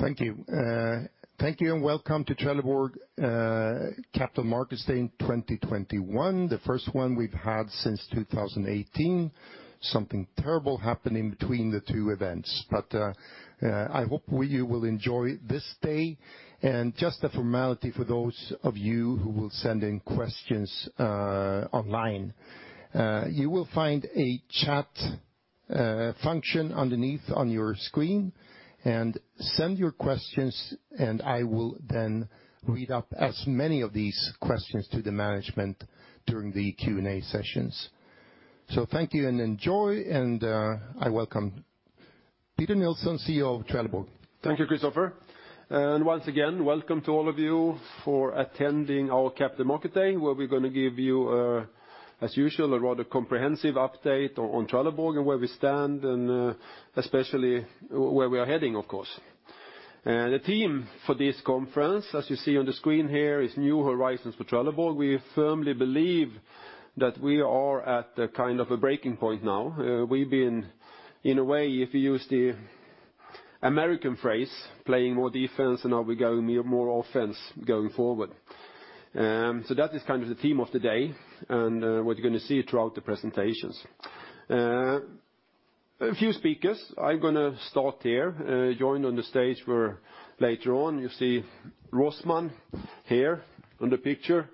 Thank you. Thank you and welcome to Trelleborg Capital Markets Day in 2021. The first one we've had since 2018. Something terrible happened in between the two events. I hope you will enjoy this day. Just a formality for those of you who will send in questions online. You will find a chat function underneath on your screen. Send your questions, and I will then read out as many of these questions to the management during the Q&A sessions. Thank you and enjoy, and I welcome Peter Nilsson, CEO of Trelleborg. Thank you, Christofer. Once again, welcome to all of you for attending our Capital Markets Day, where we're gonna give you, as usual, a rather comprehensive update on Trelleborg and where we stand and, especially where we are heading, of course. The theme for this conference, as you see on the screen here, is New Horizons for Trelleborg. We firmly believe that we are at a kind of a breaking point now. We've been, in a way, if you use the American phrase, playing more defense than now we're going more offense going forward. That is kind of the theme of the day and, what you're gonna see throughout the presentations. A few speakers. I'm gonna start here, joined on the stage for later on. You see Rosman here on the picture.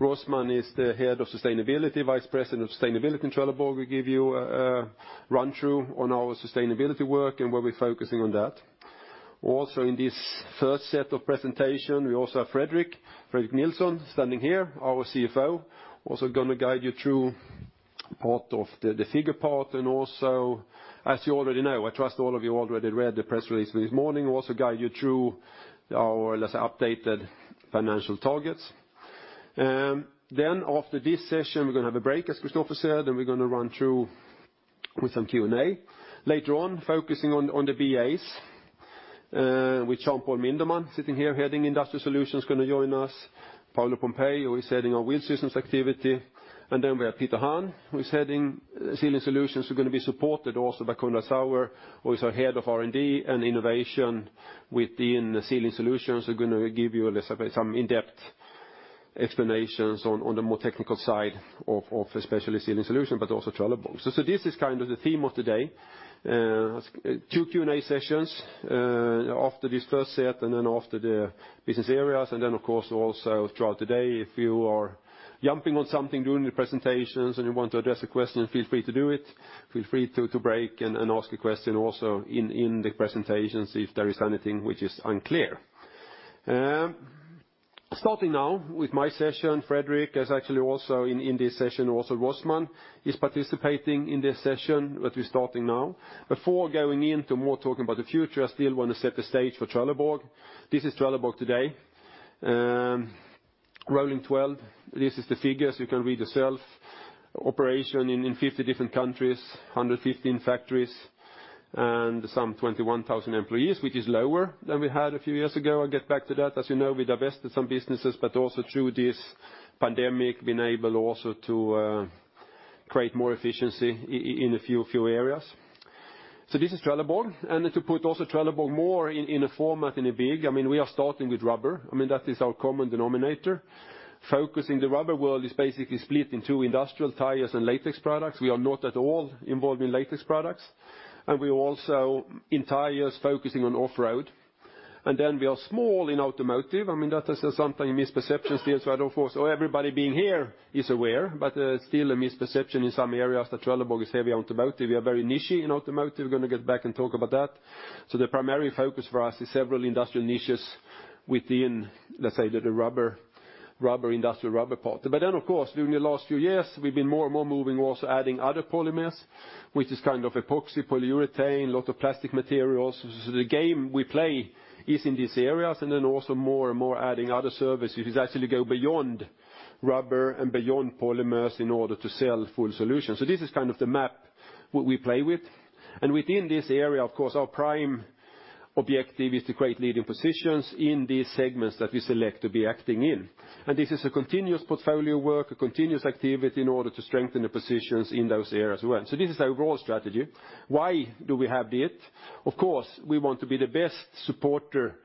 Rosman is the Head of sustainability, Vice President of Sustainability in Trelleborg, will give you a run-through on our sustainability work and where we're focusing on that. Also, in this first set of presentation, we also have Fredrik Nilsson standing here, our CFO, also gonna guide you through part of the figure part and also, as you already know, I trust all of you already read the press release this morning, we'll also guide you through our, let's say, updated financial targets. Then after this session, we're gonna have a break, as Christofer said, and we're gonna run through with some Q&A. Later on, focusing on the BAs, with Jean-Paul Mindermann, sitting here, heading Industrial Solutions, gonna join us. Paolo Pompei, who is heading our Wheel Systems activity. Then we have Peter Hahn, who is heading Sealing Solutions. We're gonna be supported also by Konrad Saur, who is our Head of R&D and Innovation within Sealing Solutions. We're gonna give you, let's say, some in-depth explanations on the more technical side of especially Sealing Solutions, but also Trelleborg. This is kind of the theme of today. Two Q&A sessions after this first set and then after the business areas. Then, of course, also throughout the day, if you are jumping on something during the presentations and you want to address a question, feel free to do it. Feel free to break and ask a question also in the presentations if there is anything which is unclear. Starting now with my session. Fredrik is actually also in this session, also Rosman is participating in this session that we're starting now. Before going into more talking about the future, I still wanna set the stage for Trelleborg. This is Trelleborg today. Rolling 12, this is the figures you can read yourself. Operation in 50 different countries, 115 factories, and some 21,000 employees, which is lower than we had a few years ago. I'll get back to that. As you know, we divested some businesses, but also through this pandemic, been able also to create more efficiency in a few areas. This is Trelleborg. To put also Trelleborg more in a format, in a big, I mean, we are starting with rubber. I mean, that is our common denominator. Focusing the rubber world is basically split in two, industrial tires, and latex products. We are not at all involved in latex products. We are also, in tires, focusing on off-road. We are small in automotive. I mean, that is something a misperception still. Everybody being here is aware, but still a misperception in some areas that Trelleborg is heavy automotive. We are very niche-y in automotive. We're gonna get back and talk about that. The primary focus for us is several industrial niches within, let's say, the rubber, industrial rubber part. Of course, during the last few years, we've been more and more moving, also adding other polymers, which is kind of epoxy, polyurethane, lot of plastic materials. The game we play is in these areas, and then also more and more adding other services. Actually going beyond rubber and beyond polymers in order to sell full solutions. This is kind of the map what we play with. Within this area, of course, our prime objective is to create leading positions in these segments that we select to be acting in. This is a continuous portfolio work, a continuous activity in order to strengthen the positions in those areas well. This is our core strategy. Why do we have it? Of course, we want to be the best supporter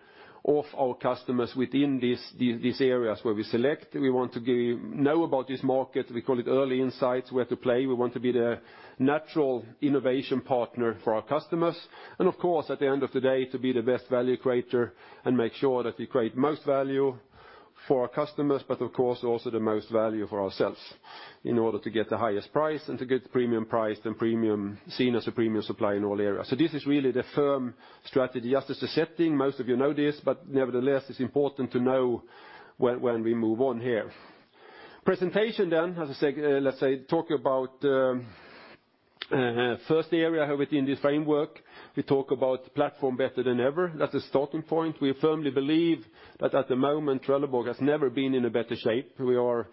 of our customers within these areas where we select. We want to know about this market. We call it early insights, where to play. We want to be the natural innovation partner for our customers. Of course, at the end of the day, to be the best value creator and make sure that we create most value for our customers, but of course, also the most value for ourselves in order to get the highest price and to get premium price and seen as a premium supplier in all areas. This is really the firm strategy. Just as a setting, most of you know this, but nevertheless, it's important to know when we move on here. Presentation then, as I said, let's say, talk about first area within this framework. We talk about platform better than ever. That's a starting point. We firmly believe that at the moment, Trelleborg has never been in a better shape. We are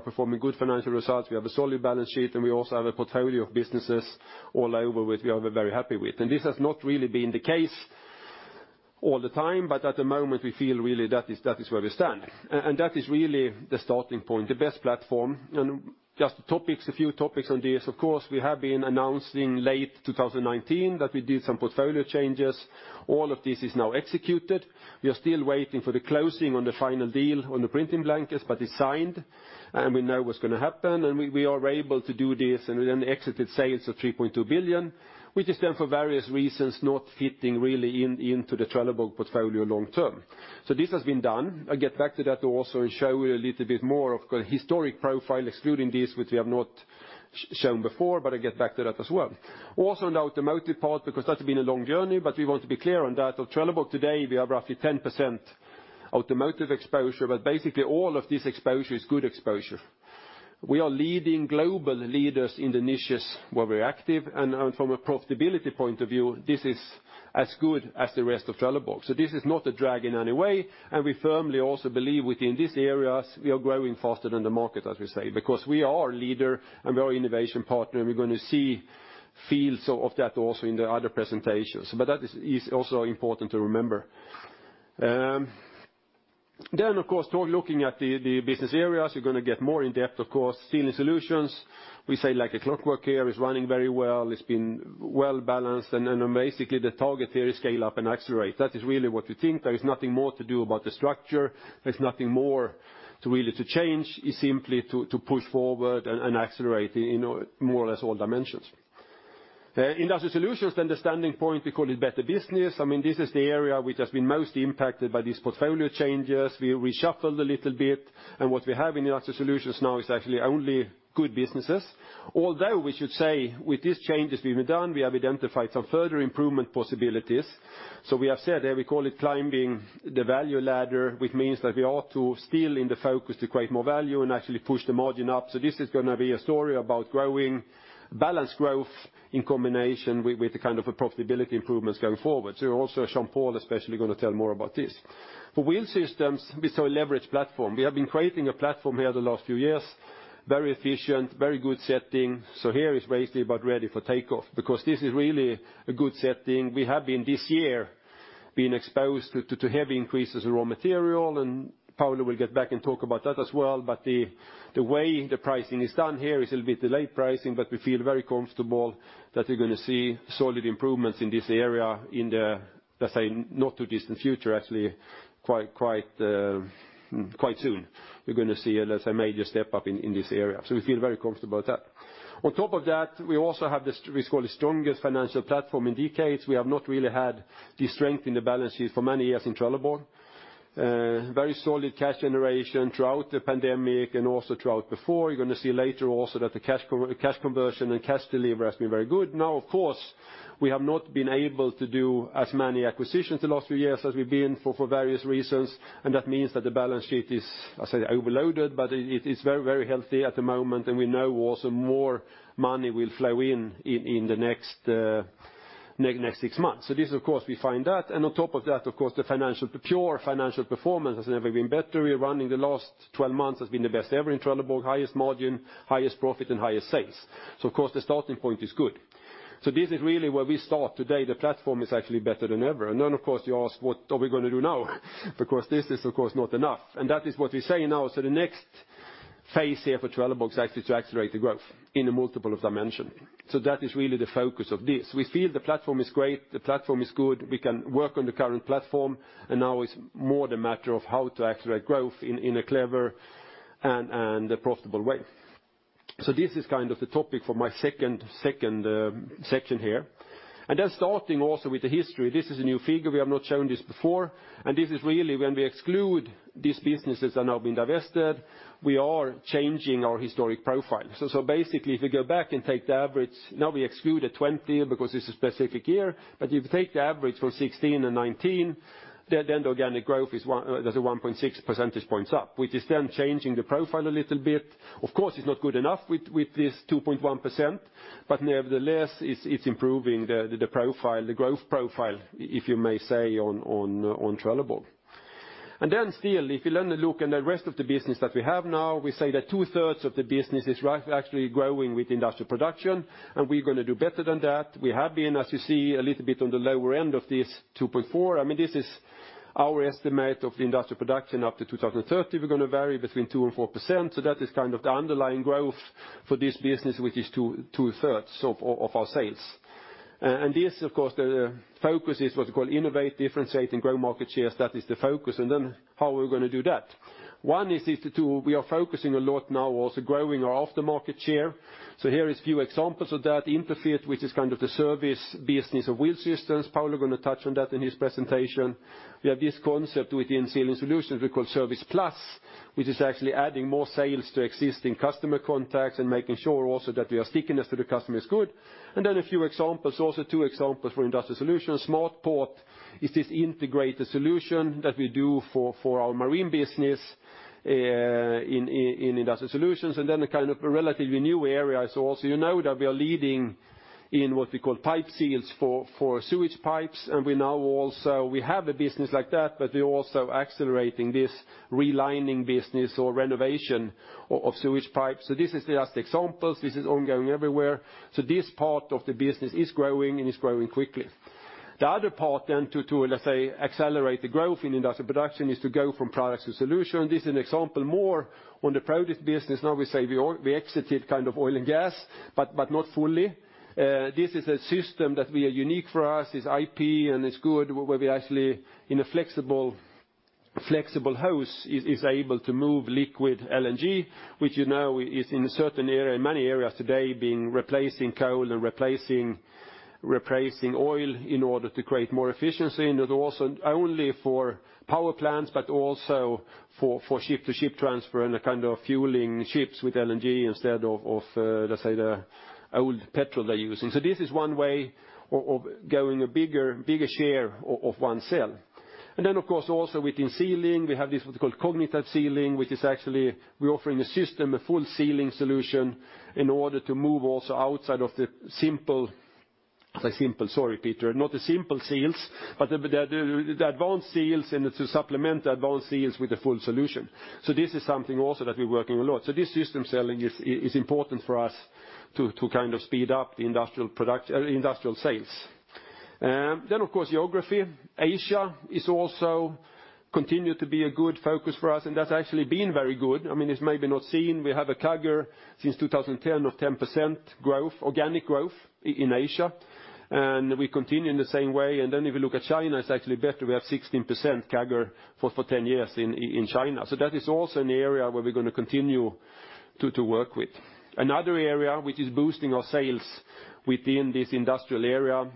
performing good financial results. We have a solid balance sheet, and we also have a portfolio of businesses all over which we are very happy with. This has not really been the case all the time, but at the moment, we feel really that is where we stand. That is really the starting point, the best platform. Just topics, a few topics on this. Of course, we have been announcing late 2019 that we did some portfolio changes. All of this is now executed. We are still waiting for the closing on the final deal on the printing blankets, but it's signed, and we know what's gonna happen. We are able to do this, and we then exited sales of 3.2 billion, which is then for various reasons not fitting really in, into the Trelleborg portfolio long term. This has been done. I'll get back to that to also show you a little bit more of kind of historic profile, excluding this, which we have not shown before, but I'll get back to that as well. Also now the automotive part because that's been a long journey, but we want to be clear on that. On Trelleborg today, we have roughly 10% automotive exposure, but basically all of this exposure is good exposure. We are leading global leaders in the niches where we're active. From a profitability point of view, this is as good as the rest of Trelleborg. This is not a drag in any way. We firmly also believe within these areas we are growing faster than the market, as we say, because we are a leader and we are innovation partner, and we're gonna see fields of that also in the other presentations. That is also important to remember. Of course looking at the business areas, you're gonna get more in-depth, of course. Sealing Solutions, we say like clockwork here. It's running very well. It's been well-balanced, and basically the target here is to scale up and accelerate. That is really what we think. There is nothing more to do about the structure. There's nothing more to really change. It's simply to push forward and accelerate in more or less all dimensions. Industrial Solutions, understanding point, we call it better business. I mean, this is the area which has been most impacted by these portfolio changes. We reshuffled a little bit, and what we have in Industrial Solutions now are actually only good businesses. Although we should say with these changes we have done, we have identified some further improvement possibilities. We have said we call it climbing the value ladder, which means that we ought to still in the focus to create more value and actually push the margin up. This is gonna be a story about growing, balanced growth in combination with the kind of profitability improvements going forward. Also Jean-Paul especially is gonna tell more about this. For Wheel Systems, we saw a leverage platform. We have been creating a platform here the last few years. Very efficient, very good setting. Here is basically about ready for takeoff because this is really a good setting. We have, this year, been exposed to heavy increases in raw material, and Paolo will get back and talk about that as well. The way the pricing is done here is a little bit delayed pricing, but we feel very comfortable that we're gonna see solid improvements in this area in the, let's say, not too distant future, actually quite soon. We're gonna see it as a major step-up in this area. We feel very comfortable with that. On top of that, we also have this, we call the strongest financial platform in decades. We have not really had the strength in the balance sheet for many years in Trelleborg. Very solid cash generation throughout the pandemic and also throughout before. You're gonna see later also that the cash conversion and cash delivery has been very good. Now, of course, we have not been able to do as many acquisitions the last few years as we've been for various reasons, and that means that the balance sheet is, I say, overloaded, but it's very, very healthy at the moment and we know also more money will flow in in the next six months. This of course we find that. On top of that, of course, the pure financial performance has never been better. We're running the last 12 months has been the best ever in Trelleborg, highest margin, highest profit and highest sales. Of course the starting point is good. This is really where we start today. The platform is actually better than ever. Then of course you ask what are we gonna do now? Because this is of course not enough. That is what we say now. The next phase here for Trelleborg is actually to accelerate the growth in multiple dimensions. That is really the focus of this. We feel the platform is great, the platform is good. We can work on the current platform and now it's more the matter of how to accelerate growth in a clever and profitable way. This is kind of the topic for my second section here. Then starting also with the history, this is a new figure. We have not shown this before. This is really when we exclude these businesses that are now being divested, we are changing our historic profile. Basically if we go back and take the average, now we exclude the 20 because it's a specific year, but if you take the average from 2016 and 2019, then the organic growth is 1.6 percentage points up, which is then changing the profile a little bit. Of course, it's not good enough with this 2.1%, but nevertheless it's improving the profile, the growth profile, if you may say on Trelleborg. Then still, if you then look in the rest of the business that we have now, we say that 2/3 of the business is actually growing with industrial production and we're gonna do better than that. We have been, as you see, a little bit on the lower end of this 2.4%. I mean, this is our estimate of the industrial production up to 2030. We're gonna vary between 2% and 4%. That is kind of the underlying growth for this business, which is 2/3 of our sales. This of course, the focus is what we call innovate, differentiate and grow market shares. That is the focus. Then how are we gonna do that? One is to we are focusing a lot now also growing our aftermarket share. Here are a few examples of that. Interfit, which is kind of the service business of Wheel Systems. Paolo gonna touch on that in his presentation. We have this concept within Sealing Solutions we call ServicePLUS, which is actually adding more sales to existing customer contacts and making sure also that our stickiness to the customer is good. A few examples, also two examples for Industrial Solutions. SmartPort is this integrated solution that we do for our marine business in Industrial Solutions. A kind of a relatively new area. Also you know that we are leading in what we call pipe seals for sewage pipes. We now also have a business like that, but we're also accelerating this relining business or renovation of sewage pipes. This is just examples. This is ongoing everywhere. This part of the business is growing quickly. The other part then to let's say accelerate the growth in Industrial production is to go from products to solution. This is an example more on the product business. Now we say we exited kind of oil and gas, but not fully. This is a system that we are unique to us. It's IP, and it's good, where we actually in a flexible hose is able to move liquid LNG, which you know is in a certain area, in many areas today being replacing coal and oil in order to create more efficiency. Not only for power plants, but also for ship-to-ship transfer and a kind of fueling ships with LNG instead of the old petrol they're using. This is one way of gaining a bigger share of our sales. Of course also within Sealing, we have this what we call Cognitive Sealing, which is actually we're offering a system, a full sealing solution in order to move also outside of the simple. I say simple, sorry Peter, not the simple seals, but the advanced seals and to supplement the advanced seals with a full solution. This is something also that we're working a lot. This system selling is important for us to kind of speed up the industrial sales. Then of course, geography. Asia is also continued to be a good focus for us, and that's actually been very good. I mean, it's maybe not seen. We have a CAGR since 2010 of 10% growth, organic growth in Asia, and we continue in the same way. Then if you look at China, it's actually better. We have 16% CAGR for 10 years in China. That is also an area where we're gonna continue to work with. Another area which is boosting our sales within this industrial area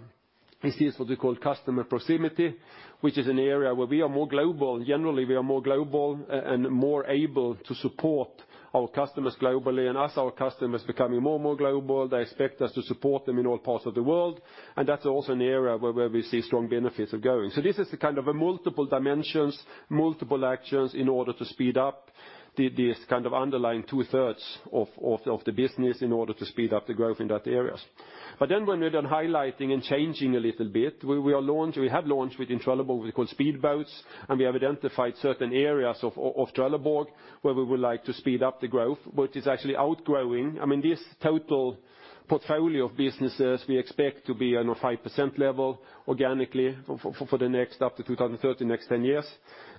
is this what we call customer proximity, which is an area where we are more global. Generally, we are more global and more able to support our customers globally. As our customers becoming more and more global, they expect us to support them in all parts of the world, and that's also an area where we see strong benefits of going. This is a kind of a multiple dimensions, multiple actions in order to speed up this kind of underlying 2/3 of the business in order to speed up the growth in that areas. When we're done highlighting and changing a little bit, we have launched within Trelleborg what we call speedboats, and we have identified certain areas of Trelleborg where we would like to speed up the growth, but it's actually outgrowing. I mean, this total portfolio of businesses, we expect to be on a 5% level organically for the next up to 2030, next 10 years.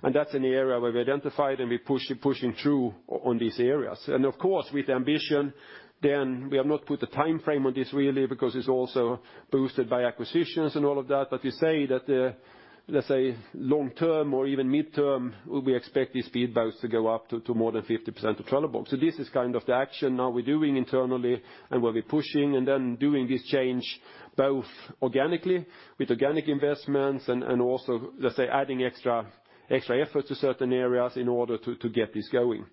That's an area where we identified and we're pushing through on these areas. Of course, with ambition, we have not put a timeframe on this really because it's also boosted by acquisitions and all of that. We say that, let's say long term or even mid-term, we expect these speedboats to go up to more than 50% of Trelleborg. This is kind of the action now we're doing internally and where we're pushing and then doing this change both organically with organic investments and also, let's say, adding extra effort to certain areas in order to get this going.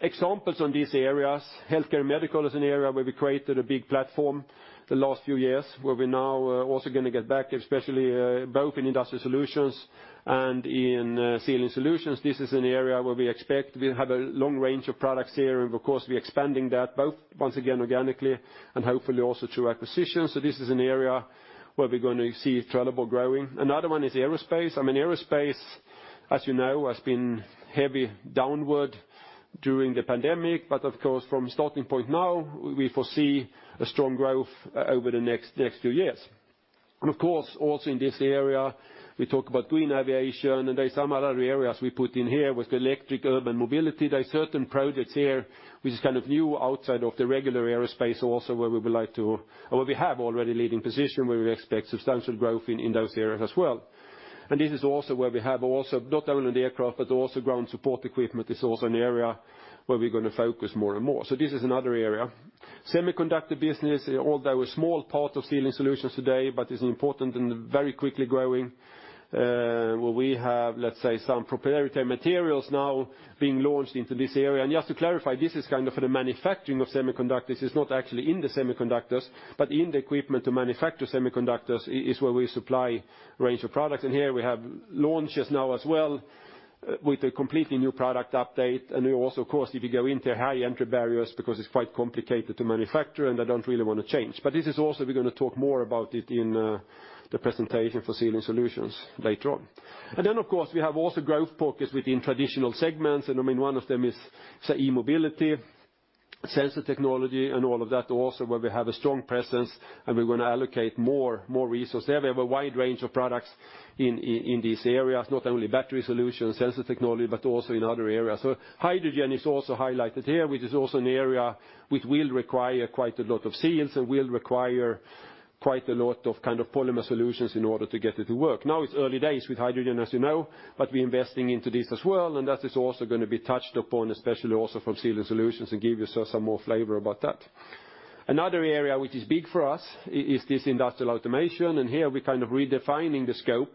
Examples on these areas, healthcare and medical is an area where we created a big platform the last few years, where we're now also gonna get back, especially both in Industrial Solutions and in Sealing Solutions. This is an area where we expect we'll have a long range of products here, and of course, we're expanding that both, once again, organically and hopefully also through acquisitions. This is an area where we're gonna see Trelleborg growing. Another one is aerospace. I mean, aerospace, as you know, has been heavy downward during the pandemic, but of course, from starting point now, we foresee a strong growth over the next few years. Of course, also in this area, we talk about green aviation and there's some other areas we put in here with the electric urban mobility. There are certain projects here which is kind of new outside of the regular aerospace also where we have already leading position, where we expect substantial growth in those areas as well. This is also where we have also not only the aircraft but also ground support equipment is also an area where we're gonna focus more and more. This is another area. Semiconductor business, although a small part of Sealing Solutions today but is important and very quickly growing, where we have, let's say, some proprietary materials now being launched into this area. Just to clarify, this is kind of for the manufacturing of semiconductors. It's not actually in the semiconductors, but in the equipment to manufacture semiconductors is where we supply a range of products. Here we have launches now as well with a completely new product update. We also, of course, if you go into high-entry barriers because it's quite complicated to manufacture and they don't really want to change. This is also, we're gonna talk more about it in the presentation for Sealing Solutions later on. Of course, we have also growth pockets within traditional segments. I mean, one of them is, say, e-mobility, sensor technology, and all of that also where we have a strong presence and we're gonna allocate more resource there. We have a wide range of products in these areas, not only battery solutions, sensor technology, but also in other areas. Hydrogen is also highlighted here, which is also an area which will require quite a lot of seals and will require quite a lot of kind of polymer solutions in order to get it to work. Now it's early days with hydrogen, as you know, but we're investing into this as well, and that is also gonna be touched upon, especially also from Sealing Solutions, and give you some more flavor about that. Another area which is big for us is this industrial automation, and here we're kind of redefining the scope.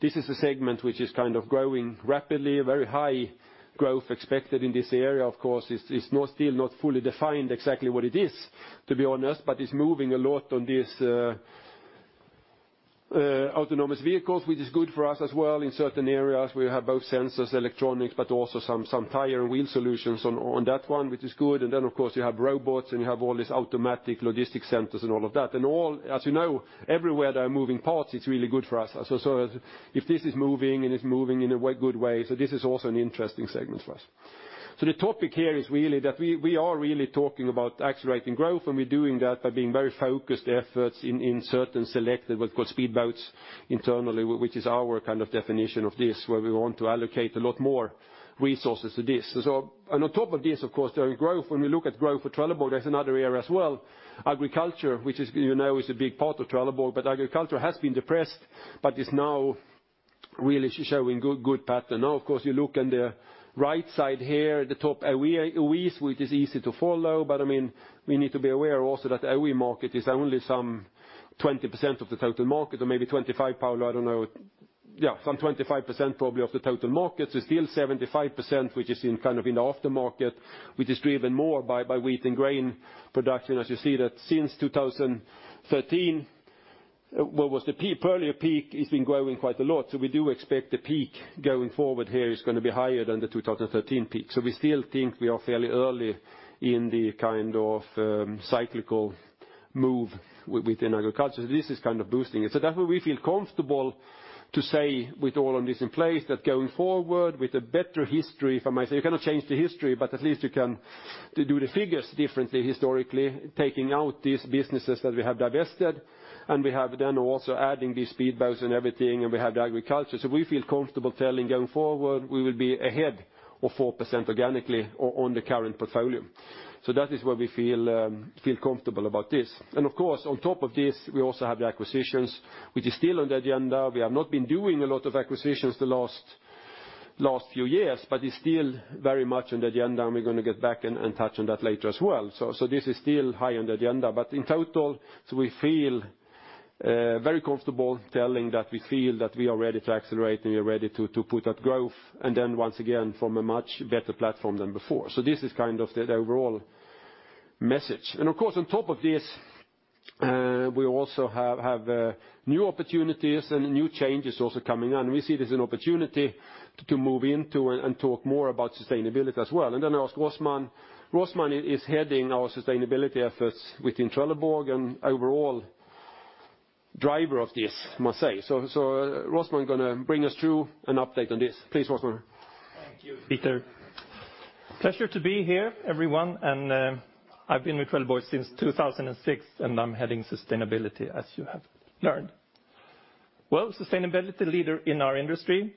This is a segment which is kind of growing rapidly. Very high growth expected in this area. Of course, it's not still not fully defined exactly what it is, to be honest, but it's moving a lot on these autonomous vehicles, which is good for us as well. In certain areas, we have both sensors, electronics, but also some tire and wheel solutions on that one, which is good. Of course, you have robots, and you have all these automatic logistics centers and all of that. All, as you know, everywhere there are moving parts, it's really good for us. If this is moving and it's moving in a good way, this is also an interesting segment for us. The topic here is really that we are really talking about accelerating growth, and we're doing that by paying very focused efforts in certain selected, what we call speedboats internally, which is our kind of definition of this, where we want to allocate a lot more resources to this. On top of this, of course, during growth, when we look at growth for Trelleborg, there's another area as well, agriculture, which you know is a big part of Trelleborg, but agriculture has been depressed but is now really showing good pattern. Now, of course, you look on the right side here, the top OEM, OEMs, which is easy to follow. I mean, we need to be aware also that OEM market is only some 20% of the total market or maybe 25%, Paolo, I don't know. Yeah, some 25% probably of the total market. There's still 75%, which is in, kind of in the aftermarket, which is driven more by wheat and grain production. As you see that since 2013, what was the peak, earlier peak, it's been growing quite a lot. We do expect the peak going forward here is gonna be higher than the 2013 peak. We still think we are fairly early in the kind of cyclical move within agriculture. This is kind of boosting it. That's why we feel comfortable to say, with all of this in place, that going forward with a better history, if I may say, you cannot change the history, but at least you can do the figures differently historically, taking out these businesses that we have divested. We have then also adding these speedboats and everything, and we have the agriculture. We feel comfortable telling going forward we will be ahead of 4% organically on the current portfolio. That is where we feel comfortable about this. Of course, on top of this, we also have the acquisitions, which is still on the agenda. We have not been doing a lot of acquisitions the last few years, but it's still very much on the agenda, and we're gonna get back and touch on that later as well. This is still high on the agenda. In total we feel very comfortable telling that we feel that we are ready to accelerate and we are ready to put up growth, and then once again from a much better platform than before. This is kind of the overall message. Of course, on top of this, we also have new opportunities and new changes also coming. We see it as an opportunity to move into and talk more about sustainability as well. I ask Rosman. Rosman is heading our sustainability efforts within Trelleborg and overall driver of this, I must say. Rosman gonna bring us through an update on this. Please, Rosman. Thank you, Peter. Pleasure to be here, everyone. I've been with Trelleborg since 2006, and I'm heading sustainability, as you have learned. Sustainability leader in our industry,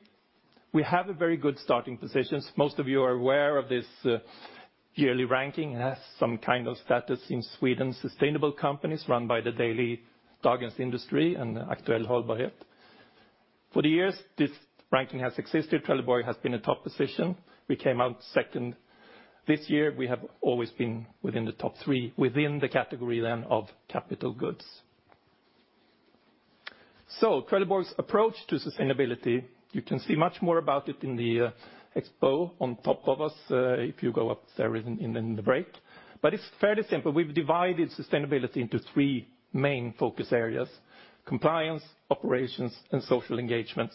we have a very good starting positions. Most of you are aware of this yearly ranking. It has some kind of status in Sweden's sustainable companies run by the daily Dagens industri and Aktuell Hållbarhet. For the years this ranking has existed, Trelleborg has been a top position. We came out second this year. We have always been within the top three within the category then of capital goods. Trelleborg's approach to sustainability, you can see much more about it in the expo on top of us, if you go upstairs in the break. It's fairly simple. We've divided sustainability into three main focus areas, compliance, operations, and social engagements.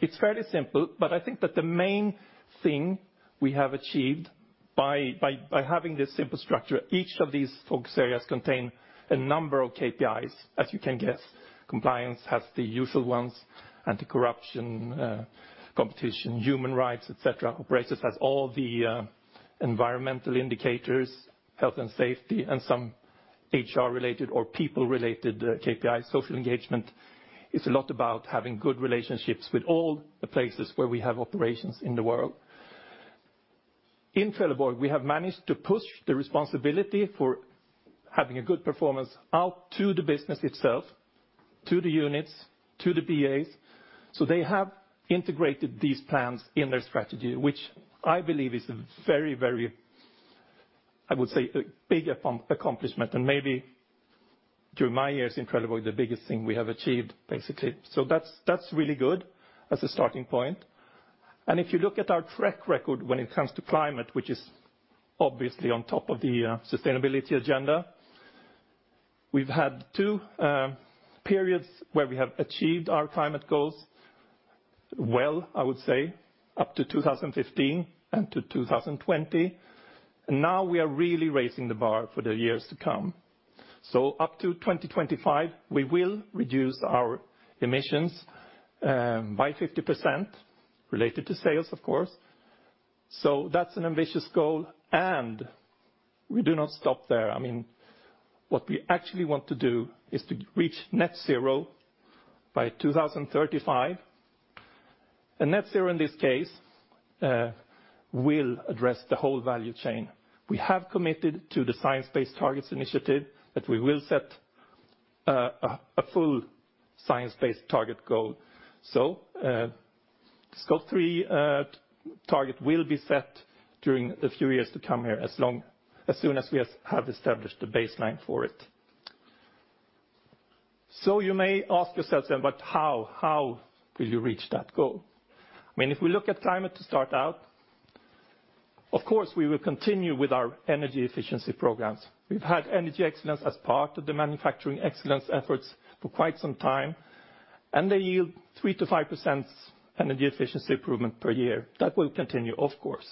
It's fairly simple, but I think that the main thing we have achieved by having this simple structure. Each of these focus areas contain a number of KPIs, as you can guess. Compliance has the usual ones, anti-corruption, competition, human rights, et cetera. Operations has all the environmental indicators, health and safety, and some HR-related or people-related KPIs. Social engagement is a lot about having good relationships with all the places where we have operations in the world. In Trelleborg, we have managed to push the responsibility for having a good performance out to the business itself, to the units, to the BAs. They have integrated these plans in their strategy, which I believe is a very, I would say a big accomplishment and maybe during my years in Trelleborg, the biggest thing we have achieved, basically. That's really good as a starting point. If you look at our track record when it comes to climate, which is obviously on top of the sustainability agenda, we've had two periods where we have achieved our climate goals, well, I would say, up to 2015 and to 2020. Now we are really raising the bar for the years to come. Up to 2025, we will reduce our emissions by 50% related to sales, of course. That's an ambitious goal, and we do not stop there. I mean, what we actually want to do is to reach net zero by 2035. Net zero in this case will address the whole value chain. We have committed to the Science Based Targets initiative that we will set a full science-based target goal. Scope 3 target will be set during the few years to come here as soon as we have established the baseline for it. You may ask yourself then, but how? How will you reach that goal? I mean, if we look at climate to start out, of course, we will continue with our energy efficiency programs. We've had Energy Excellence as part of the Manufacturing Excellence efforts for quite some time, and they yield 3%-5% energy efficiency improvement per year. That will continue, of course.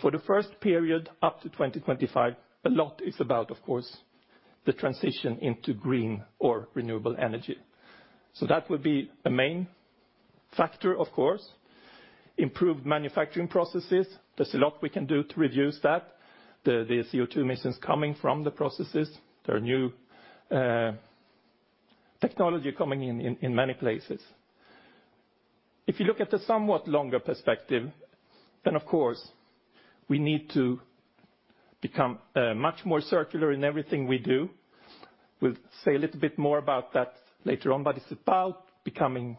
For the first period up to 2025, a lot is about, of course, the transition into green or renewable energy. That would be a main factor, of course. Improved manufacturing processes. There's a lot we can do to reduce that, the CO2 emissions coming from the processes. There are new technology coming in many places. If you look at the somewhat longer perspective, then of course we need to become much more circular in everything we do. We'll say a little bit more about that later on, but it's about becoming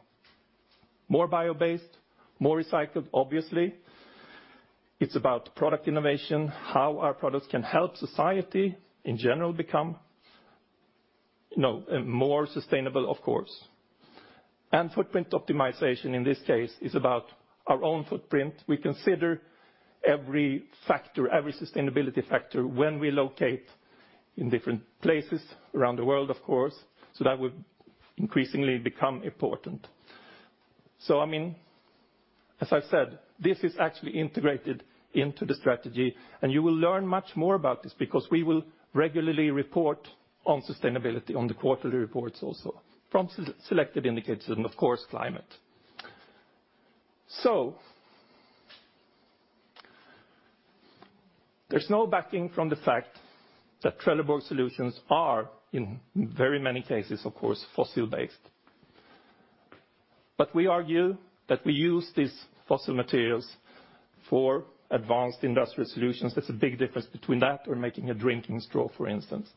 more bio-based, more recycled, obviously. It's about product innovation, how our products can help society in general become, you know, more sustainable, of course. Footprint optimization in this case is about our own footprint. We consider every factor, every sustainability factor when we locate in different places around the world, of course, so that would increasingly become important. I mean, as I've said, this is actually integrated into the strategy, and you will learn much more about this because we will regularly report on sustainability, on the quarterly reports also from selected indicators, and of course, climate. There's no backing away from the fact that Trelleborg solutions are, in very many cases, of course, fossil-based. We argue that we use these fossil materials for advanced industrial solutions. There's a big difference between that and making a drinking straw, for instance.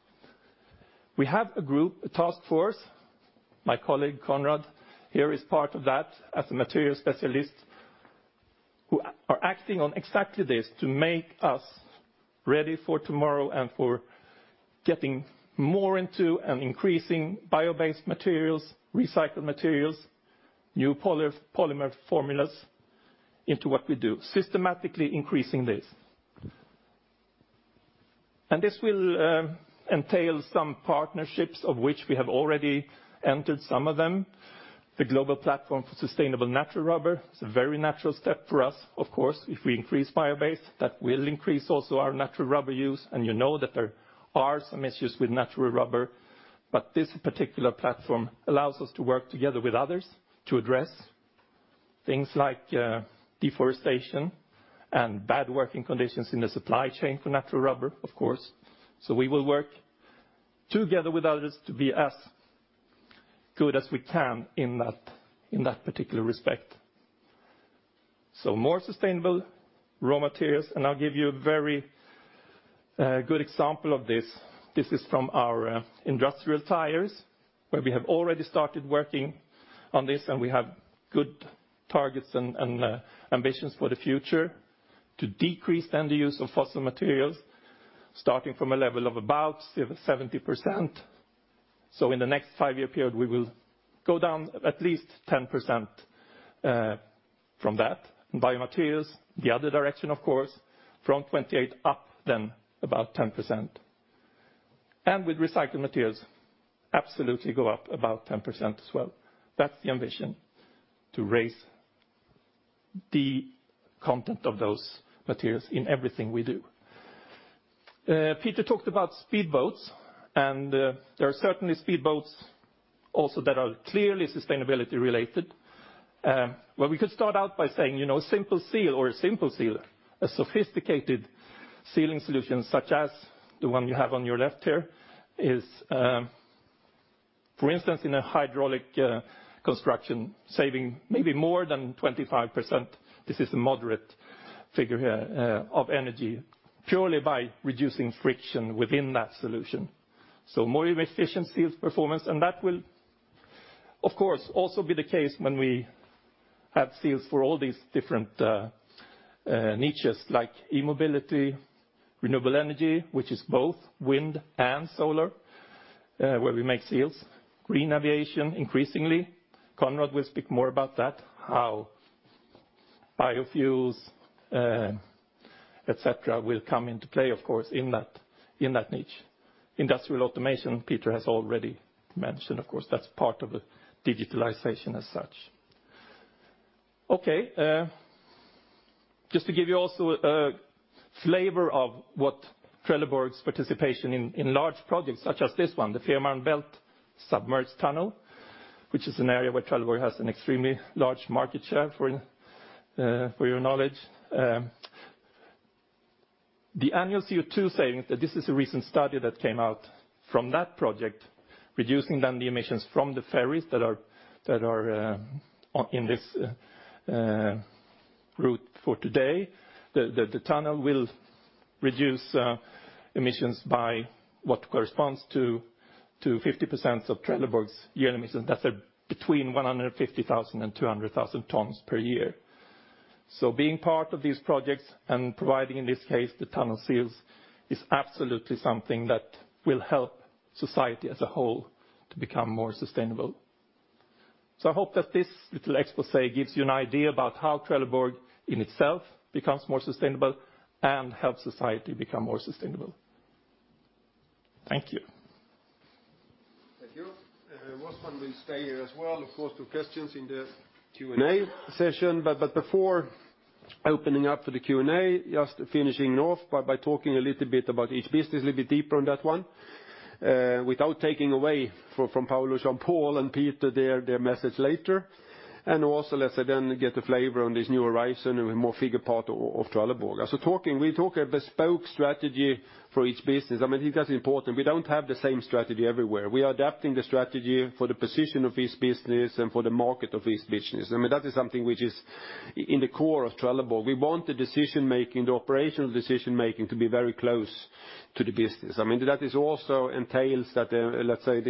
We have a group, a task force, my colleague, Konrad, here is part of that as a material specialist who are acting on exactly this to make us ready for tomorrow and for getting more into and increasing bio-based materials, recycled materials, new polymer formulas into what we do, systematically increasing this. This will entail some partnerships of which we have already entered some of them. The Global Platform for Sustainable Natural Rubber is a very natural step for us, of course. If we increase bio-based, that will increase also our natural rubber use, and you know that there are some issues with natural rubber. But this particular platform allows us to work together with others to address things like, deforestation and bad working conditions in the supply chain for natural rubber, of course. We will work together with others to be as good as we can in that particular respect. More sustainable raw materials, and I'll give you a very good example of this. This is from our industrial tires, where we have already started working on this, and we have good targets and ambitions for the future to decrease then the use of fossil materials, starting from a level of about 70%. In the next five-year period, we will go down at least 10% from that. Biomaterials, the other direction, of course, from 28% up then about 10%. With recycled materials, absolutely go up about 10% as well. That's the ambition, to raise the content of those materials in everything we do. Peter talked about speedboats, and there are certainly speedboats also that are clearly sustainability-related. Well, we could start out by saying, you know, simple seal or a simple sealer, a sophisticated sealing solution such as the one you have on your left here is, for instance, in a hydraulic construction, saving maybe more than 25%, this is a moderate figure here, of energy, purely by reducing friction within that solution. More efficient seals performance, and that will, of course, also be the case when we have seals for all these different niches like e-mobility, renewable energy, which is both wind and solar, where we make seals. Green aviation, increasingly. Konrad will speak more about that, how biofuels, et cetera, will come into play, of course, in that niche. Industrial automation, Peter has already mentioned, of course, that's part of the digitalization as such. Okay. Just to give you also a flavor of what Trelleborg's participation in large projects, such as this one, the Fehmarnbelt submerged tunnel, which is an area where Trelleborg has an extremely large market share, for your knowledge. The annual CO2 savings, this is a recent study that came out from that project, reducing then the emissions from the ferries that are on in this route for today, the tunnel will reduce emissions by what corresponds to 50% of Trelleborg's year emissions. That's between 150,000 tons and 200,000 tons per year. Being part of these projects and providing, in this case, the tunnel seals, is absolutely something that will help society as a whole to become more sustainable. I hope that this little exposé gives you an idea about how Trelleborg in itself becomes more sustainable and helps society become more sustainable. Thank you. Thank you. Rosman will stay here as well, of course, for questions in the Q&A session. Before opening up for the Q&A, just finishing off by talking a little bit about each business, a little bit deeper on that one. Without taking away from Paolo, Jean-Paul, and Peter their message later. Also, let's say then get a flavor on this new horizon and more figurative part of Trelleborg. We talk a bespoke strategy for each business. I mean, I think that's important. We don't have the same strategy everywhere. We are adapting the strategy for the position of each business and for the market of each business. I mean, that is something which is in the core of Trelleborg. We want the decision-making, the operational decision-making to be very close to the business. I mean, that is also entails that, let's say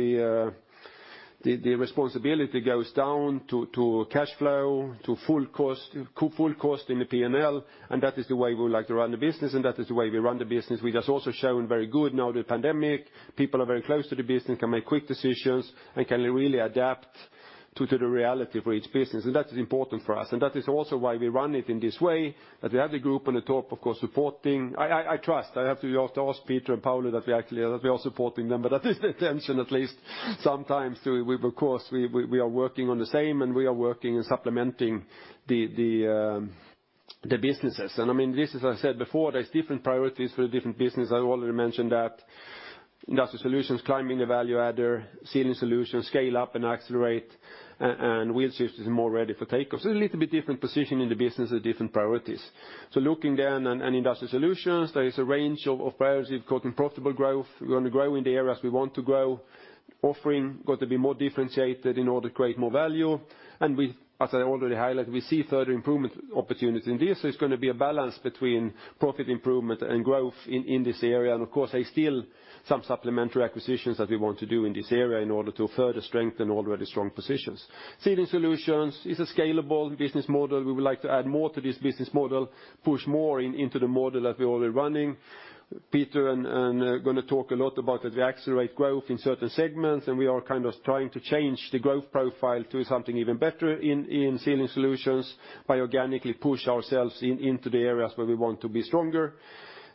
the responsibility goes down to cash flow, to full cost, full cost in the P&L, and that is the way we would like to run the business, and that is the way we run the business. We just also shown very good in the pandemic, people are very close to the business, can make quick decisions, and can really adapt to the reality for each business. That is important for us, and that is also why we run it in this way, that we have the group on the top, of course, supporting. I trust, I have to also ask Peter and Paolo that we actually are supporting them. That is the intention at least sometimes too. We of course are working on the same, and we are working and supplementing the businesses. I mean, this as I said before, there's different priorities for the different business. I already mentioned that Industrial Solutions climbing the value ladder, Sealing Solutions scale up and accelerate, and Wheel Systems is more ready for takeoff. A little bit different position in the business and different priorities. Looking then in Industrial Solutions, there is a range of priorities, including profitable growth. We're gonna grow in the areas we want to grow. Our offering's got to be more differentiated in order to create more value. And we, as I already highlighted, we see further improvement opportunities in this. There's gonna be a balance between profit improvement and growth in this area. Of course, there's still some supplementary acquisitions that we want to do in this area in order to further strengthen already strong positions. Sealing Solutions is a scalable business model. We would like to add more to this business model, push more into the model that we're already running. Peter and gonna talk a lot about that we accelerate growth in certain segments, and we are kind of trying to change the growth profile to something even better in Sealing Solutions by organically push ourselves into the areas where we want to be stronger.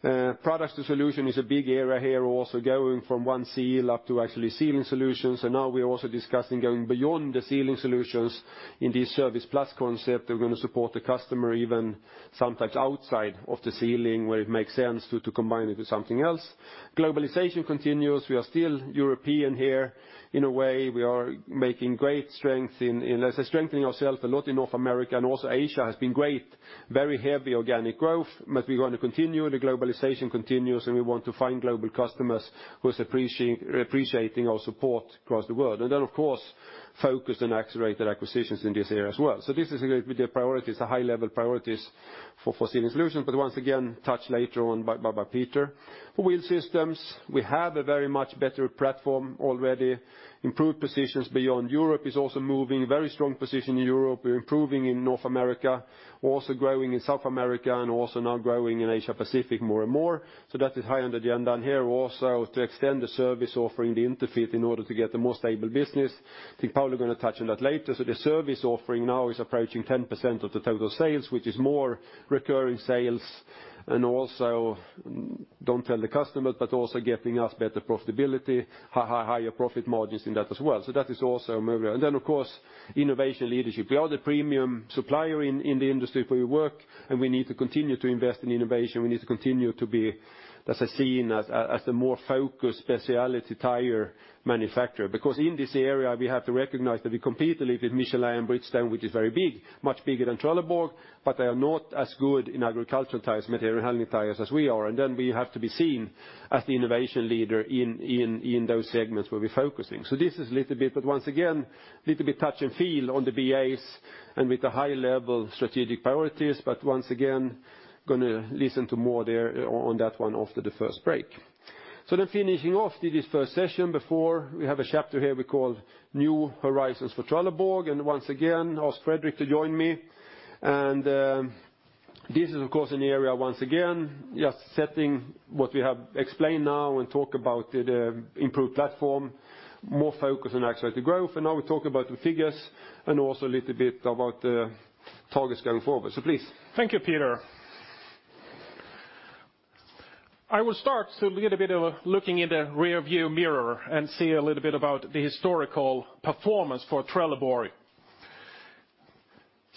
Products to solutions is a big area here also going from one seal up to actually Sealing Solutions. Now we're also discussing going beyond the Sealing Solutions in this ServicePLUS concept. We're gonna support the customer even sometimes outside of the sealing where it makes sense to combine it with something else. Globalization continues. We are still European here in a way. We are making great strength in, let's say strengthening ourselves a lot in North America and also Asia has been great. Very heavy organic growth, but we're gonna continue. The globalization continues, and we want to find global customers who is appreciating our support across the world. Of course, focus on accelerated acquisitions in this area as well. This is a bit of priorities, high-level priorities for Sealing Solutions, but once again, touched later on by Peter. For Wheel Systems, we have a very much better platform already. Improved positions beyond Europe is also moving. Very strong position in Europe. We're improving in North America. We're also growing in South America and also now growing in Asia-Pacific more and more. That is high on the agenda here also to extend the service offering, the interface, in order to get a more stable business. I think Paolo's gonna touch on that later. The service offering now is approaching 10% of the total sales, which is more recurring sales and also, don't tell the customers, but also getting us better profitability, higher profit margins in that as well. That is also a mover. Of course, innovation leadership. We are the premium supplier in the industry where we work, and we need to continue to invest in innovation. We need to continue to be, as I seen, as a more focused specialty tire manufacturer. Because in this area, we have to recognize that we compete a lot with Michelin and Bridgestone, which is very big, much bigger than Trelleborg, but they are not as good in agricultural tires, material handling tires as we are. We have to be seen as the innovation leader in those segments where we're focusing. This is little bit, but once again, little bit touch and feel on the BAs and with the high-level strategic priorities. Once again, gonna listen to more there on that one after the first break. Finishing off this first session before we have a chapter here we call New Horizons for Trelleborg. Once again, ask Fredrik to join me. This is of course an area once again, just setting what we have explained now and talk about the improved platform, more focus on accelerated growth. We talk about the figures and also a little bit about the targets going forward. Please. Thank you, Peter. I will start to get a bit of looking in the rearview mirror and see a little bit about the historical performance for Trelleborg.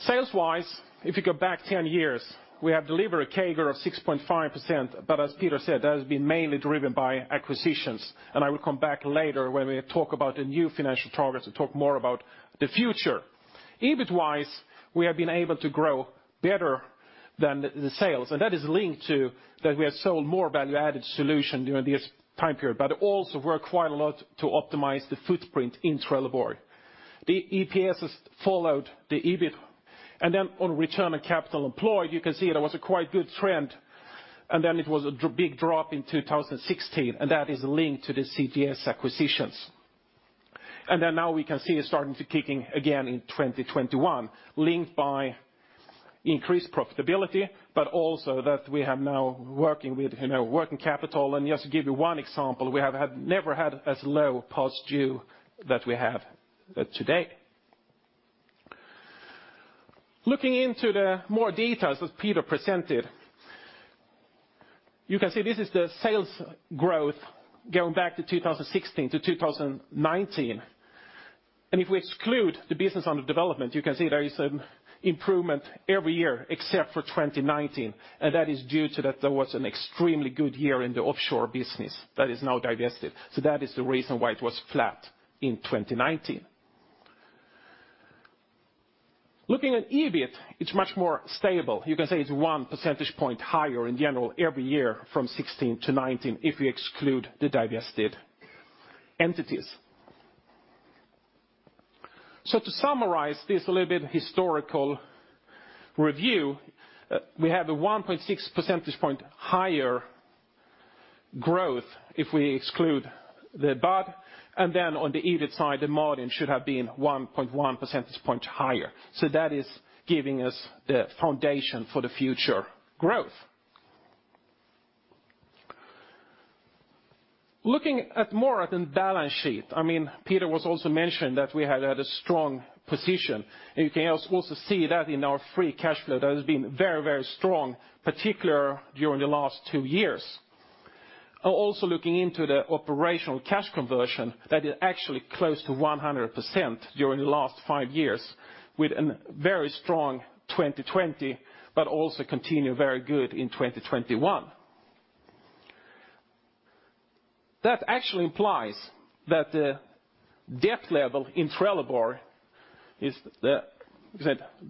Sales-wise, if you go back 10 years, we have delivered a CAGR of 6.5%, but as Peter said, that has been mainly driven by acquisitions. I will come back later when we talk about the new financial targets and talk more about the future. EBIT-wise, we have been able to grow better than the sales, and that is linked to that we have sold more value-added solution during this time period, but also work quite a lot to optimize the footprint in Trelleborg. The EPS followed the EBIT. On ROCE, you can see there was a quite good trend, and then it was a big drop in 2016, and that is linked to the ČGS acquisitions. Now we can see it starting to kick in again in 2021, linked by increased profitability, but also that we have now working with, you know, working capital. Just to give you one example, we have never had as low past due that we have today. Looking into the more details that Peter presented, you can see this is the sales growth going back to 2016-2019. If we exclude the business under development, you can see there is an improvement every year except for 2019, and that is due to that there was an extremely good year in the offshore business that is now divested. That is the reason why it was flat in 2019. Looking at EBIT, it's much more stable. You can say it's 1 percentage point higher in general every year from 2016-2019 if we exclude the divested entities. To summarize this a little bit historical review, we have a 1.6 percentage point-higher growth if we exclude the BUD, and then on the EBIT side, the margin should have been 1.1 percentage points higher. That is giving us the foundation for the future growth. Looking more at the balance sheet, I mean, Peter also mentioned that we had a strong position, and you can also see that in our free cash flow that has been very, very strong, particularly during the last two years. Looking into the operational cash conversion, that is actually close to 100% during the last five years with a very strong 2020, but also continued very good in 2021. That actually implies that the debt level in Trelleborg is the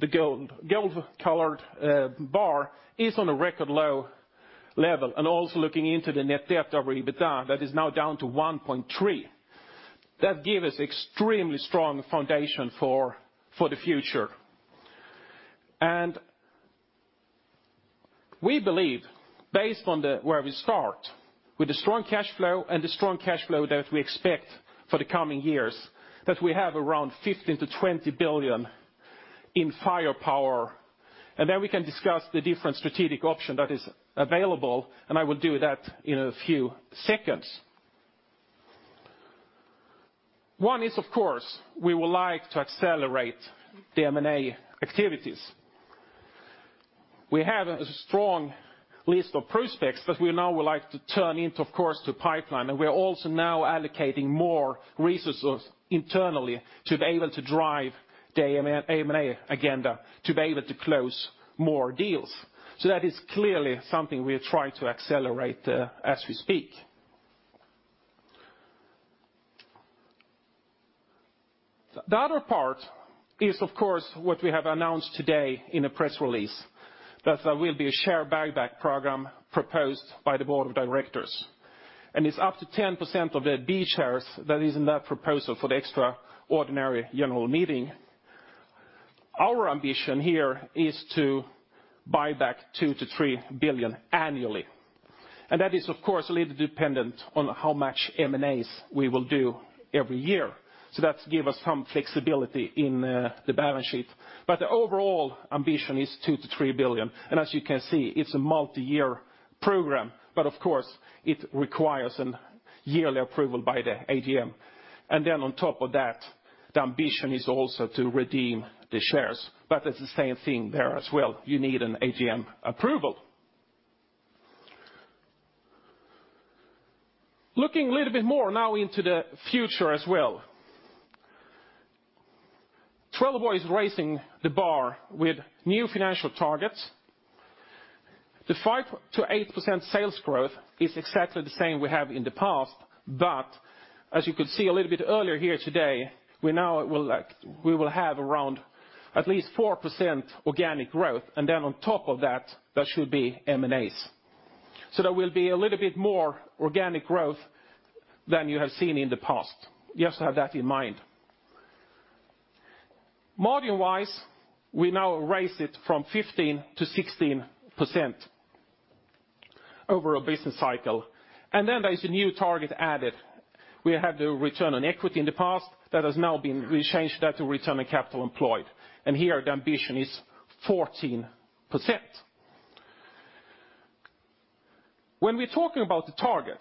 gold-colored bar is on a record low level. Looking into the net debt to EBITDA, that is now down to 1.3. That gives us extremely strong foundation for the future. We believe based on where we start, with the strong cash flow that we expect for the coming years, that we have around 15 billion-20 billion in firepower. Then we can discuss the different strategic option that is available, and I will do that in a few seconds. One is of course, we would like to accelerate the M&A activities. We have a strong list of prospects that we now would like to turn into of course a pipeline. We are also now allocating more resources internally to be able to drive the M&A agenda, to be able to close more deals. That is clearly something we are trying to accelerate as we speak. The other part is of course what we have announced today in a press release, that there will be a share buyback program proposed by the Board of Directors. It's up to 10% of the B shares that is in that proposal for the extraordinary general meeting. Our ambition here is to buy back 2 billion-3 billion annually. That is of course a little dependent on how much M&As we will do every year. That give us some flexibility in the balance sheet. The overall ambition is 2 billion-3 billion. As you can see, it's a multi-year program, but of course, it requires a yearly approval by the AGM. On top of that, the ambition is also to redeem the shares. It's the same thing there as well. You need an AGM approval. Looking a little bit more now into the future as well. Trelleborg is raising the bar with new financial targets. The 5%-8% sales growth is exactly the same we have in the past. As you could see a little bit earlier here today, we will have around at least 4% organic growth. On top of that should be M&As. There will be a little bit more organic growth than you have seen in the past. You have to have that in mind. Margin-wise, we now raise it from 15%-16% over a business cycle. There is a new target added. We had the ROE in the past. We changed that to ROCE. Here the ambition is 14%. When we're talking about the target,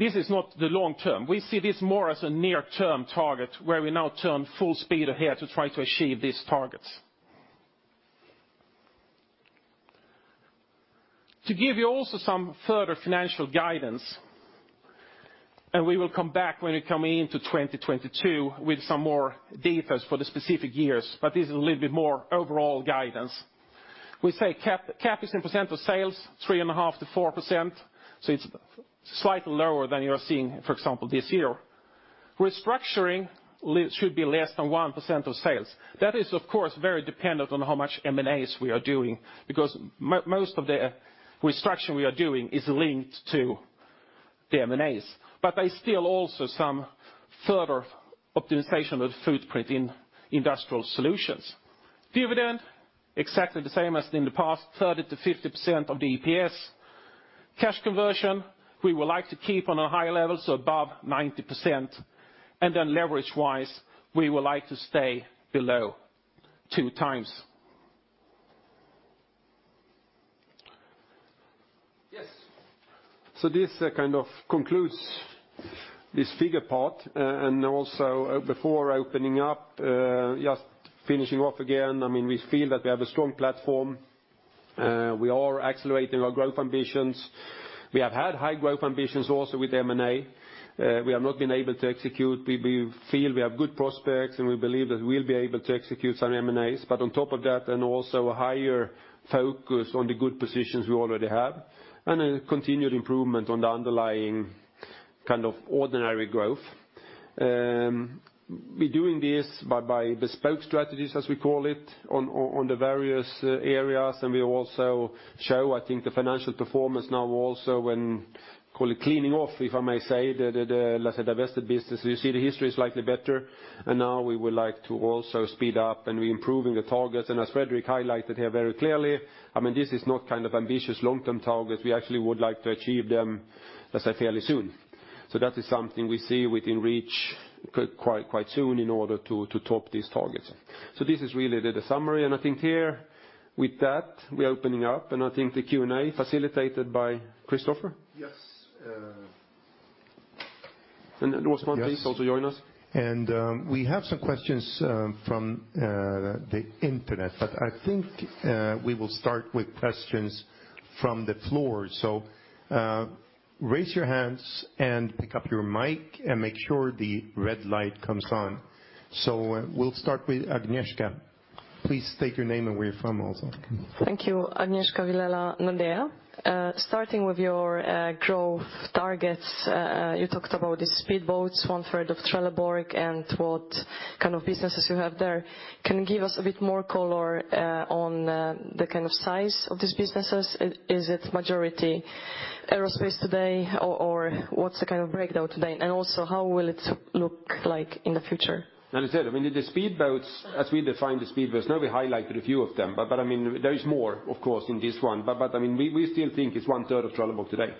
this is not the long term. We see this more as a near-term target where we now turn full speed ahead to try to achieve these targets. To give you also some further financial guidance, and we will come back when we come into 2022 with some more details for the specific years, but this is a little bit more overall guidance. We say CapEx is in percent of sales, 3.5%-4%, so it's slightly lower than you are seeing, for example, this year. Restructuring should be less than 1% of sales. That is of course very dependent on how much M&As we are doing because most of the restructuring we are doing is linked to the M&As. But there is still also some further optimization of footprint in Industrial Solutions. Dividend, exactly the same as in the past, 30%-50% of the EPS. Cash conversion, we would like to keep on a high level, so above 90%. Leverage-wise, we would like to stay below 2x. Yes. This kind of concludes this figure part, and also before opening up, just finishing off again. I mean, we feel that we have a strong platform. We are accelerating our growth ambitions. We have had high growth ambitions also with M&A. We have not been able to execute. We feel we have good prospects, and we believe that we'll be able to execute some M&As. On top of that, and also a higher focus on the good positions we already have, and a continued improvement on the underlying kind of ordinary growth. We're doing this by bespoke strategies, as we call it, on the various areas, and we also show, I think, the financial performance now also when call it cleaning off, if I may say, the let's say, divested businesses. You see the history is slightly better and now we would like to also speed up and be improving the targets. As Fredrik highlighted here very clearly, I mean, this is not kind of ambitious long-term targets. We actually would like to achieve them, let's say, fairly soon. That is something we see within reach quite soon in order to top these targets. This is really the summary. I think here with that, we are opening up, and I think the Q&A facilitated by Christofer. Yes. Rosman, please also join us. We have some questions from the internet. I think we will start with questions from the floor. Raise your hands and pick up your mic and make sure the red light comes on. We'll start with Agnieszka. Please state your name and where you're from also. Thank you. Agnieszka Vilela, Nordea. Starting with your growth targets, you talked about the speedboats, 1/3 of Trelleborg, and what kind of businesses you have there. Can you give us a bit more color on the kind of size of these businesses? Is it majority aerospace today or what's the kind of breakdown today? And also how will it look like in the future? As I said, I mean, the speedboats, as we define the speedboats, now we highlighted a few of them. I mean, there is more of course in this one. I mean, we still think it's 1/3 of Trelleborg today.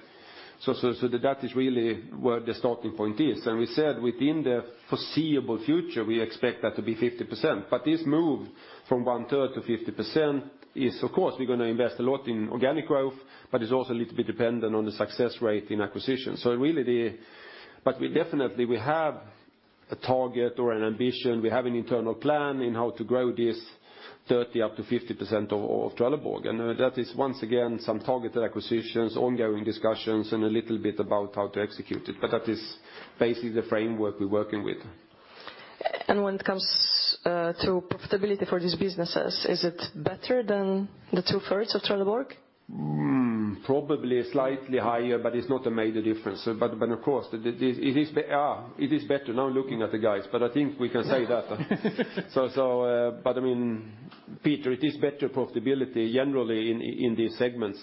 That is really where the starting point is. We said within the foreseeable future we expect that to be 50%. This move from 1/3 to 50% is, of course, we're gonna invest a lot in organic growth, but it's also a little bit dependent on the success rate in acquisitions. We definitely have a target or an ambition. We have an internal plan in how to grow this 30% up to 50% of Trelleborg. That is once again some targeted acquisitions, ongoing discussions, and a little bit about how to execute it. That is basically the framework we're working with. When it comes to profitability for these businesses, is it better than the 2/3 of Trelleborg? Probably slightly higher, but it's not a major difference. Of course, it is better. Now I'm looking at the guys. I think we can say that. But I mean, Peter, it is better profitability generally in these segments.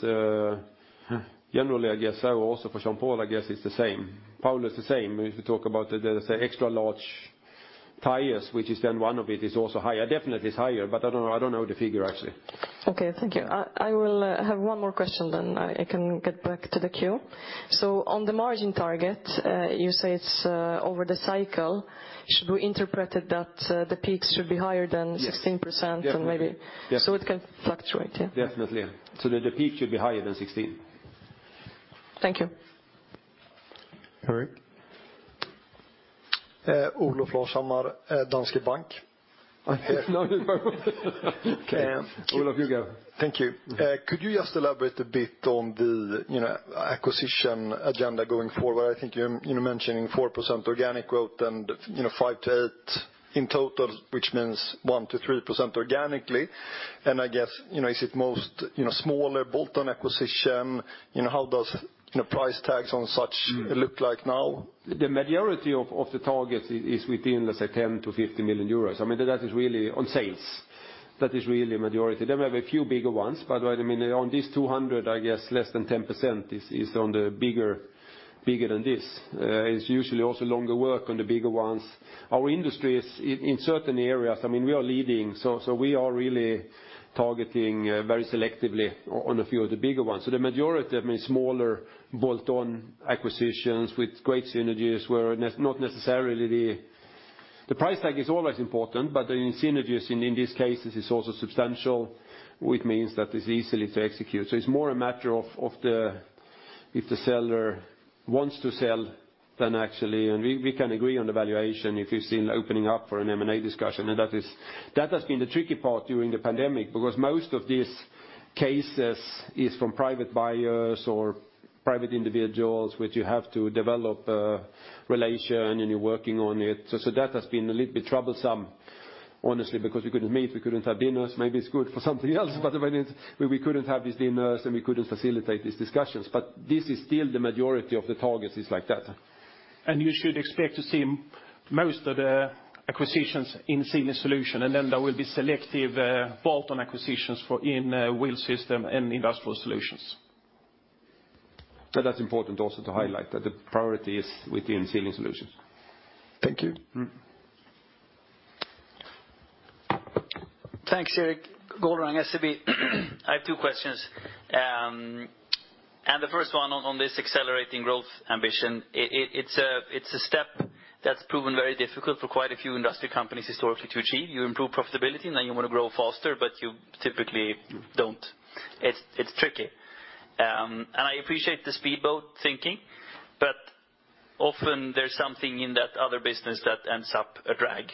Generally, I guess so also for Jean-Paul, I guess it's the same. Paolo is the same if you talk about the extra large tires, which is then one of it is also higher. Definitely it's higher, but I don't know the figure actually. Okay, thank you. I will have one more question then I can get back to the queue. On the margin target, you say it's over the cycle. Should we interpret it that the peaks should be higher than 16% and maybe— Yes. Definitely. It can fluctuate? Yeah. Definitely. The peak should be higher than 16%. Thank you. Erik? Olof Larshammar, Danske Bank. No, no. Olof, you go. Thank you. Could you just elaborate a bit on the, you know, acquisition agenda going forward? I think you're, you know, mentioning 4% organic growth and, you know, 5%-8% in total, which means 1%-3% organically. I guess, you know, is it most, you know, smaller bolt-on acquisition? You know, how does, you know, price tags on such look like now? The majority of the targets is within let's say 10 million-50 million euros. I mean, that is really on sales. That is really majority. There may be a few bigger ones, but what I mean on these 200, I guess less than 10% is on the bigger than this. It's usually also longer work on the bigger ones. Our industry is in certain areas, I mean, we are leading, so we are really targeting very selectively on a few of the bigger ones. The majority, I mean, smaller bolt-on acquisitions with great synergies where not necessarily—the price tag is always important, but the synergies in this case, this is also substantial, which means that it's easily to execute. It's more a matter of the if the seller wants to sell, then actually we can agree on the valuation if it's in opening up for an M&A discussion. That has been the tricky part during the pandemic, because most of these cases is from private buyers or private individuals which you have to develop a relation and you're working on it. That has been a little bit troublesome honestly, because we couldn't meet, we couldn't have dinners. Maybe it's good for something else, but I mean, we couldn't have these dinners and we couldn't facilitate these discussions. This is still the majority of the targets is like that. You should expect to see most of the acquisitions in Sealing Solutions, and then there will be selective bolt-on acquisitions in Wheel Systems and Industrial Solutions. That's important also to highlight that the priority is within Sealing Solutions. Thank you. Thanks, Erik Golrang, SEB. I have two questions. The first one on this accelerating growth ambition. It's a step that's proven very difficult for quite a few industrial companies historically to achieve. You improve profitability, now you wanna grow faster, but you typically don't. It's tricky. I appreciate the speedboat thinking, but often there's something in that other business that ends up a drag.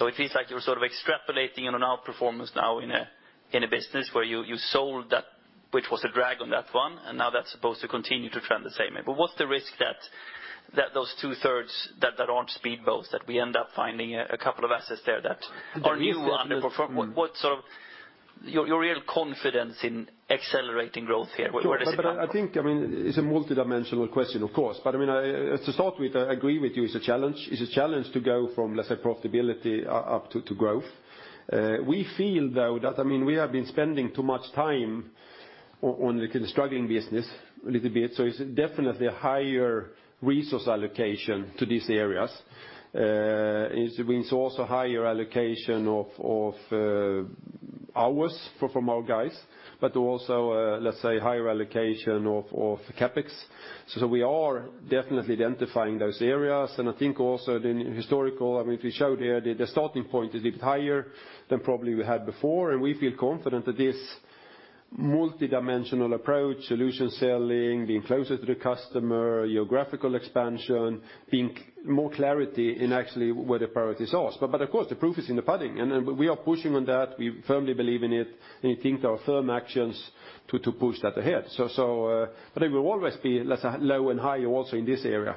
It feels like you're sort of extrapolating an outperformance now in a business where you sold that which was a drag on that one, and now that's supposed to continue to trend the same way. What's the risk that those 2/3 that aren't speedboats, that we end up finding a couple of assets there that now underperform? Your real confidence in accelerating growth here, where does it come from? I think, I mean, it's a multidimensional question, of course. I mean, to start with, I agree with you, it's a challenge. It's a challenge to go from, let's say, profitability up to growth. We feel though that, I mean, we have been spending too much time on the struggling business a little bit, so it's definitely a higher resource allocation to these areas. It means also higher allocation of hours from our guys, but also, let's say, higher allocation of CapEx. So we are definitely identifying those areas. I think also, I mean, if you show there, the starting point is a bit higher than probably we had before. We feel confident that this multidimensional approach, solution selling, being closer to the customer, geographical expansion, more clarity in actually where the priorities are. But of course, the proof is in the pudding, and we are pushing on that. We firmly believe in it, and I think there are firm actions to push that ahead. But it will always be, let's say, low and high also in this area.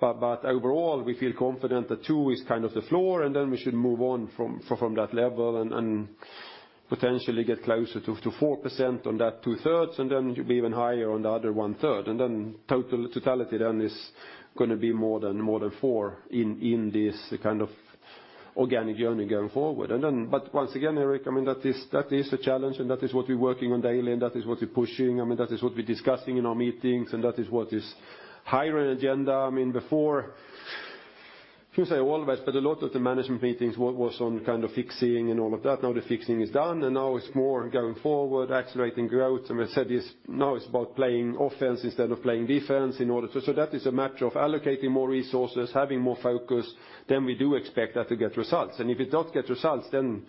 But overall, we feel confident that 2% is kind of the floor, and then we should move on from that level and potentially get closer to 4% on that 2/3, and then be even higher on the other 1/3. Totality then is gonna be more than 4% in this kind of organic journey going forward. Once again, Erik, I mean, that is a challenge, and that is what we're working on daily, and that is what we're pushing. I mean, that is what we're discussing in our meetings, and that is what is higher on agenda. I mean, before, shouldn't say always, but a lot of the management meetings was on kind of fixing and all of that. Now the fixing is done, and now it's more going forward, accelerating growth. We said this, now it's about playing offense instead of playing defense in order to. That is a matter of allocating more resources, having more focus. We do expect that to get results. If it does get results, then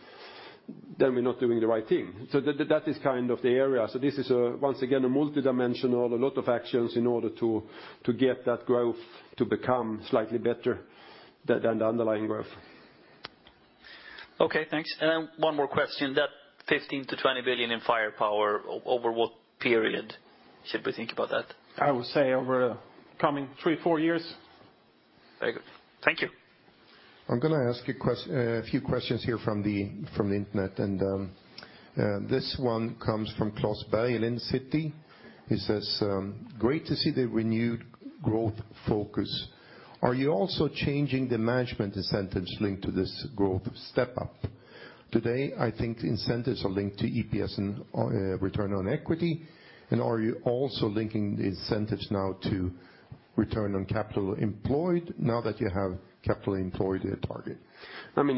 we're not doing the right thing. That is kind of the area. This is, once again, a multidimensional, a lot of actions in order to get that growth to become slightly better than the underlying growth. Okay, thanks. One more question. That 15 billion-20 billion in firepower, over what period should we think about that? I would say over the coming three to four years. Very good. Thank you. I'm gonna ask a few questions here from the internet. This one comes from Klas Bergelind, Citi. He says, "Great to see the renewed growth focus. Are you also changing the management incentives linked to this growth step up? Today, I think incentives are linked to EPS and ROE. Are you also linking the incentives now to ROCE now that you have capital employed as a target?" I mean,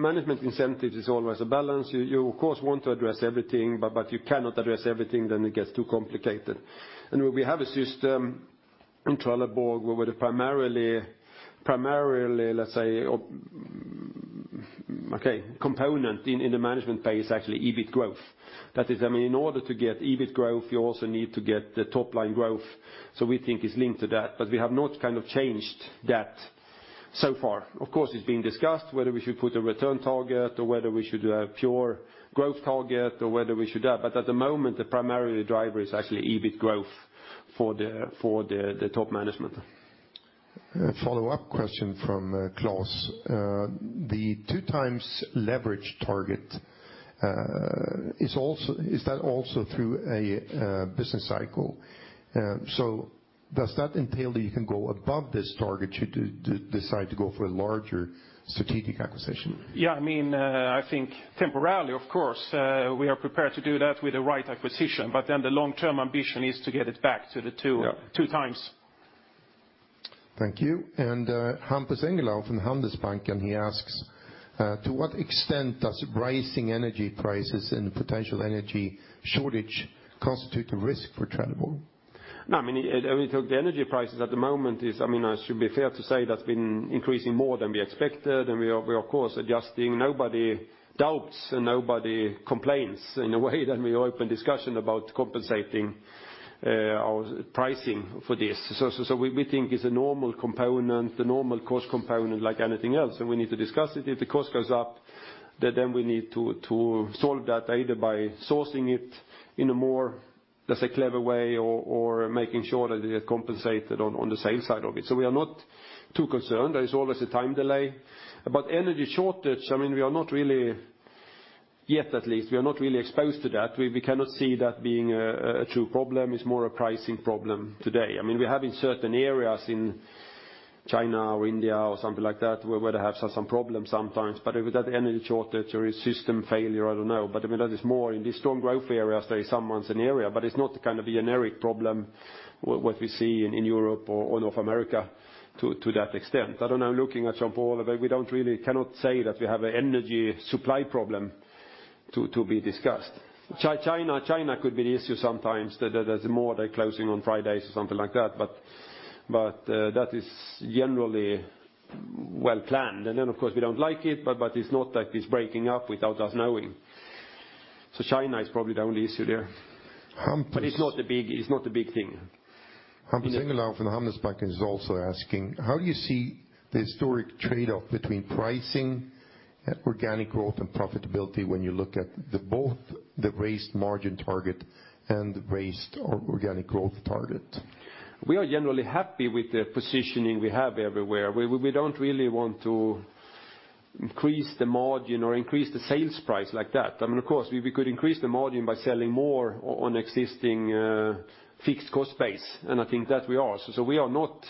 management incentive is always a balance. You of course want to address everything, but you cannot address everything, then it gets too complicated. We have a system in Trelleborg where we're primarily, let's say—okay, component in the management pay is actually EBIT growth. That is, I mean, in order to get EBIT growth, you also need to get the top-line growth. We think it's linked to that, but we have not kind of changed that so far. Of course, it's being discussed whether we should put a return target or whether we should do a pure growth target or whether we should that. At the moment, the primary driver is actually EBIT growth for the top management. A follow-up question from Klas. "The 2x leverage target, is that also through a business cycle? Does that entail that you can go above this target should you decide to go for a larger strategic acquisition?" Yeah, I mean, I think temporarily, of course, we are prepared to do that with the right acquisition. The long-term ambition is to get it back to the 2x. Yeah. Thank you. Hampus Engellau from Handelsbanken, he asks, to what extent does rising energy prices and potential energy shortage constitute a risk for Trelleborg? No, I mean, I mean, the energy prices at the moment is, I mean, I should be fair to say that's been increasing more than we expected, and we are of course adjusting. Nobody doubts and nobody complains in a way that we open discussion about compensating, our pricing for this. So we think it's a normal component, the normal cost component like anything else, and we need to discuss it. If the cost goes up, then we need to solve that either by sourcing it in a more, let's say, clever way or making sure that they get compensated on the sales side of it. So we are not too concerned. There is always a time delay. Energy shortage, I mean, we are not really, yet at least, we are not really exposed to that. We cannot see that being a true problem. It's more a pricing problem today. I mean, we have in certain areas in China or India or something like that where they have some problems sometimes. With that energy shortage or a system failure, I don't know. I mean, that is more in the strong growth areas there are some issues in area, but it's not the kind of a generic problem what we see in Europe or North America to that extent. I don't know, looking at Jean-Paul, we cannot say that we have an energy supply problem to be discussed. China could be the issue sometimes, that there's more, they're closing on Fridays or something like that. That is generally well planned. Of course we don't like it, but it's not that it's breaking up without us knowing. China is probably the only issue there. Hampus— It's not a big thing. Hampus Engellau from Handelsbanken is also asking, "How do you see the historic trade-off between pricing, organic growth and profitability when you look at both the raised margin target and the raised organic growth target?" We are generally happy with the positioning we have everywhere. We don't really want to increase the margin or increase the sales price like that. I mean, of course, we could increase the margin by selling more on existing fixed cost base. I think that we are. We are not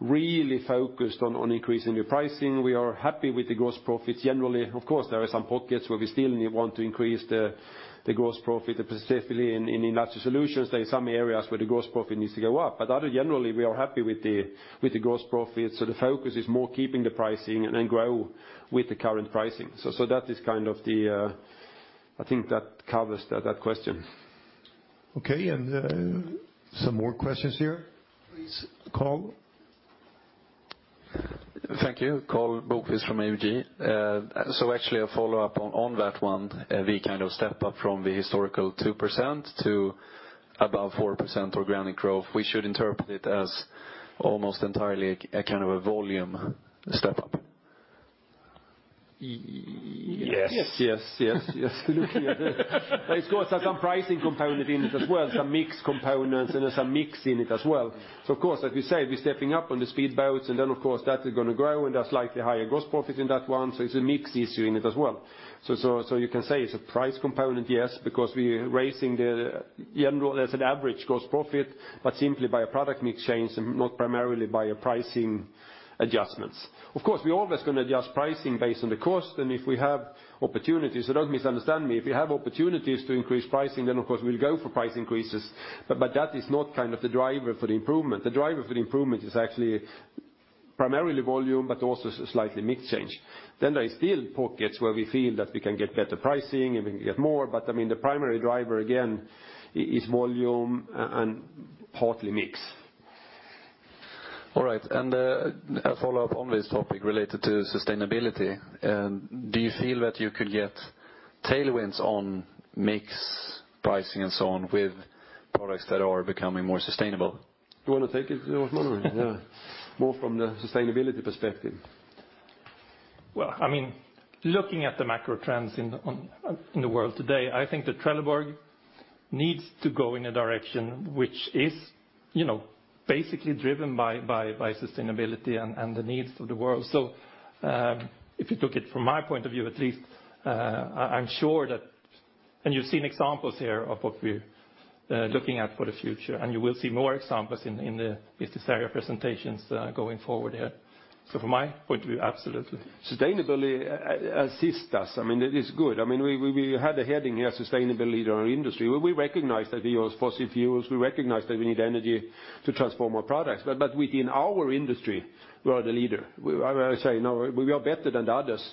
really focused on increasing the pricing. We are happy with the gross profits generally. Of course, there are some pockets where we still want to increase the gross profit, specifically in Industrial Solutions, there are some areas where the gross profit needs to go up. Overall, generally, we are happy with the gross profits. The focus is more on keeping the pricing and then grow with the current pricing. I think that covers that question. Okay. Some more questions here. Please, Karl. Thank you. Karl Bokvist from ABG Sundal Collier. Actually a follow-up on that one, the kind of step-up from the historical 2% to above 4% organic growth. We should interpret it as almost entirely a kind of a volume step-up? Yes. Yes. Yes. Yes. It's got some pricing component in it as well, some mix components, and there's some mix in it as well. Of course, as we say, we're stepping up on the speedboats, and then of course that is going to grow, and there's slightly higher gross profit in that one, so it's a mix issue in it as well. You can say it's a price component, yes, because we're raising the general. There's an average gross profit, but simply by a product mix change and not primarily by a pricing adjustments. Of course, we're always going to adjust pricing based on the cost. If we have opportunities, so don't misunderstand me, if we have opportunities to increase pricing, then of course we'll go for price increases. That is not kind of the driver for the improvement. The driver for the improvement is actually primarily volume, but also slightly mix change. There is still pockets where we feel that we can get better pricing and we can get more. I mean, the primary driver again is volume and partly mix. All right. A follow-up on this topic related to sustainability. Do you feel that you could get tailwinds on mix pricing and so on with products that are becoming more sustainable? You want to take it, Rosman? More from the sustainability perspective. Well, I mean, looking at the macro trends in the world today, I think that Trelleborg needs to go in a direction which is, you know, basically driven by sustainability and the needs of the world. If you took it from my point of view at least, I'm sure that you've seen examples here of what we're looking at for the future, and you will see more examples in the business area presentations going forward here. From my point of view, absolutely. Sustainability assists us. I mean, it is good. I mean, we had a heading here, sustainable leader in our industry. We recognize that we use fossil fuels, we recognize that we need energy to transform our products. Within our industry, we are the leader. I say, you know, we are better than the others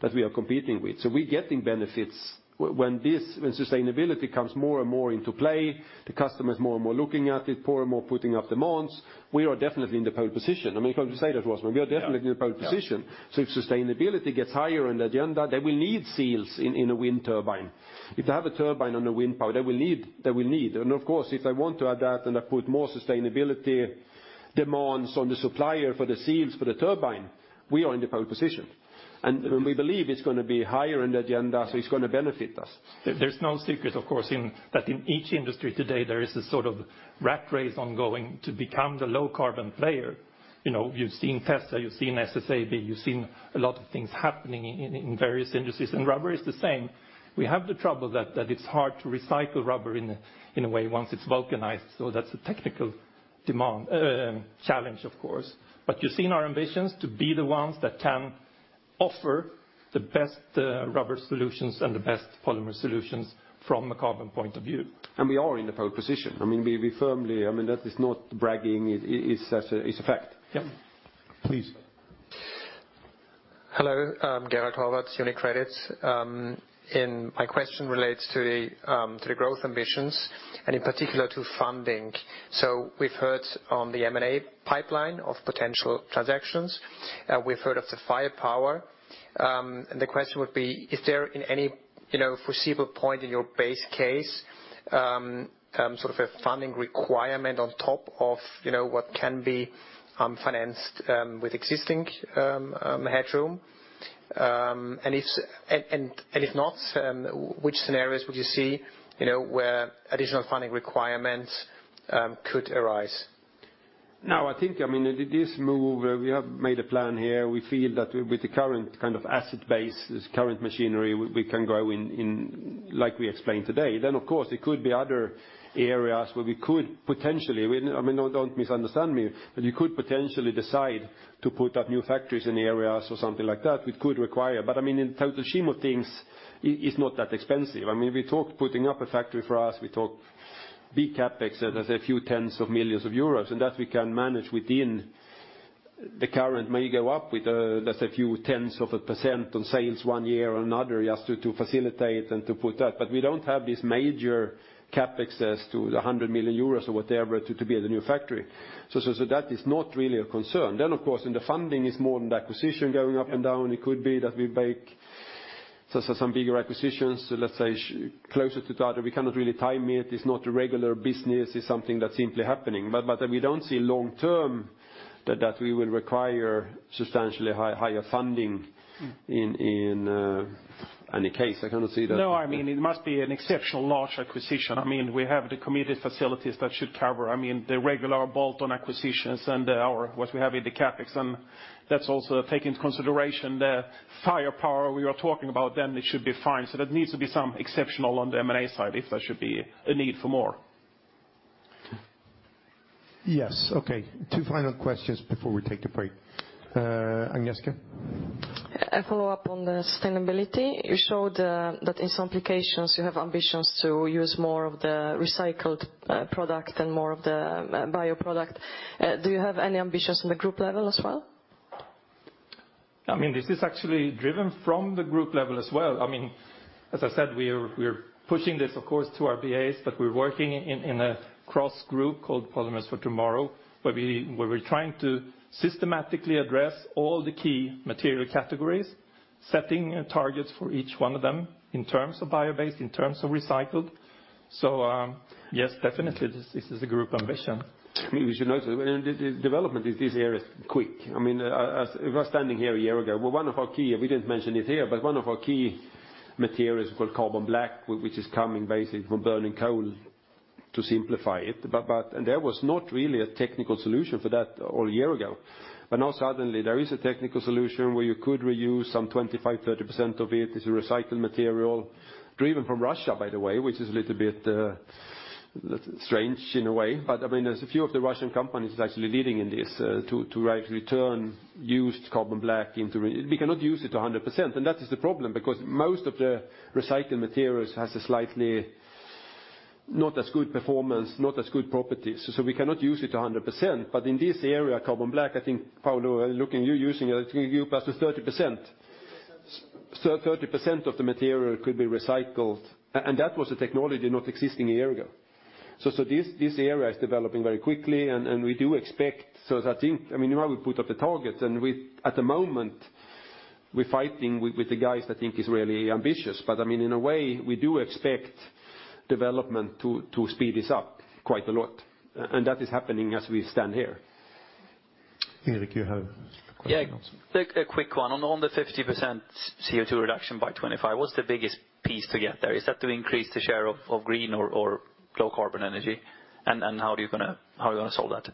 that we are competing with. We're getting benefits when sustainability comes more and more into play, the customer is more and more looking at it, more and more putting up demands. We are definitely in the pole position. I mean, if I could say that, Rosman? Yeah. We are definitely in the pole position. If sustainability gets higher on the agenda, they will need seals in a wind turbine. If they have a turbine on the wind power, they will need. Of course, if they want to add that and they put more sustainability demands on the supplier for the seals for the turbine, we are in the pole position. We believe it's going to be higher on the agenda, so it's going to benefit us. There's no secret, of course, in that in each industry today, there is a sort of rat race ongoing to become the low carbon player. You know, you've seen Tesla, you've seen SSAB, you've seen a lot of things happening in various industries, and rubber is the same. We have the trouble that it's hard to recycle rubber in a way once it's vulcanized. So that's a technical challenge, of course. But you've seen our ambitions to be the ones that can offer the best rubber solutions and the best polymer solutions from a carbon point of view. We are in the pole position. I mean, that is not bragging, it's a fact. Yeah. Please. Hello, Gerald Horvath, UniCredit. My question relates to the growth ambitions and in particular to funding. We've heard on the M&A pipeline of potential transactions, we've heard of the firepower. The question would be, is there in any you know foreseeable point in your base case sort of a funding requirement on top of you know what can be financed with existing headroom? If not, which scenarios would you see you know where additional funding requirements could arise? No, I think, I mean, this move, we have made a plan here. We feel that with the current kind of asset base, this current machinery, we can grow in like we explained today. Of course, there could be other areas where we could potentially, I mean, don't misunderstand me, but you could potentially decide to put up new factories in areas or something like that, we could require. I mean, in total scheme of things, it's not that expensive. I mean, we talked about putting up a factory for us. We talked big CapEx of a few tens of millions euros, and that we can manage within the current may go up with just a few tenths of a percent on sales one year or another just to facilitate and to put that. But we don't have this major CapEx up to a hundred million euros or whatever to build a new factory. That is not really a concern. Of course, the funding is more than the acquisition going up and down. It could be that we make some bigger acquisitions, let's say closer to the other. We cannot really time it. It's not a regular business. It's something that's simply happening. We don't see long term that we will require substantially higher funding in any case. I cannot see that. No, I mean, it must be an exceptional large acquisition. I mean, we have the committed facilities that should cover, I mean, the regular bolt-on acquisitions and our, what we have in the CapEx, and that's also taking into consideration the firepower we are talking about, then it should be fine. That needs to be some exceptional on the M&A side, if there should be a need for more. Yes. Okay. Two final questions before we take a break. Agnieszka? A follow-up on the sustainability. You showed that in some applications you have ambitions to use more of the recycled product and more of the bioproduct. Do you have any ambitions on the group level as well? I mean, this is actually driven from the group level as well. I mean, as I said, we're pushing this of course to our BAs, but we're working in a cross-group called Polymers for Tomorrow, where we're trying to systematically address all the key material categories, setting targets for each one of them in terms of bio-based, in terms of recycled. Yes, definitely this is a group ambition. We should note the development in this area is quick. I mean, if I was standing here a year ago, well one of our key, we didn't mention it here, but one of our key materials is called carbon black, which is coming basically from burning coal, to simplify it. And there was not really a technical solution for that a year ago. Now suddenly there is a technical solution where you could reuse some 25%-30% of it. It's a recycled material derived from Russia, by the way, which is a little bit strange in a way. I mean, there's a few of the Russian companies actually leading in this, to return used carbon black into—we cannot use it 100%, and that is the problem because most of the recycled materials has a slightly not-as-good performance, not-as-good properties. We cannot use it 100%. In this area, carbon black, I think, Paolo, looking you using it, I think you're up to 30%. So 30% of the material could be recycled, and that was a technology not existing a year ago. This area is developing very quickly and we do expect. I think, I mean, you know how we put up the targets and at the moment we're fighting with the guys. I think it is really ambitious. But I mean, in a way, we do expect development to speed this up quite a lot. And that is happening as we stand here. Erik, you have a question. Yeah, a quick one. On the 50% CO2 reduction by 2025, what's the biggest piece to get there? Is that to increase the share of green or low carbon energy? How are you gonna solve that?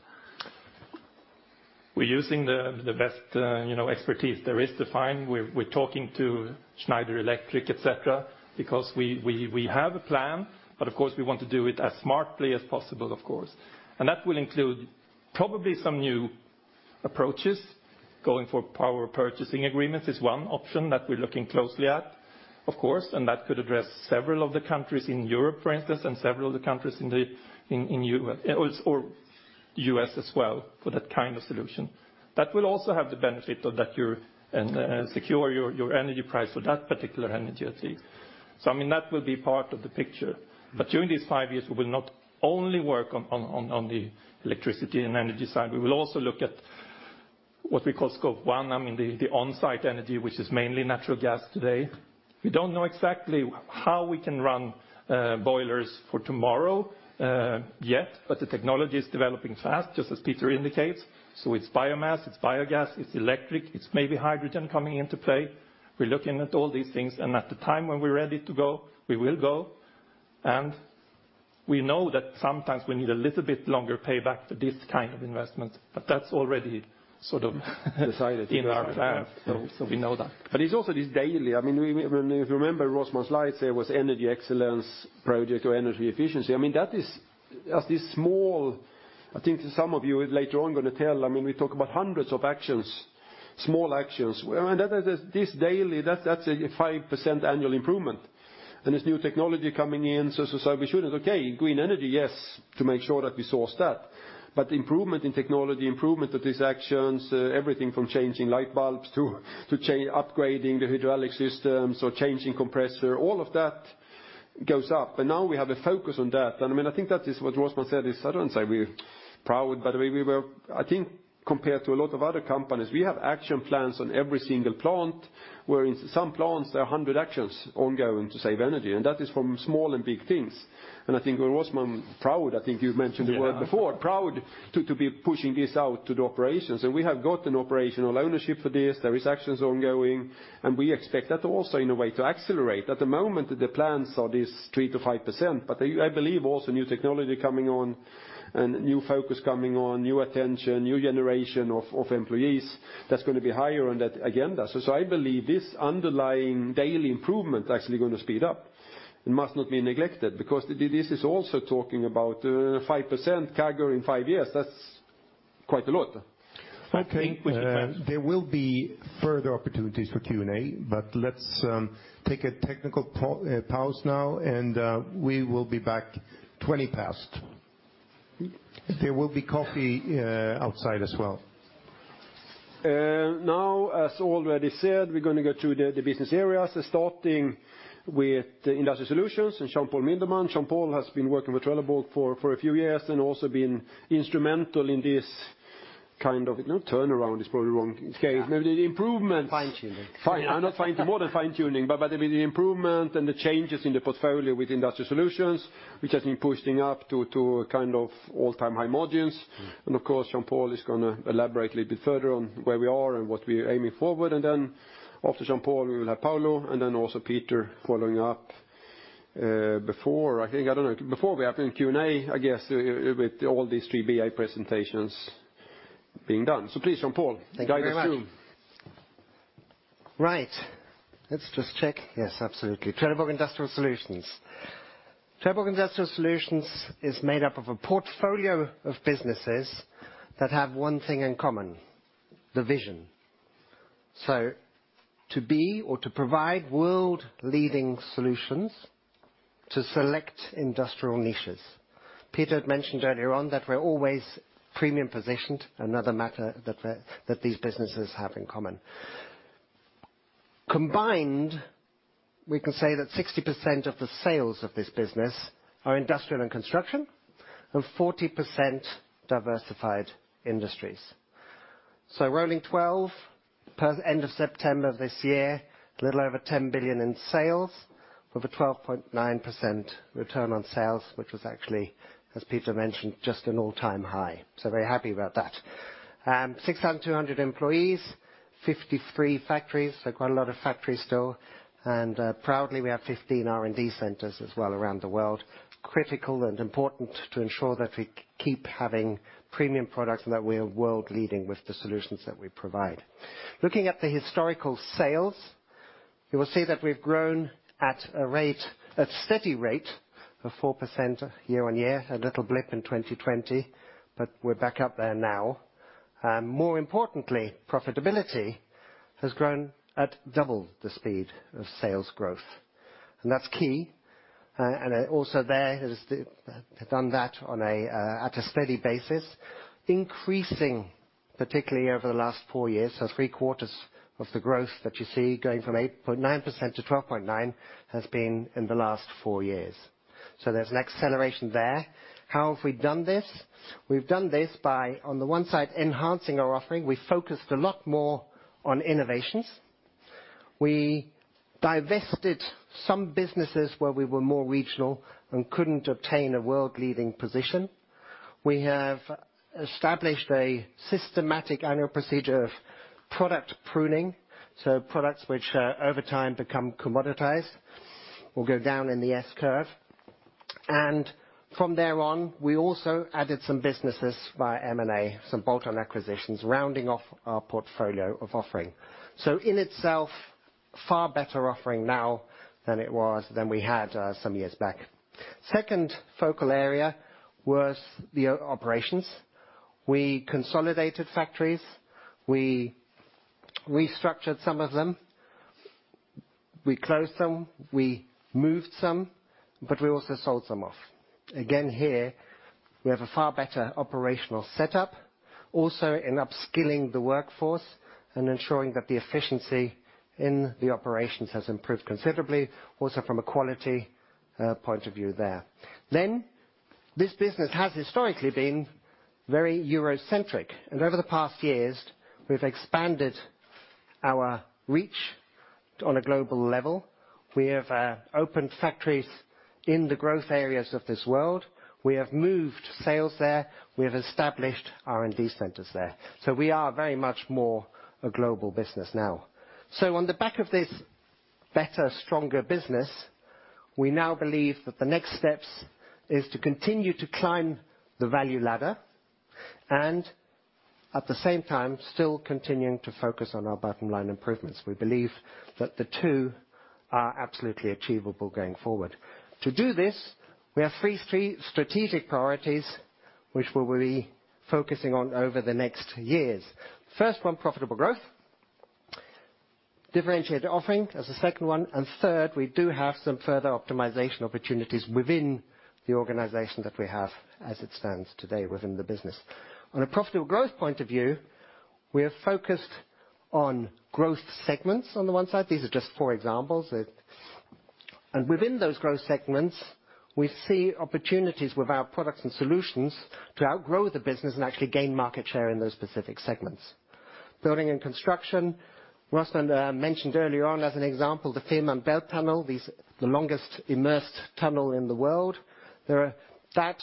We're using the best, you know, expertise there is to find. We're talking to Schneider Electric, et cetera, because we have a plan, but of course, we want to do it as smartly as possible, of course. That will include probably some new approaches. Going for power purchase agreements is one option that we're looking closely at, of course, and that could address several of the countries in Europe, for instance, in the U.S as well for that kind of solution. That will also have the benefit of that you're secure your energy price for that particular energy I see. I mean, that will be part of the picture. During these five years, we will not only work on the electricity and energy side, we will also look at what we call Scope 1, I mean, the on-site energy, which is mainly natural gas today. We don't know exactly how we can run boilers for tomorrow yet, but the technology is developing fast, just as Peter indicates. It's biomass, it's biogas, it's electric, it's maybe hydrogen coming into play. We're looking at all these things, and at the time when we're ready to go, we will go. We know that sometimes we need a little bit longer payback for this kind of investment, but that's already sort of in our plan. We know that. It's also this daily. I mean, we, if you remember Rosman's slides, there was Energy Excellence project or energy efficiency. I mean, that is small. I think some of you later on gonna tell, I mean, we talk about hundreds of actions, small actions. Well, and that is this daily, that's a 5% annual improvement. And there's new technology coming in, so we should. Okay, green energy, yes, to make sure that we source that. Improvement in technology, improvement of these actions, everything from changing light bulbs to upgrading the hydraulic systems or changing compressor, all of that goes up. Now we have a focus on that. And I mean, I think that is what Rosman said, is I don't say we're proud, but we were—I think compared to a lot of other companies, we have action plans on every single plant, where in some plants, there are 100 actions ongoing to save energy. That is from small and big things. I think Rosman's proud. I think you've mentioned the word before. Yeah. Proud to be pushing this out to the operations. We have got an operational ownership for this. There are actions ongoing, and we expect that also in a way to accelerate. At the moment, the plans are this 3%-5%, but I believe also new technology coming on and new focus coming on, new attention, new generation of employees, that's gonna be higher on that agenda. I believe this underlying daily improvement actually gonna speed up. It must not be neglected because this is also talking about 5% CAGR in 5 years. That's quite a lot. Okay. I think— There will be further opportunities for Q&A, but let's take a technical pause now and we will be back 20 past. There will be coffee outside as well. Now, as already said, we're gonna go through the business areas, starting with Industrial Solutions and Jean-Paul Mindermann. Jean-Paul has been working with Trelleborg for a few years and also been instrumental in this kind of turnaround. Turnaround is probably wrong scale. Yeah. Maybe the improvements. Fine-tuning. More than fine-tuning, but the improvement and the changes in the portfolio with Industrial Solutions, which has been pushing up to a kind of all-time high margins. Of course, Jean-Paul is gonna elaborate a little bit further on where we are and what we're aiming forward. Then after Jean-Paul, we will have Paolo and then also Peter following up before we have the Q&A, I guess, with all these three BA presentations being done. Please, Jean-Paul. Thank you very much. Guide us through. Right. Let's just check. Yes, absolutely. Trelleborg Industrial Solutions. Trelleborg Industrial Solutions is made up of a portfolio of businesses that have one thing in common, the vision. To be or to provide world-leading solutions to select industrial niches. Peter had mentioned earlier on that we're always premium positioned, another matter that these businesses have in common. Combined, we can say that 60% of the sales of this business are industrial and construction, and 40% diversified industries. Rolling 12-month period end of September this year, a little over 10 billion in sales with a 12.9% return on sales, which was actually, as Peter mentioned, just an all-time high. Very happy about that. And 6,200 employees, 53 factories, so quite a lot of factories still. Proudly, we have 15 R&D centers as well around the world. Critical and important to ensure that we keep having premium products and that we are world leading with the solutions that we provide. Looking at the historical sales, you will see that we've grown at a rate, a steady rate of 4% year-on-year, a little blip in 2020, but we're back up there now. More importantly, profitability has grown at double the speed of sales growth, and that's key. We have done that on a steady basis, increasing particularly over the last four years. Three-quarters of the growth that you see going from 8.9% to 12.9% has been in the last four years. There's an acceleration there. How have we done this? We've done this by, on the one side, enhancing our offering. We focused a lot more on innovations. We divested some businesses where we were more regional and couldn't obtain a world leading position. We have established a systematic annual procedure of product pruning. Products which over time become commoditized will go down in the S curve. From there on, we also added some businesses via M&A, some bolt-on acquisitions, rounding off our portfolio of offering. In itself, far better offering now than it was than we had some years back. Second focal area was the operations. We consolidated factories. We restructured some of them. We closed some. We moved some, but we also sold some off. Again, here, we have a far better operational setup. Also in upskilling the workforce and ensuring that the efficiency in the operations has improved considerably, also from a quality point of view there. This business has historically been very Euro-centric, and over the past years, we've expanded our reach on a global level. We have opened factories in the growth areas of this world. We have moved sales there. We have established R&D centers there. We are very much more a global business now. On the back of this better, stronger business, we now believe that the next steps is to continue to climb the value ladder and at the same time, still continuing to focus on our bottom line improvements. We believe that the two are absolutely achievable going forward. To do this, we have three strategic priorities which we will be focusing on over the next years. First one, profitable growth. Differentiated offering as the second one, and third, we do have some further optimization opportunities within the organization that we have as it stands today within the business. From a profitable growth point of view, we are focused on growth segments. On the one side, these are just four examples. And within those growth segments, we see opportunities with our products and solutions to outgrow the business and actually gain market share in those specific segments. Building and construction. Rosman mentioned earlier on as an example, the Fehmarnbelt Tunnel, the longest immersed tunnel in the world. That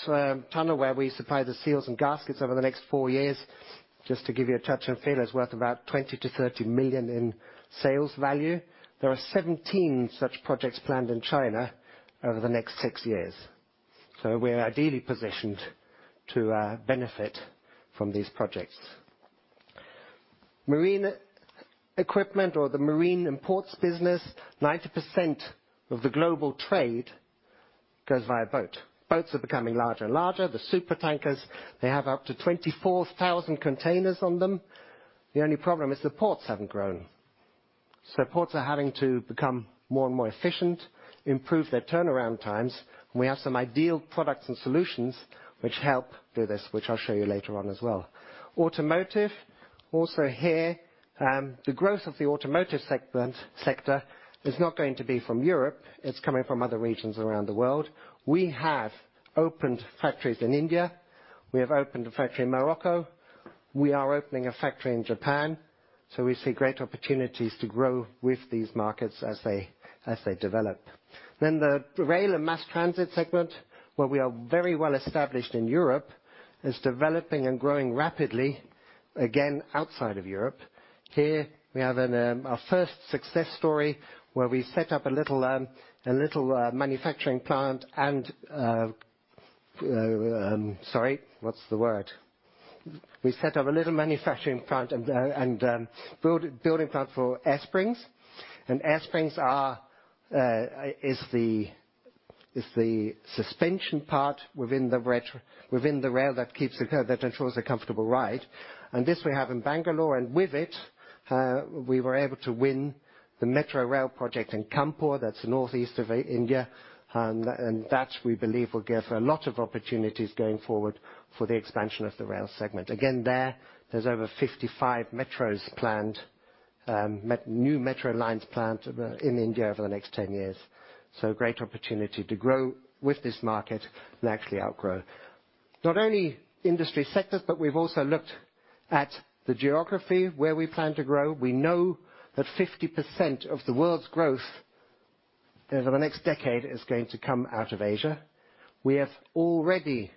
tunnel where we supply the seals and gaskets over the next four years, just to give you a touch and feel, is worth about 20 million-30 million in sales value. There are 17 such projects planned in China over the next six years, so we're ideally positioned to benefit from these projects. Marine equipment or the marine and ports business, 90% of the global trade goes via boat. Boats are becoming larger and larger. The super tankers, they have up to 24,000 containers on them. The only problem is the ports haven't grown. Ports are having to become more and more efficient, improve their turnaround times. We have some ideal products and solutions which help do this, which I'll show you later on as well. Automotive, also here, the growth of the automotive sector is not going to be from Europe. It's coming from other regions around the world. We have opened factories in India. We have opened a factory in Morocco. We are opening a factory in Japan. We see great opportunities to grow with these markets as they develop. The rail and mass transit segment, where we are very well established in Europe, is developing and growing rapidly, again, outside of Europe. Here we have our first success story where we set up a little manufacturing plant and building plant for air springs. Air springs are the suspension part within the rail that ensures a comfortable ride. This we have in Bangalore. With it, we were able to win the metro rail project in Kanpur, that's northeast of India. That, we believe, will give a lot of opportunities going forward for the expansion of the rail segment. Again, there's over 55 new metro lines planned in India over the next 10 years. Great opportunity to grow with this market and actually outgrow. Not only industry sectors, but we've also looked at the geography where we plan to grow. We know that 50% of the world's growth the next decade is going to come out of Asia. We have already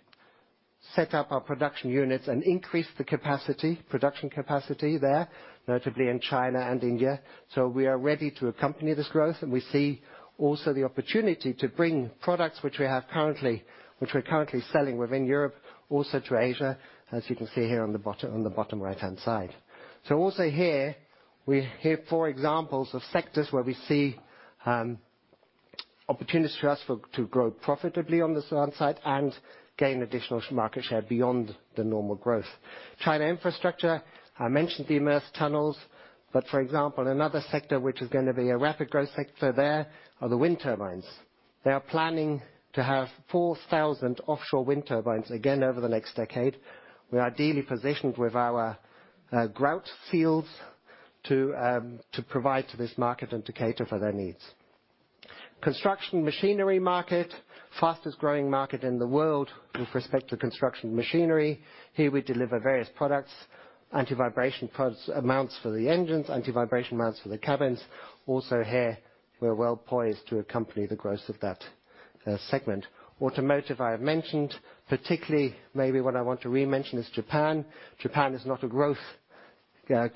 set up our production units and increased the production capacity there, notably in China and India. We are ready to accompany this growth, and we see also the opportunity to bring products which we have currently, which we're currently selling within Europe, also to Asia, as you can see here on the bottom, on the bottom right-hand side. Also here, we have four examples of sectors where we see opportunities for us to grow profitably on this side and gain additional market share beyond the normal growth. China infrastructure, I mentioned the immersed tunnels. For example, another sector which is gonna be a rapid growth sector there are the wind turbines. They are planning to have 4,000 offshore wind turbines again over the next decade. We are ideally positioned with our grout seals to provide to this market and to cater for their needs. Construction machinery market, fastest-growing market in the world with respect to construction machinery. Here we deliver various products, anti-vibration products, mounts for the engines, anti-vibration mounts for the cabins. Also here, we're well poised to accompany the growth of that segment. Automotive, I have mentioned. Particularly maybe what I want to re-mention is Japan. Japan is not a growth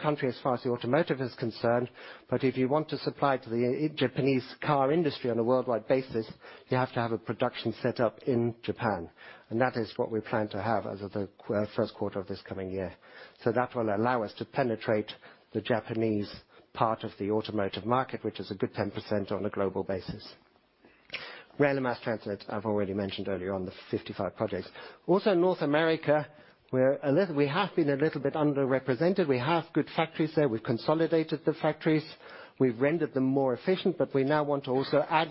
country as far as the automotive is concerned, but if you want to supply to the Japanese car industry on a worldwide basis, you have to have a production set up in Japan. That is what we plan to have as of the first quarter of this coming year. So that will allow us to penetrate the Japanese part of the automotive market, which is a good 10% on a global basis. Rail and mass transit, I've already mentioned earlier on, the 55 projects. Also North America, where we have been a little bit underrepresented. We have good factories there. We've consolidated the factories. We've rendered them more efficient, but we now want to also add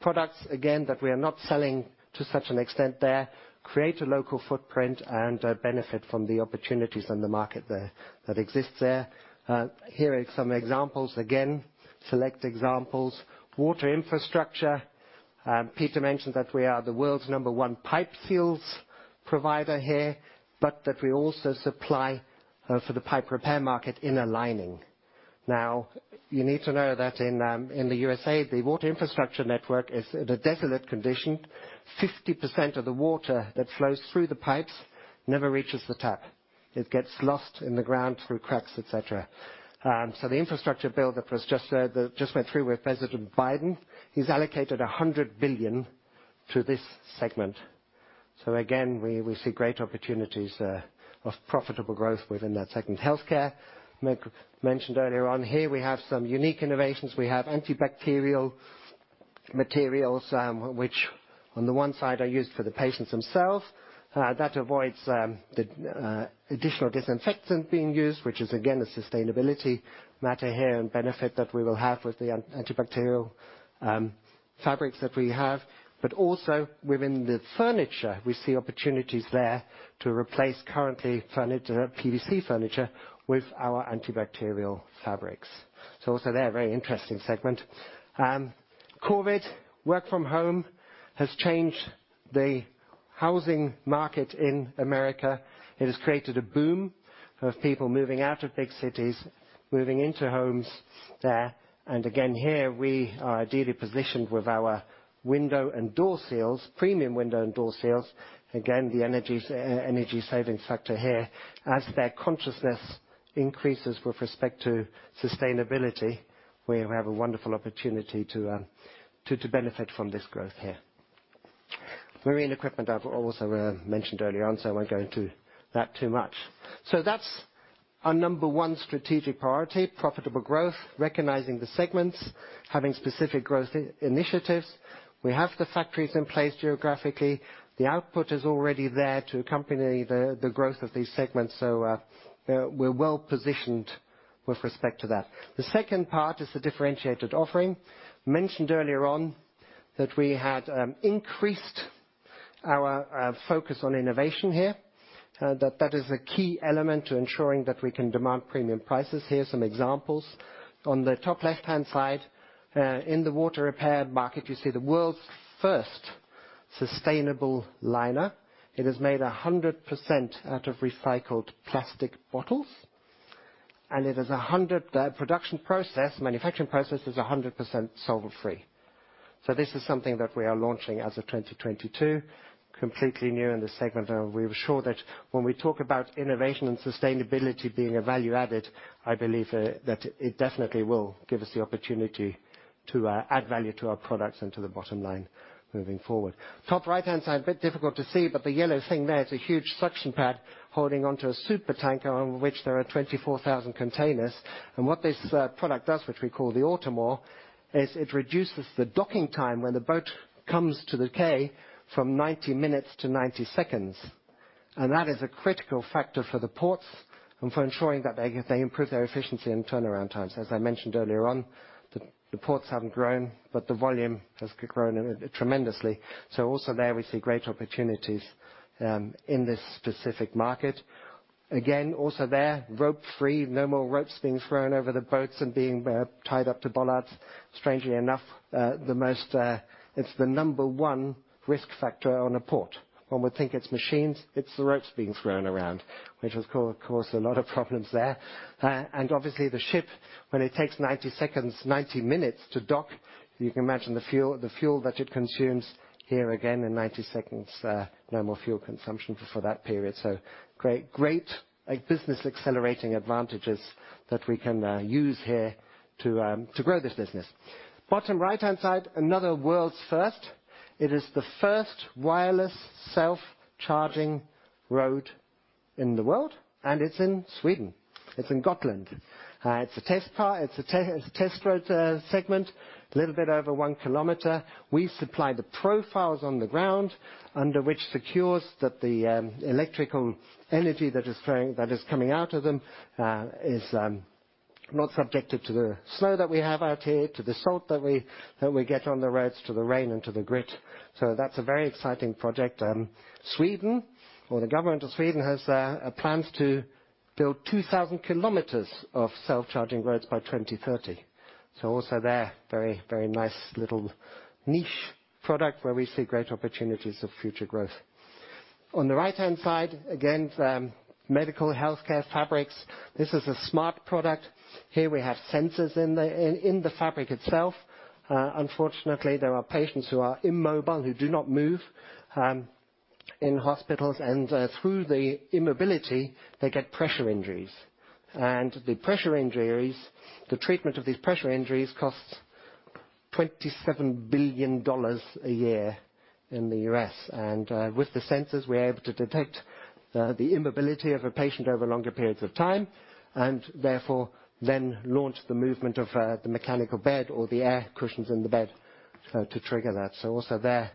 products, again, that we are not selling to such an extent there, create a local footprint and benefit from the opportunities in the market there, that exists there. Here are some examples, again, select examples. Water infrastructure, Peter mentioned that we are the world's number one pipe seals provider here, but that we also supply for the pipe repair market inner lining. Now, you need to know that in the U.S., the water infrastructure network is in a desolate condition. Fifty percent of the water that flows through the pipes never reaches the tap. It gets lost in the ground through cracks, et cetera. The infrastructure build that just went through with President Biden, he's allocated $100 billion to this segment. Again, we see great opportunities of profitable growth within that segment. Healthcare, like mentioned earlier on here, we have some unique innovations. We have antibacterial materials, which on the one side are used for the patients themselves. That avoids additional disinfectant being used, which is again, a sustainability matter here and benefit that we will have with the antibacterial fabrics that we have. Also within the furniture, we see opportunities there to replace currently furniture, PVC furniture with our antibacterial fabrics. Also there, a very interesting segment. COVID, work from home has changed the housing market in America. It has created a boom of people moving out of big cities, moving into homes there. Again, here we are ideally positioned with our window and door seals, premium window and door seals. Again, the energies, energy savings factor here. As their consciousness increases with respect to sustainability, we have a wonderful opportunity to benefit from this growth here. Marine equipment, I've also mentioned earlier on, so I won't go into that too much. That's our number one strategic priority, profitable growth, recognizing the segments, having specific growth initiatives. We have the factories in place geographically. The output is already there to accompany the growth of these segments. We're well-positioned with respect to that. The second part is the differentiated offering. Mentioned earlier on that we had increased our focus on innovation here. That is a key element to ensuring that we can demand premium prices here. Some examples. On the top left-hand side, in the water repair market, you see the world's first sustainable liner. It is made 100% out of recycled plastic bottles, and the production process, manufacturing process is 100% solvent free. This is something that we are launching as of 2022, completely new in this segment. We are sure that when we talk about innovation and sustainability being a value added, I believe that it definitely will give us the opportunity to add value to our products and to the bottom line moving forward. Top right-hand side, a bit difficult to see, but the yellow thing there is a huge suction pad holding onto a super tanker on which there are 24,000 containers. What this product does, which we call the AutoMoor, is it reduces the docking time when the boat comes to the quay from 90 minutes to 90 seconds. That is a critical factor for the ports and for ensuring that they improve their efficiency and turnaround times. As I mentioned earlier on, the ports haven't grown, but the volume has grown tremendously. Also there we see great opportunities in this specific market. Again, also there, rope-free, no more ropes being thrown over the boats and being tied up to bollards. Strangely enough, it's the number one risk factor on a port. One would think it's machines, it's the ropes being thrown around, which will cause a lot of problems there. Obviously the ship, when it takes 90 seconds, 90 minutes to dock, you can imagine the fuel that it consumes. Here again in 90 seconds, no more fuel consumption for that period. Great, like, business accelerating advantages that we can use here to grow this business. Bottom right-hand side, another world's first. It is the first wireless self-charging road in the world, and it's in Sweden. It's in Gotland. It's a test road segment, a little bit over 1 km. We supply the profiles on the ground under which secures that the electrical energy that is flowing, that is coming out of them, is not subjected to the snow that we have out here, to the salt that we get on the roads, to the rain and to the grit. That's a very exciting project. Sweden or the Government of Sweden has plans to build 2,000 km of self-charging roads by 2030. Also there, very nice little niche product where we see great opportunities of future growth. On the right-hand side, again, medical healthcare fabrics. This is a smart product. Here we have sensors in the fabric itself. Unfortunately, there are patients who are immobile, who do not move in hospitals, and through the immobility, they get pressure injuries. The pressure injuries, the treatment of these pressure injuries costs $27 billion a year in the U.S. With the sensors, we are able to detect the immobility of a patient over longer periods of time, and therefore launch the movement of the mechanical bed or the air cushions in the bed to trigger that. Also there,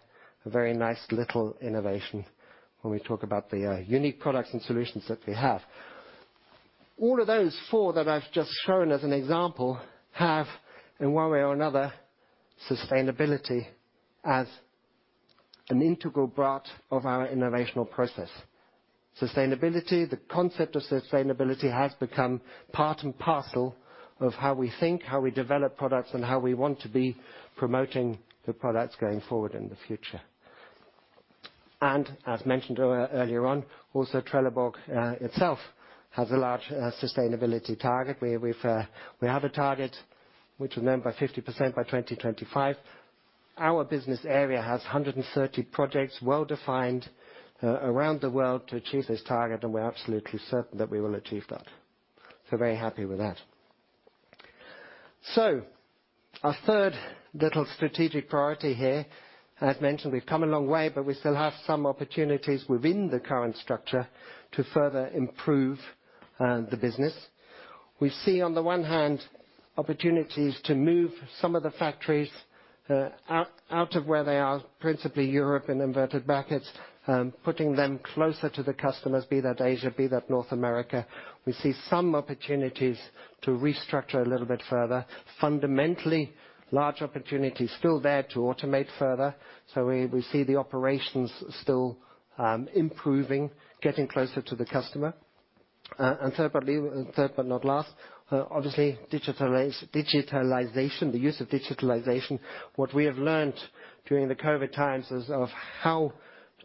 a very nice little innovation when we talk about the unique products and solutions that we have. All of those four that I've just shown as an example have, in one way or another, sustainability as an integral part of our innovational process. Sustainability, the concept of sustainability has become part and parcel of how we think, how we develop products, and how we want to be promoting the products going forward in the future. As mentioned earlier on, also Trelleborg itself has a large sustainability target. We have a target which is then by 50% by 2025. Our business area has 130 projects, well-defined, around the world to achieve this target, and we're absolutely certain that we will achieve that. Very happy with that. Our third little strategic priority here, as mentioned, we've come a long way, but we still have some opportunities within the current structure to further improve the business. We see on the one hand, opportunities to move some of the factories out of where they are, principally Europe in inverted brackets, putting them closer to the customers, be that Asia, be that North America. We see some opportunities to restructure a little bit further. Fundamentally, large opportunities still there to automate further. We see the operations still improving, getting closer to the customer. Thirdly, third but not last, obviously, digitalization, the use of digitalization. What we have learned during the COVID times is of how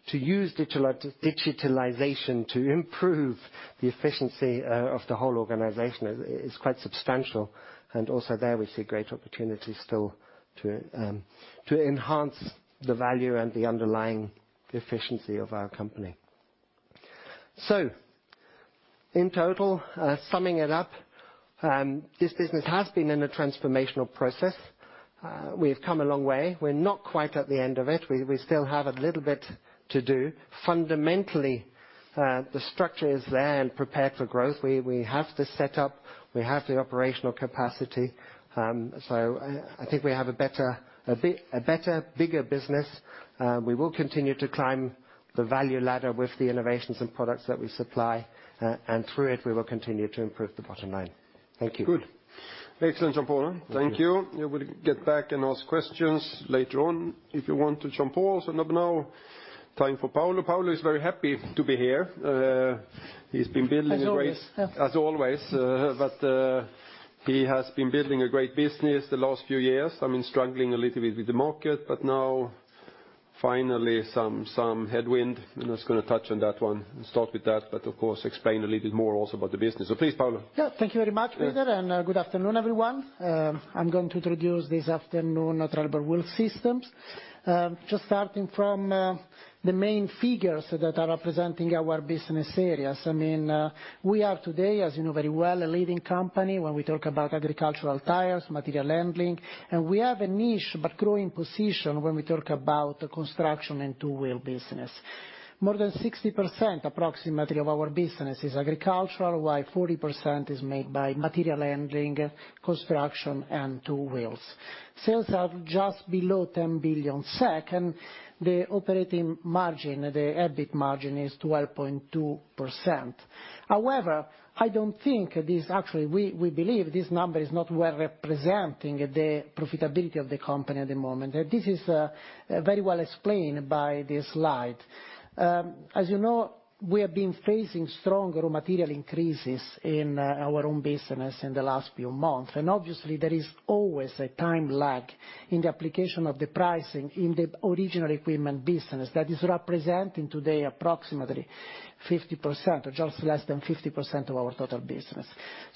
to use digitalization to improve the efficiency of the whole organization is quite substantial. Also there we see great opportunities still to enhance the value and the underlying efficiency of our company. In total, summing it up, this business has been in a transformational process. We have come a long way. We're not quite at the end of it. We still have a little bit to do. Fundamentally, the structure is there and prepared for growth. We have the setup, we have the operational capacity. I think we have a better, bigger business. We will continue to climb the value ladder with the innovations and products that we supply, and through it, we will continue to improve the bottom line. Thank you. Excellent, Jean-Paul. Thank you. You will get back and ask questions later on if you want to, Jean-Paul. Now time for Paolo. Paolo is very happy to be here. He's been building a great— As always, yeah. As always. He has been building a great business the last few years. I mean, struggling a little bit with the market, but now finally some tailwind, and he's gonna touch on that one and start with that, but of course explain a little bit more also about the business. Please, Paolo. Yeah. Thank you very much, Peter. Yeah. Good afternoon, everyone. I'm going to introduce this afternoon Trelleborg Wheel Systems. Just starting from the main figures that are representing our business areas. I mean, we are today, as you know very well, a leading company when we talk about agricultural tires, material handling, and we have a niche but growing position when we talk about the construction and two wheel business. More than 60% approximately of our business is agricultural, while 40% is made by material handling, construction, and two wheels. Sales are just below 10 billion SEK, and the operating margin, the EBIT margin, is 12.2%. However, actually, we believe this number is not well representing the profitability of the company at the moment. This is very well explained by this slide. As you know, we have been facing strong raw material increases in our own business in the last few months, and obviously there is always a time lag in the application of the pricing in the original equipment business that is representing today approximately 50% or just less than 50% of our total business.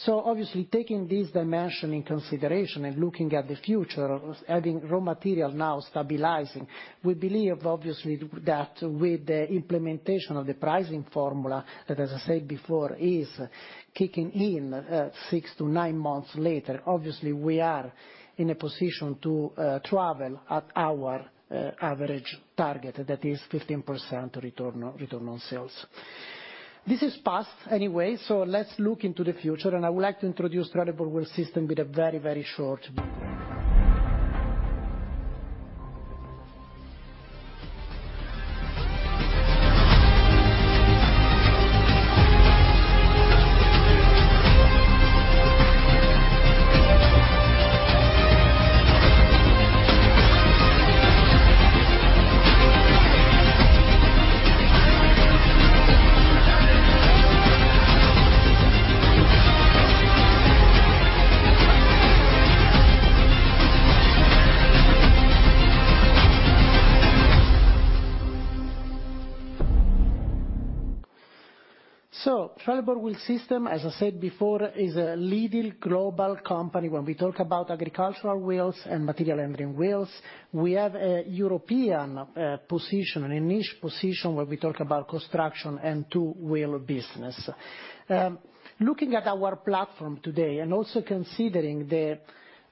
Obviously taking this dimension in consideration and looking at the future, having raw material now stabilizing, we believe obviously that with the implementation of the pricing formula, that as I said before is kicking in six to nine months later, obviously we are in a position to travel at our average target. That is 15% return on sales. This is past anyway, let's look into the future and I would like to introduce Trelleborg Wheel Systems with a very, very short video. Trelleborg Wheel Systems, as I said before, is a leading global company when we talk about agricultural wheels and material handling wheels. We have a European position, a niche position, when we talk about construction and two wheel business. Looking at our platform today and also considering the,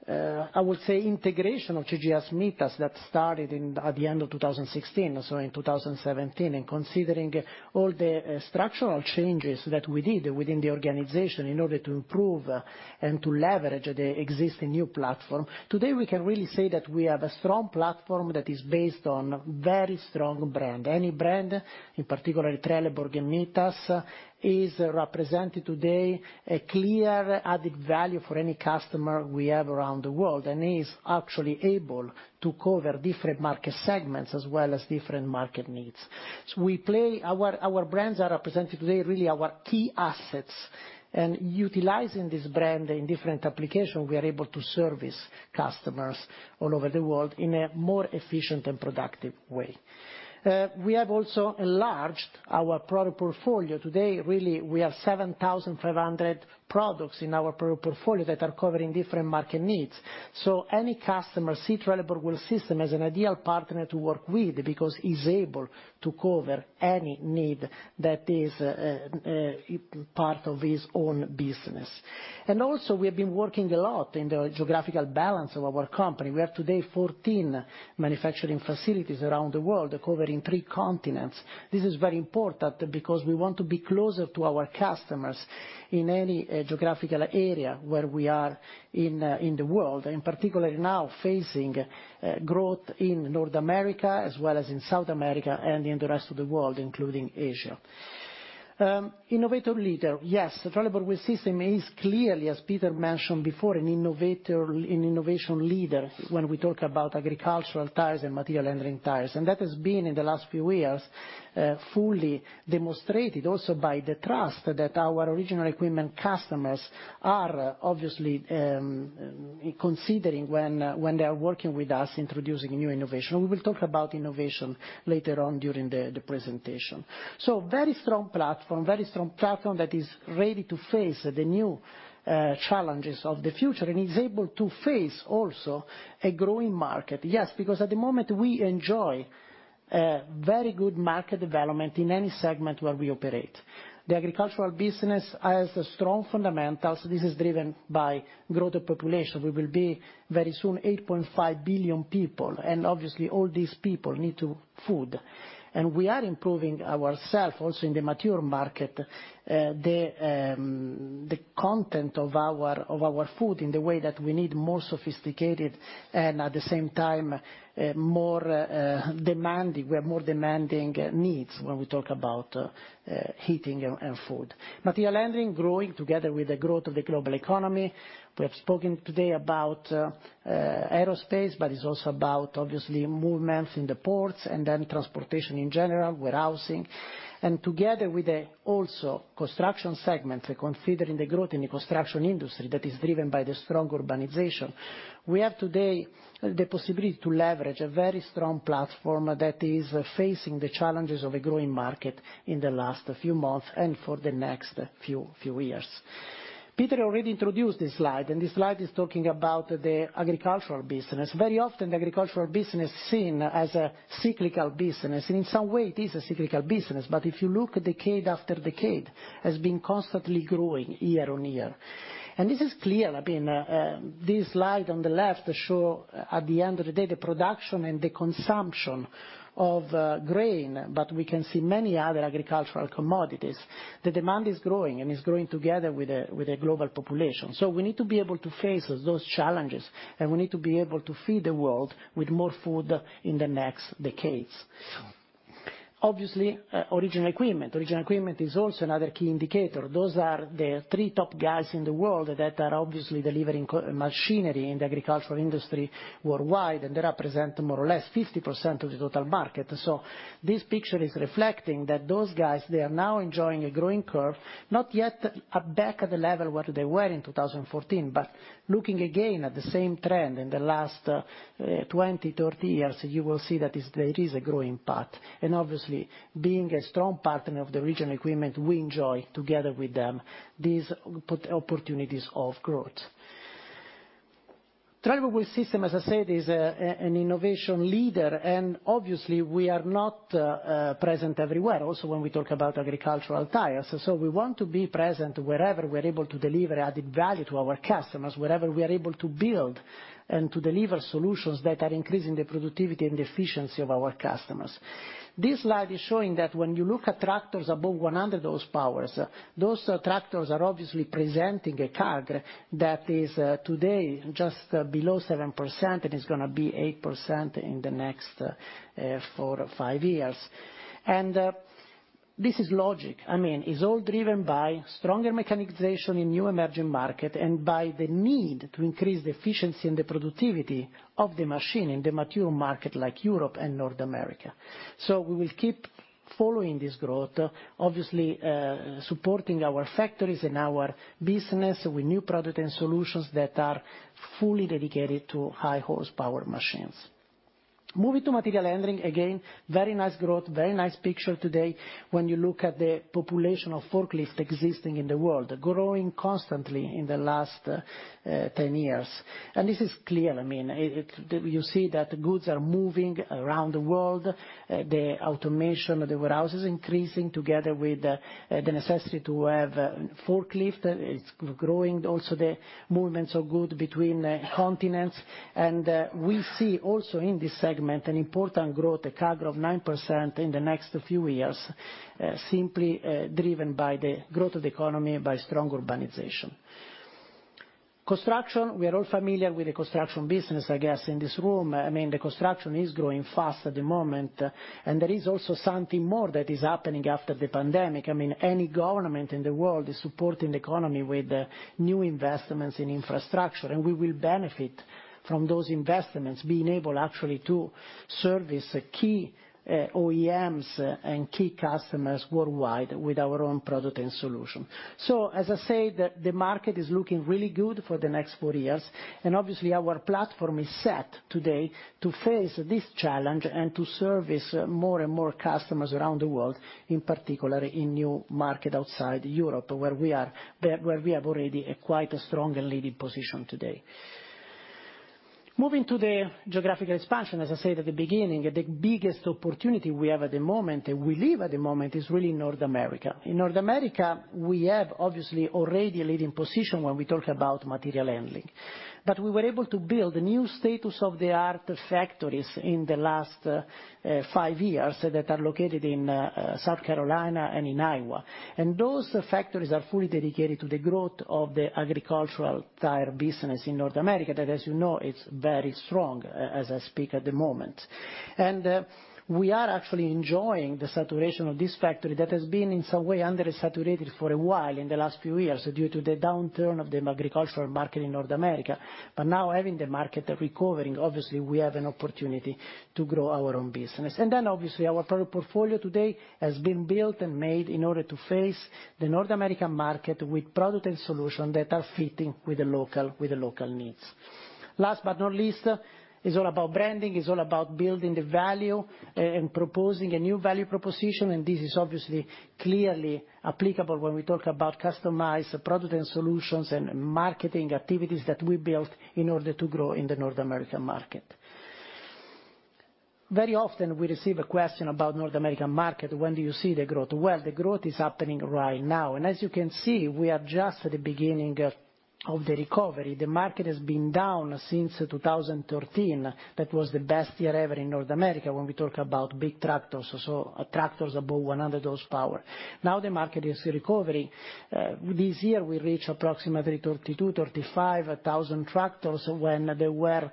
I would say integration of ČGS Holding that started in, at the end of 2016, so in 2017, and considering all the structural changes that we did within the organization in order to improve and to leverage the existing new platform, today we can really say that we have a strong platform that is based on very strong brand. Any brand, in particular Trelleborg and Mitas, is representing today a clear added value for any customer we have around the world, and is actually able to cover different market segments as well as different market needs. Our brands are representing today really our key assets, and utilizing this brand in different application, we are able to service customers all over the world in a more efficient and productive way. We have also enlarged our product portfolio. Today, really, we have 7,500 products in our product portfolio that are covering different market needs. Any customer see Trelleborg Wheel Systems as an ideal partner to work with because is able to cover any need that is part of his own business. We have been working a lot in the geographical balance of our company. We have today 14 manufacturing facilities around the world covering three continents. This is very important because we want to be closer to our customers in any geographical area where we are in the world, and in particular now facing growth in North America as well as in South America and in the rest of the world, including Asia. Innovative leader. Yes, Trelleborg Wheel Systems is clearly, as Peter mentioned before, an innovation leader when we talk about agricultural tires and material handling tires. That has been in the last few years fully demonstrated also by the trust that our original equipment customers are obviously considering when they are working with us introducing new innovation. We will talk about innovation later on during the presentation. Very strong platform that is ready to face the new challenges of the future and is able to face also a growing market. Yes, because at the moment we enjoy very good market development in any segment where we operate. The agricultural business has strong fundamentals. This is driven by growth of population. We will be very soon 8.5 billion people, and obviously all these people need food. We are improving ourselves also in the mature market, the content of our food in the way that we need more sophisticated and at the same time more demanding. We have more demanding needs when we talk about heating and food. Material handling growing together with the growth of the global economy. We have spoken today about aerospace, but it's also about obviously movements in the ports and then transportation in general, warehousing. Together with the also construction segments, considering the growth in the construction industry that is driven by the strong urbanization, we have today the possibility to leverage a very strong platform that is facing the challenges of a growing market in the last few months and for the next few years. Peter already introduced this slide, and this slide is talking about the agricultural business. Very often the agricultural business is seen as a cyclical business, and in some way it is a cyclical business. But if you look decade after decade, it has been constantly growing year-on-year. This is clear. I mean, this slide on the left show at the end of the day the production and the consumption of grain, but we can see many other agricultural commodities. The demand is growing, and it's growing together with the global population. We need to be able to face those challenges, and we need to be able to feed the world with more food in the next decades. Obviously, original equipment is also another key indicator. Those are the three top guys in the world that are obviously delivering machinery in the agricultural industry worldwide, and they represent more or less 50% of the total market. This picture is reflecting that those guys, they are now enjoying a growing curve, not yet back at the level where they were in 2014. Looking again at the same trend in the last 20, 30 years, you will see there is a growing path. Obviously, being a strong partner of the original equipment, we enjoy together with them these opportunities of growth. Trelleborg Wheel Systems, as I said, is an innovation leader, and obviously we are not present everywhere, also when we talk about agricultural tires. We want to be present wherever we're able to deliver added value to our customers, wherever we are able to build and to deliver solutions that are increasing the productivity and the efficiency of our customers. This slide is showing that when you look at tractors above 100 hp, those tractors are obviously presenting a CAGR that is today just below 7% and is gonna be 8% in the next four, five years. This is logic. I mean, it's all driven by stronger mechanization in new emerging market and by the need to increase the efficiency and the productivity of the machine in the mature market like Europe and North America. We will keep following this growth, obviously, supporting our factories and our business with new product and solutions that are fully dedicated to high-horsepower machines. Moving to material handling, again, very nice growth, very nice picture today when you look at the population of forklifts existing in the world, growing constantly in the last 10 years. This is clear, I mean, you see that goods are moving around the world, the automation of the warehouses increasing together with the necessity to have a forklift. It's growing also the movements of goods between continents. We see also in this segment an important growth, a CAGR of 9% in the next few years, simply driven by the growth of the economy by strong urbanization. Construction, we are all familiar with the construction business, I guess, in this room. I mean, the construction is growing fast at the moment, and there is also something more that is happening after the pandemic. I mean, any government in the world is supporting the economy with new investments in infrastructure, and we will benefit from those investments, being able actually to service key OEMs and key customers worldwide with our own product and solution. As I say, the market is looking really good for the next four years. Obviously, our platform is set today to face this challenge and to service more and more customers around the world, in particular in new market outside Europe, where we have already a quite strong and leading position today. Moving to the geographical expansion, as I said at the beginning, the biggest opportunity we have at the moment, and we have at the moment, is really North America. In North America, we have obviously already a leading position when we talk about material handling. We were able to build new state-of-the-art factories in the last five years that are located in South Carolina and in Iowa. Those factories are fully dedicated to the growth of the agricultural tire business in North America that, as you know, is very strong as I speak at the moment. We are actually enjoying the saturation of this factory that has been in some way under-saturated for a while in the last few years due to the downturn of the agricultural market in North America. Now having the market recovering, obviously we have an opportunity to grow our own business. Then obviously, our product portfolio today has been built and made in order to face the North American market with product and solution that are fitting with the local needs. Last but not least, it's all about branding, it's all about building the value and proposing a new value proposition, and this is obviously clearly applicable when we talk about customized product and solutions and marketing activities that we built in order to grow in the North American market. Very often we receive a question about North American market, when do you see the growth? Well, the growth is happening right now. As you can see, we are just at the beginning of the recovery. The market has been down since 2013. That was the best year ever in North America when we talk about big tractors. Tractors above 100 hp. Now the market is in recovery. This year we reached approximately 32,000-35,000 tractors when there were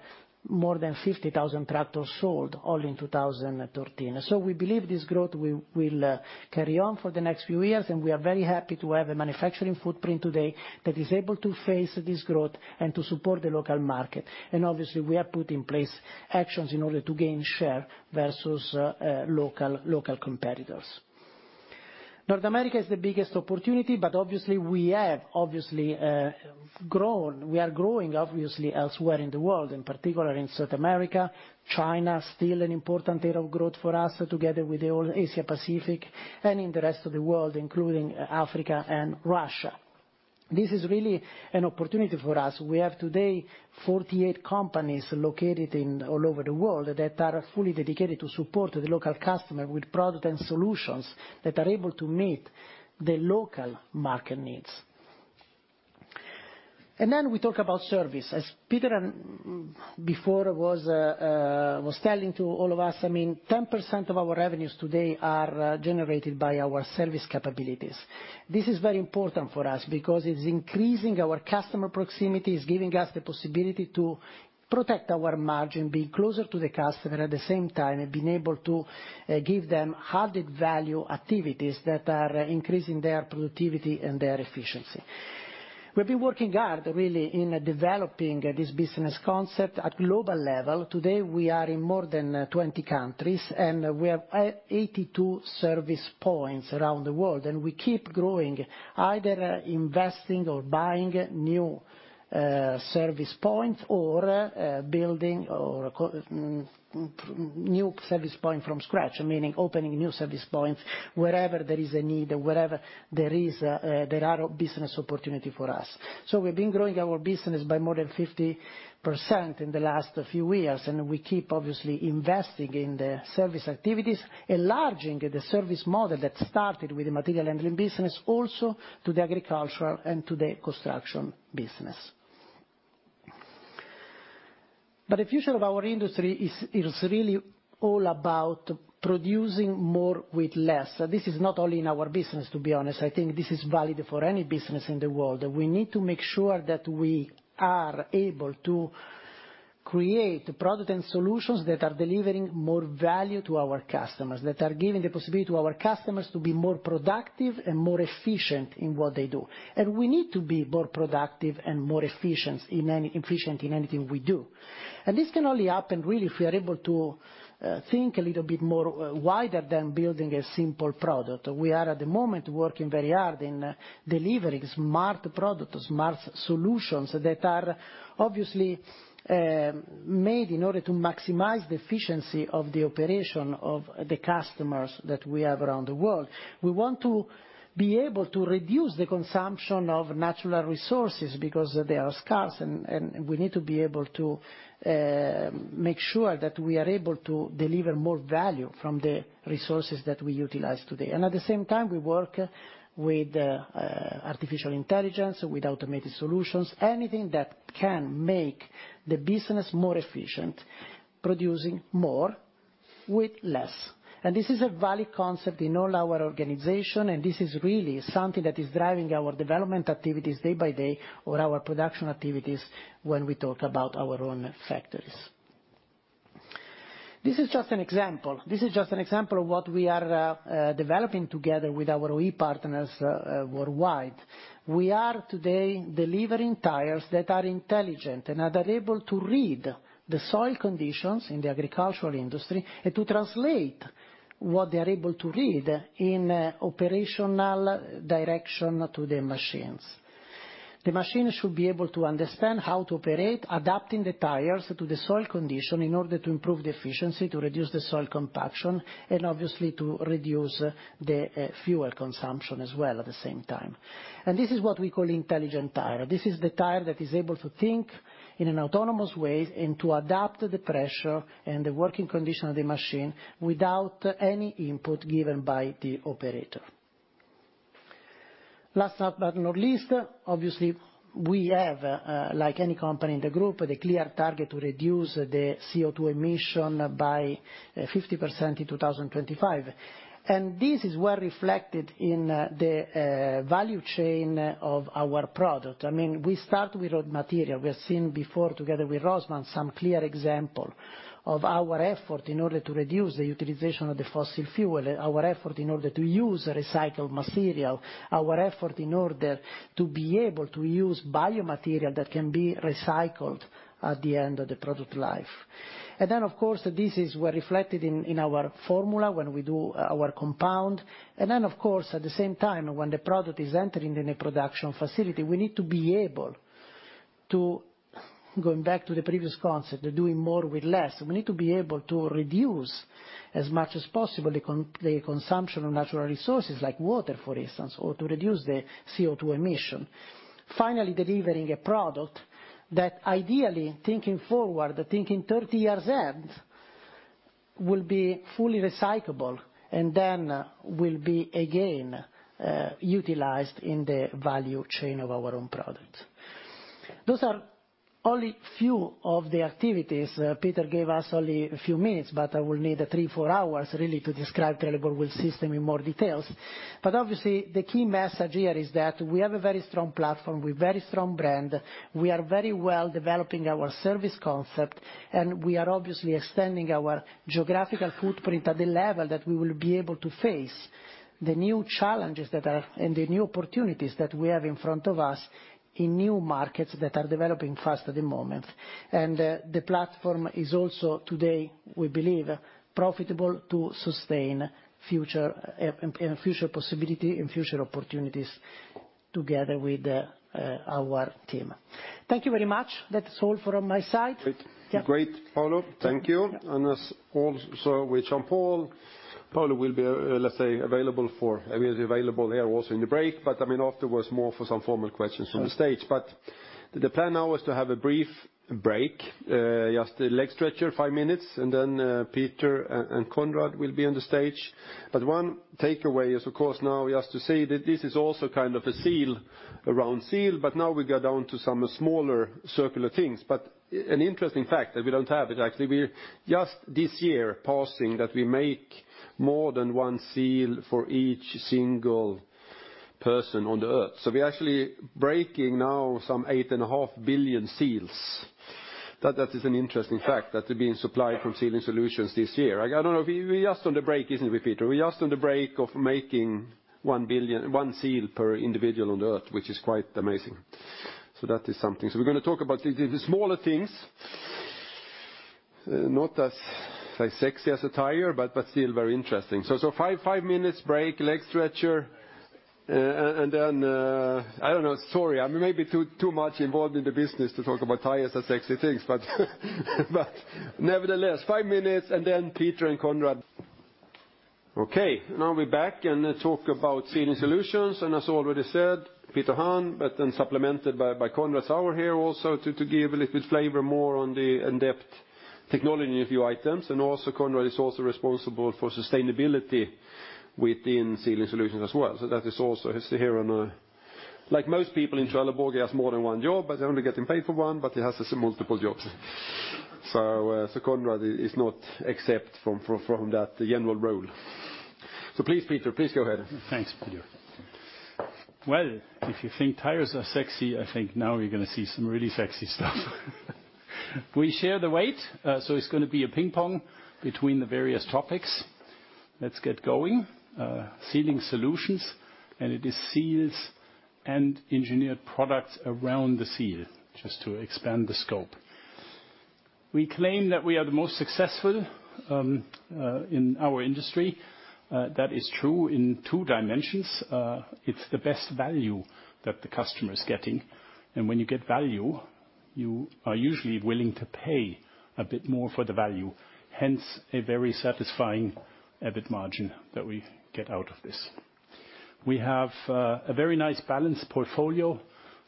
more than 50,000 tractors sold all in 2013. We believe this growth will carry on for the next few years, and we are very happy to have a manufacturing footprint today that is able to face this growth and to support the local market. Obviously, we have put in place actions in order to gain share versus local competitors. North America is the biggest opportunity, but obviously we have grown. We are growing obviously elsewhere in the world, in particular in South America, China, still an important area of growth for us together with the whole Asia-Pacific and in the rest of the world, including Africa and Russia. This is really an opportunity for us. We have today 48 companies located all over the world that are fully dedicated to support the local customer with products and solutions that are able to meet the local market needs. We talk about service. As Peter before was telling to all of us, I mean, 10% of our revenues today are generated by our service capabilities. This is very important for us because it's increasing our customer proximity, it's giving us the possibility to protect our margin, being closer to the customer, at the same time, being able to give them added value activities that are increasing their productivity and their efficiency. We've been working hard, really, in developing this business concept at global level. Today, we are in more than 20 countries, and we have 82 service points around the world, and we keep growing, either investing or buying new service points or building new service point from scratch, meaning opening new service points wherever there is a need, wherever there are business opportunity for us. We've been growing our business by more than 50% in the last few years, and we keep obviously investing in the service activities, enlarging the service model that started with the material handling business also to the agricultural and to the construction business. The future of our industry is really all about producing more with less. This is not only in our business, to be honest. I think this is valid for any business in the world. We need to make sure that we are able to create product and solutions that are delivering more value to our customers, that are giving the possibility to our customers to be more productive and more efficient in what they do. We need to be more productive and more efficient in anything we do. This can only happen, really, if we are able to think a little bit more wider than building a simple product. We are at the moment working very hard in delivering smart products, smart solutions that are obviously made in order to maximize the efficiency of the operation of the customers that we have around the world. We want to be able to reduce the consumption of natural resources because they are scarce and we need to be able to make sure that we are able to deliver more value from the resources that we utilize today. At the same time, we work with artificial intelligence, with automated solutions, anything that can make the business more efficient, producing more with less. This is a valid concept in all our organization, and this is really something that is driving our development activities day by day or our production activities when we talk about our own factories. This is just an example of what we are developing together with our OE partners worldwide. We are today delivering tires that are intelligent and that are able to read the soil conditions in the agricultural industry and to translate what they are able to read in operational direction to the machines. The machine should be able to understand how to operate, adapting the tires to the soil condition in order to improve the efficiency, to reduce the soil compaction, and obviously to reduce the fuel consumption as well at the same time. This is what we call intelligent tire. This is the tire that is able to think in an autonomous way and to adapt the pressure and the working condition of the machine without any input given by the operator. Last but not least, obviously, we have like any company in the group, the clear target to reduce the CO2 emission by 50% in 2025. This is well reflected in the value chain of our product. I mean, we start with raw material. We have seen before together with Rosman some clear example of our effort in order to reduce the utilization of the fossil fuel, our effort in order to use recycled material, our effort in order to be able to use biomaterial that can be recycled at the end of the product life. Then, of course, this is reflected in our formula when we do our compound. Then, of course, at the same time, when the product is entering in a production facility, we need to be able to, going back to the previous concept, doing more with less, we need to be able to reduce as much as possible the consumption of natural resources like water, for instance, or to reduce the CO2 emission. Finally, delivering a product that ideally, thinking forward, thinking 30 years ahead, will be fully recyclable and then will be again utilized in the value chain of our own product. Those are only a few of the activities. Peter gave us only a few minutes, but I will need three, four hours really to describe Trelleborg Wheel Systems in more details. Obviously, the key message here is that we have a very strong platform with very strong brand. We are very well developing our service concept, and we are obviously extending our geographical footprint at the level that we will be able to face the new challenges that are and the new opportunities that we have in front of us in new markets that are developing fast at the moment. The platform is also today, we believe, profitable to sustain future and future possibility and future opportunities together with our team. Thank you very much. That's all from my side. Great. Yeah. Great, Paolo. Thank you. As also with Jean-Paul, Paolo will be, let's say, available there also in the break, but I mean, afterwards more for some formal questions from the stage. The plan now is to have a brief break, just a leg stretcher, five minutes, and then Peter and Konrad will be on the stage. One takeaway is of course now just to say that this is also kind of a seal around seal, but now we go down to some smaller circular things. An interesting fact that we don't have it actually, we just this year passing that we make more than one seal for each single person on the Earth. We're actually making now some 8.5 billion seals. That is an interesting fact that they're being supplied from Sealing Solutions this year. I don't know. We're just on the break, aren't we, Peter? We're just on the break of making 1 billion, one seal per individual on Earth, which is quite amazing. That is something. We're gonna talk about the smaller things, not as like sexy as a tire, but still very interesting. Five minutes break, leg stretcher, and then. I don't know. Sorry, I'm maybe too much involved in the business to talk about tires as sexy things. Nevertheless, five minutes and then Peter and Konrad Saur. Okay, now we're back and talk about Sealing Solutions. As already said, Peter Hahn, but then supplemented by Konrad Saur here also to give a little bit more flavor on the in-depth technology of your items. Konrad is also responsible for sustainability within Sealing Solutions as well. That is also his hat on. Like most people in Trelleborg, he has more than one job, but he's only getting paid for one, but he has multiple jobs. Konrad is not exempt from that general role. Please, Peter, go ahead. Thanks, Peter. Well, if you think tires are sexy, I think now you're gonna see some really sexy stuff. We share the weight, so it's gonna be a ping pong between the various topics. Let's get going. Sealing Solutions, and it is seals and engineered products around the seal, just to expand the scope. We claim that we are the most successful in our industry. That is true in two dimensions. It's the best value that the customer is getting, and when you get value, you are usually willing to pay a bit more for the value, hence a very satisfying EBIT margin that we get out of this. We have a very nice balanced portfolio,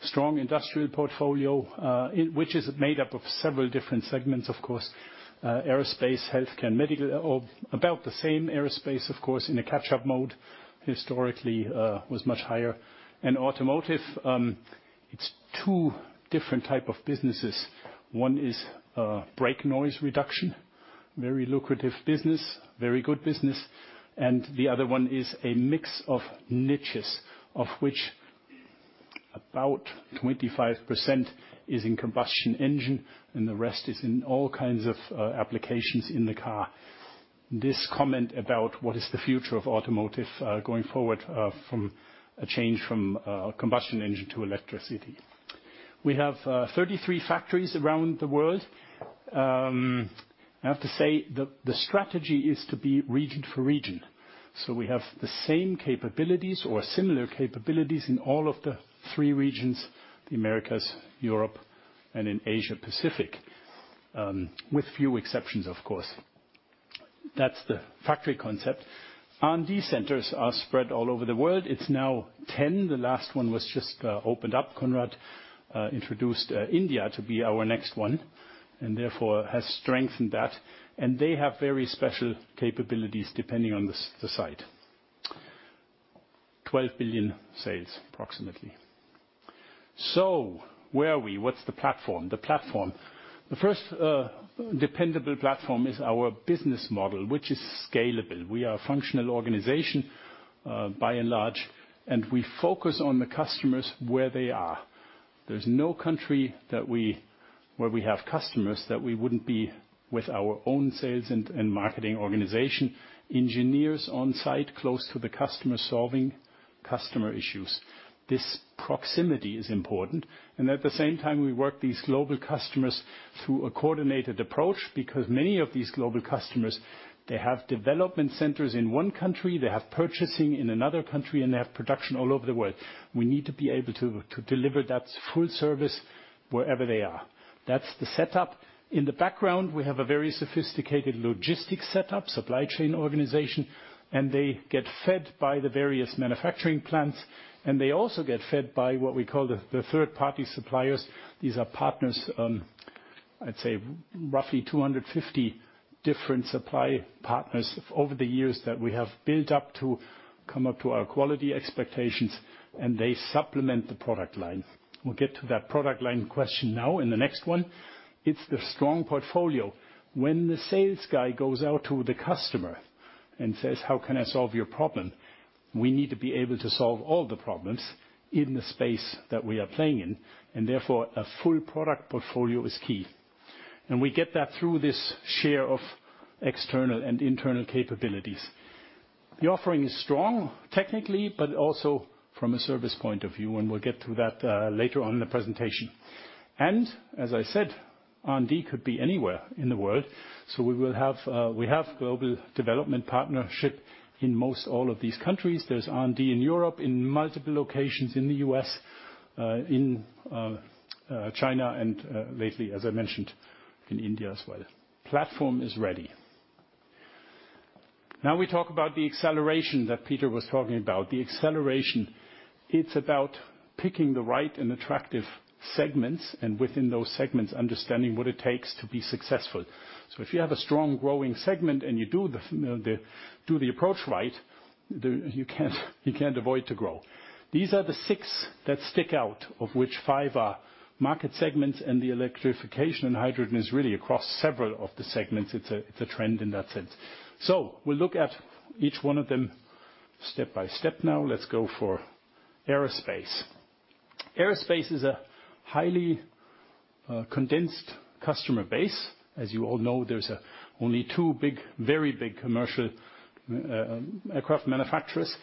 strong industrial portfolio, which is made up of several different segments, of course, aerospace, healthcare, medical are about the same. Aerospace, of course, in a catch-up mode, historically was much higher. Automotive, it's two different type of businesses. One is brake noise reduction, very lucrative business, very good business, and the other one is a mix of niches, of which about 25% is in combustion engine, and the rest is in all kinds of applications in the car. This comment about what is the future of automotive going forward from a change from combustion engine to electricity. We have 33 factories around the world. I have to say the strategy is to be region for region. We have the same capabilities or similar capabilities in all of the three regions, the Americas, Europe, and in Asia-Pacific, with few exceptions, of course. That's the factory concept. R&D centers are spread all over the world. It's now 10. The last one was just opened up. Konrad introduced India to be our next one, and therefore has strengthened that. They have very special capabilities depending on the site. 12 billion sales, approximately. Where are we? What's the platform? The platform. The first dependable platform is our business model, which is scalable. We are a functional organization, by and large, and we focus on the customers where they are. There's no country where we have customers that we wouldn't be with our own sales and marketing organization, engineers on site close to the customer solving customer issues. This proximity is important. At the same time, we work with these global customers through a coordinated approach because many of these global customers, they have development centers in one country, they have purchasing in another country, and they have production all over the world. We need to be able to deliver that full service wherever they are. That's the setup. In the background, we have a very sophisticated logistics setup, supply chain organization, and they get fed by the various manufacturing plants, and they also get fed by what we call the third-party suppliers. These are partners. I'd say roughly 250 different supply partners over the years that we have built up to come up to our quality expectations, and they supplement the product line. We'll get to that product line question now in the next one. It's the strong portfolio. When the sales guy goes out to the customer and says, "How can I solve your problem?" We need to be able to solve all the problems in the space that we are playing in, and therefore, a full product portfolio is key. We get that through this share of external and internal capabilities. The offering is strong technically, but also from a service point of view, and we'll get to that later on in the presentation. As I said, R&D could be anywhere in the world, so we have global development partnership in most all of these countries. There's R&D in Europe, in multiple locations in the U.S., in China, and lately, as I mentioned, in India as well. Platform is ready. Now we talk about the acceleration that Peter was talking about. The acceleration, it's about picking the right and attractive segments, and within those segments, understanding what it takes to be successful. If you have a strong growing segment and you do the approach right, you can't avoid to grow. These are the six that stick out, of which five are market segments, and the electrification and hydrogen is really across several of the segments. It's a trend in that sense. We'll look at each one of them step by step now. Let's go for aerospace. Aerospace is a highly condensed customer base. As you all know, there's only two big, very big commercial aircraft manufacturers.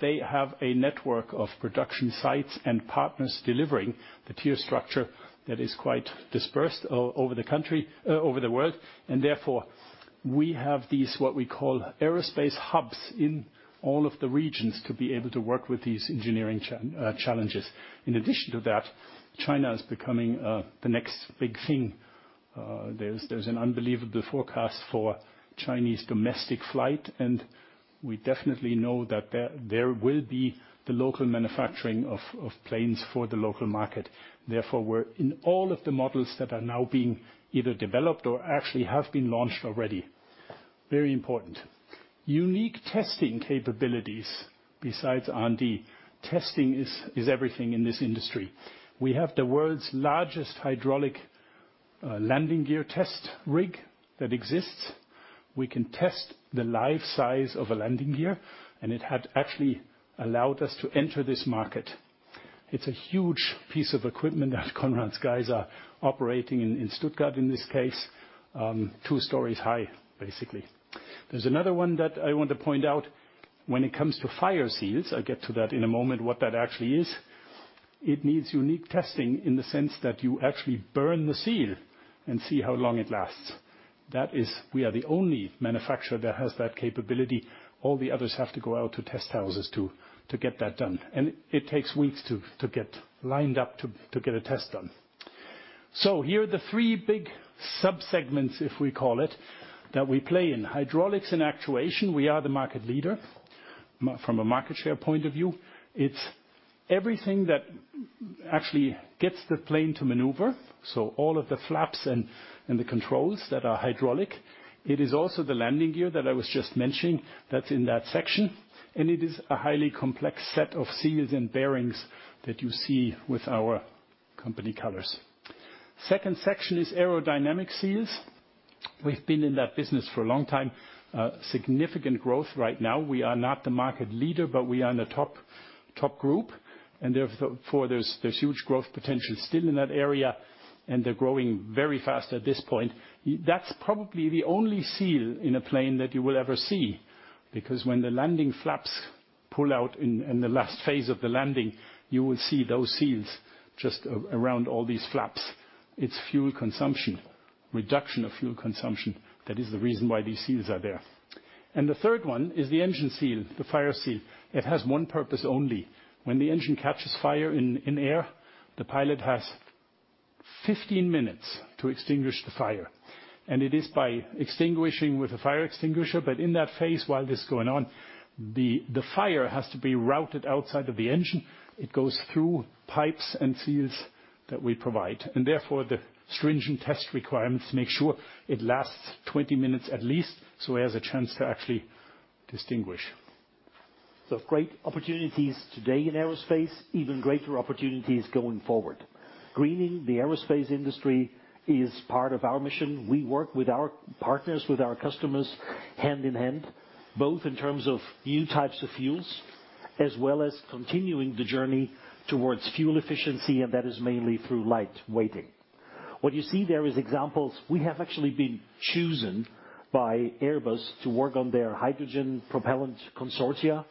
They have a network of production sites and partners delivering the tier structure that is quite dispersed over the country, over the world. Therefore, we have these, what we call aerospace hubs in all of the regions to be able to work with these engineering challenges. In addition to that, China is becoming the next big thing. There's an unbelievable forecast for Chinese domestic flight, and we definitely know that there will be the local manufacturing of planes for the local market. Therefore, we're in all of the models that are now being either developed or actually have been launched already. Very important. Unique testing capabilities besides R&D. Testing is everything in this industry. We have the world's largest hydraulic landing gear test rig that exists. We can test the life size of a landing gear, and it had actually allowed us to enter this market. It's a huge piece of equipment that Konrad's guys are operating in Stuttgart, in this case, two stories high, basically. There's another one that I want to point out. When it comes to fire seals, I'll get to that in a moment, what that actually is. It needs unique testing in the sense that you actually burn the seal and see how long it lasts. That is, we are the only manufacturer that has that capability. All the others have to go out to test houses to get that done, and it takes weeks to get lined up to get a test done. Here are the three big sub-segments, if we call it, that we play in. Hydraulics and actuation, we are the market leader from a market share point of view. It's everything that actually gets the plane to maneuver, so all of the flaps and the controls that are hydraulic. It is also the landing gear that I was just mentioning. That's in that section, and it is a highly complex set of seals and bearings that you see with our company colors. Second section is aerodynamic seals. We've been in that business for a long time. Significant growth right now. We are not the market leader, but we are in the top group, and therefore, there's huge growth potential still in that area, and they're growing very fast at this point. That's probably the only seal in a plane that you will ever see because when the landing flaps pull out in the last phase of the landing, you will see those seals just around all these flaps. It's fuel consumption reduction of fuel consumption. That is the reason why these seals are there. The third one is the engine seal, the fire seal. It has one purpose only. When the engine catches fire in air, the pilot has 15 minutes to extinguish the fire, and it is by extinguishing with a fire extinguisher. But in that phase, while this is going on, the fire has to be routed outside of the engine. It goes through pipes and seals that we provide. Therefore, the stringent test requirements make sure it lasts 20 minutes at least, so he has a chance to actually distinguish. Great opportunities today in aerospace, even greater opportunities going forward. Greening the aerospace industry is part of our mission. We work with our partners, with our customers hand in hand, both in terms of new types of fuels, as well as continuing the journey towards fuel efficiency, and that is mainly through lightweighting. What you see there is examples. We have actually been chosen by Airbus to work on their hydrogen propellant consortia,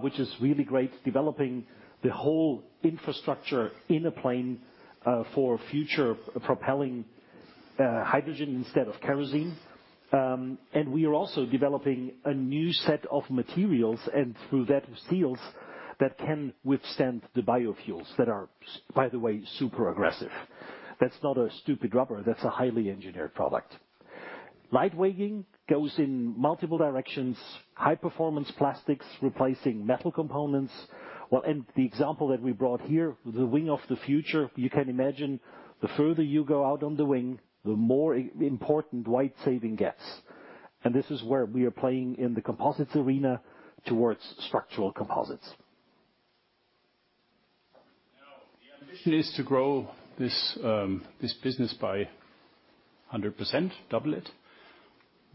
which is really great, developing the whole infrastructure in a plane, for future propelling, hydrogen instead of kerosene. And we are also developing a new set of materials and through that seals that can withstand the biofuels that are by the way, super aggressive. That's not a stupid rubber. That's a highly engineered product. Lightweighting goes in multiple directions, high-performance plastics replacing metal components. The example that we brought here, the wing of the future, you can imagine the further you go out on the wing, the more important weight saving gets. This is where we are playing in the composites arena towards structural composites. Now, the ambition is to grow this business by 100%, double it.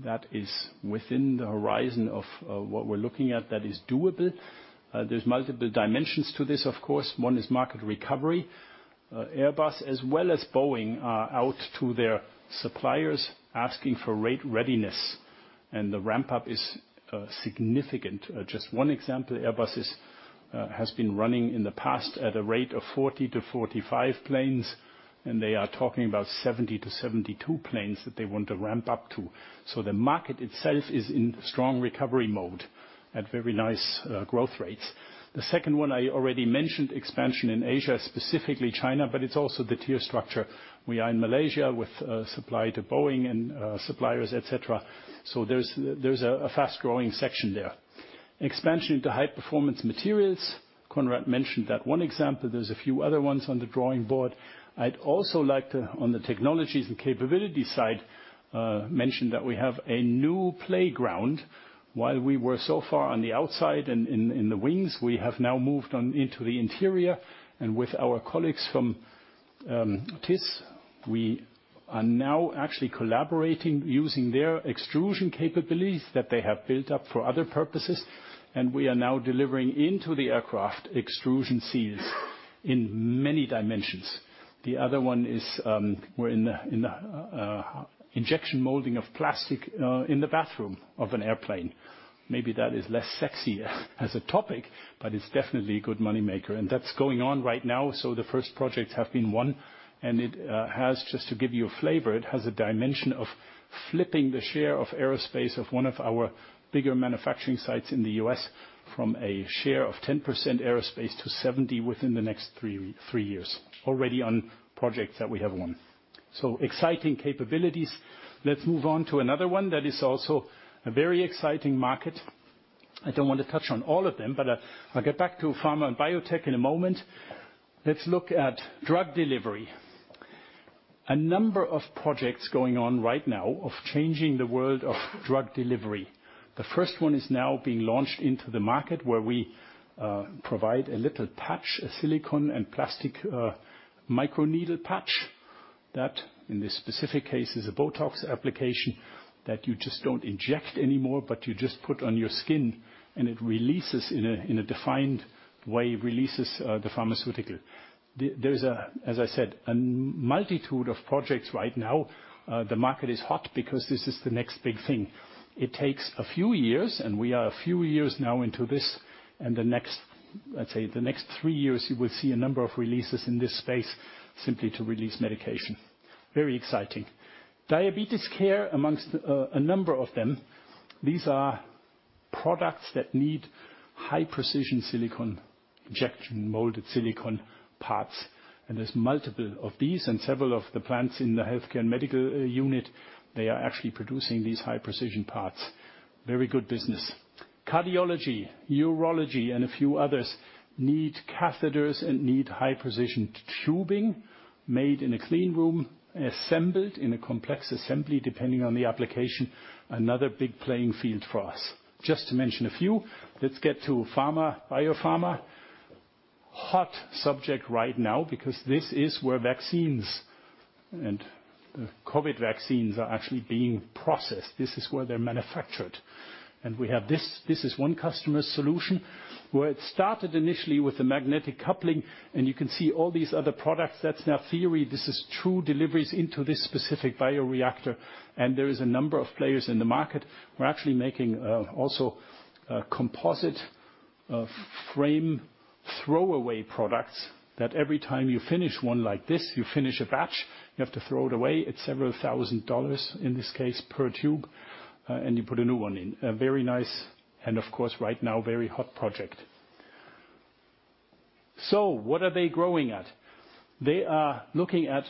That is within the horizon of what we're looking at that is doable. There's multiple dimensions to this, of course. One is market recovery. Airbus as well as Boeing are reaching out to their suppliers asking for rate readiness, and the ramp up is significant. Just one example, Airbus has been running in the past at a rate of 40-45 planes, and they are talking about 70-72 planes that they want to ramp up to. The market itself is in strong recovery mode at very nice growth rates. The second one I already mentioned, expansion in Asia, specifically China, but it's also the tier structure. We are in Malaysia with supply to Boeing and suppliers, et cetera. There's a fast-growing section there. Expansion into high-performance materials. Konrad mentioned that one example. There's a few other ones on the drawing board. I'd also like to, on the technologies and capability side, mention that we have a new playground. While we were so far on the outside and in the wings, we have now moved on into the interior. With our colleagues from TIS, we are now actually collaborating using their extrusion capabilities that they have built up for other purposes, and we are now delivering into the aircraft extrusion seals in many dimensions. The other one is, we're in the injection molding of plastic in the bathroom of an airplane. Maybe that is less sexy as a topic, but it's definitely a good money maker. That's going on right now, so the first projects have been won, and just to give you a flavor, it has a dimension of flipping the share of aerospace of one of our bigger manufacturing sites in the U.S. from a share of 10% aerospace to 70% within the next three years, already on projects that we have won. Exciting capabilities. Let's move on to another one that is also a very exciting market. I don't want to touch on all of them, but I'll get back to pharma and biotech in a moment. Let's look at drug delivery. A number of projects going on right now of changing the world of drug delivery. The first one is now being launched into the market where we provide a little patch, a silicone and plastic microneedle patch, that in this specific case is a Botox application that you just don't inject anymore, but you just put on your skin, and it releases in a defined way, the pharmaceutical. There's, as I said, a multitude of projects right now. The market is hot because this is the next big thing. It takes a few years, and we are a few years now into this and the next, let's say, the next three years, you will see a number of releases in this space simply to release medication. Very exciting. Diabetes care amongst a number of them. These are products that need high-precision silicone, injection-molded silicone parts, and there's multiple of these and several of the plants in the healthcare and medical unit, they are actually producing these high-precision parts. Very good business. Cardiology, urology, and a few others need catheters and need high-precision tubing made in a clean room, assembled in a complex assembly, depending on the application. Another big playing field for us. Just to mention a few, let's get to pharma, biopharma. Hot subject right now because this is where vaccines and the COVID vaccines are actually being processed. This is where they're manufactured. We have this. This is one customer's solution where it started initially with the magnetic coupling, and you can see all these other products. That's now theory. This is true deliveries into this specific bioreactor, and there is a number of players in the market. We're actually making also composite frame throwaway products that every time you finish one like this, you finish a batch, you have to throw it away. It's several thousand dollars in this case per tube, and you put a new one in. A very nice, and of course, right now, very hot project. What are they growing at? They are looking at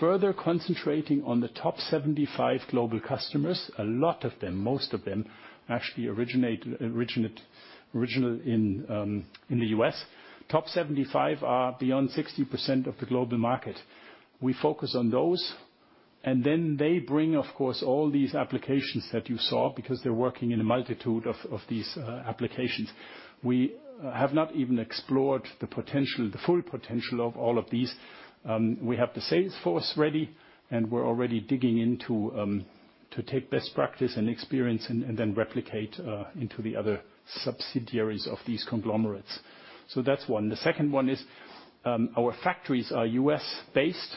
further concentrating on the top 75 global customers. A lot of them, most of them actually originate in the U.S. top 75 are beyond 60% of the global market. We focus on those, and then they bring, of course, all these applications that you saw because they're working in a multitude of these applications. We have not even explored the potential, the full potential of all of these. We have the sales force ready, and we're already digging into to take best practice and experience and then replicate into the other subsidiaries of these conglomerates. That's one. The second one is our factories are U.S.-based.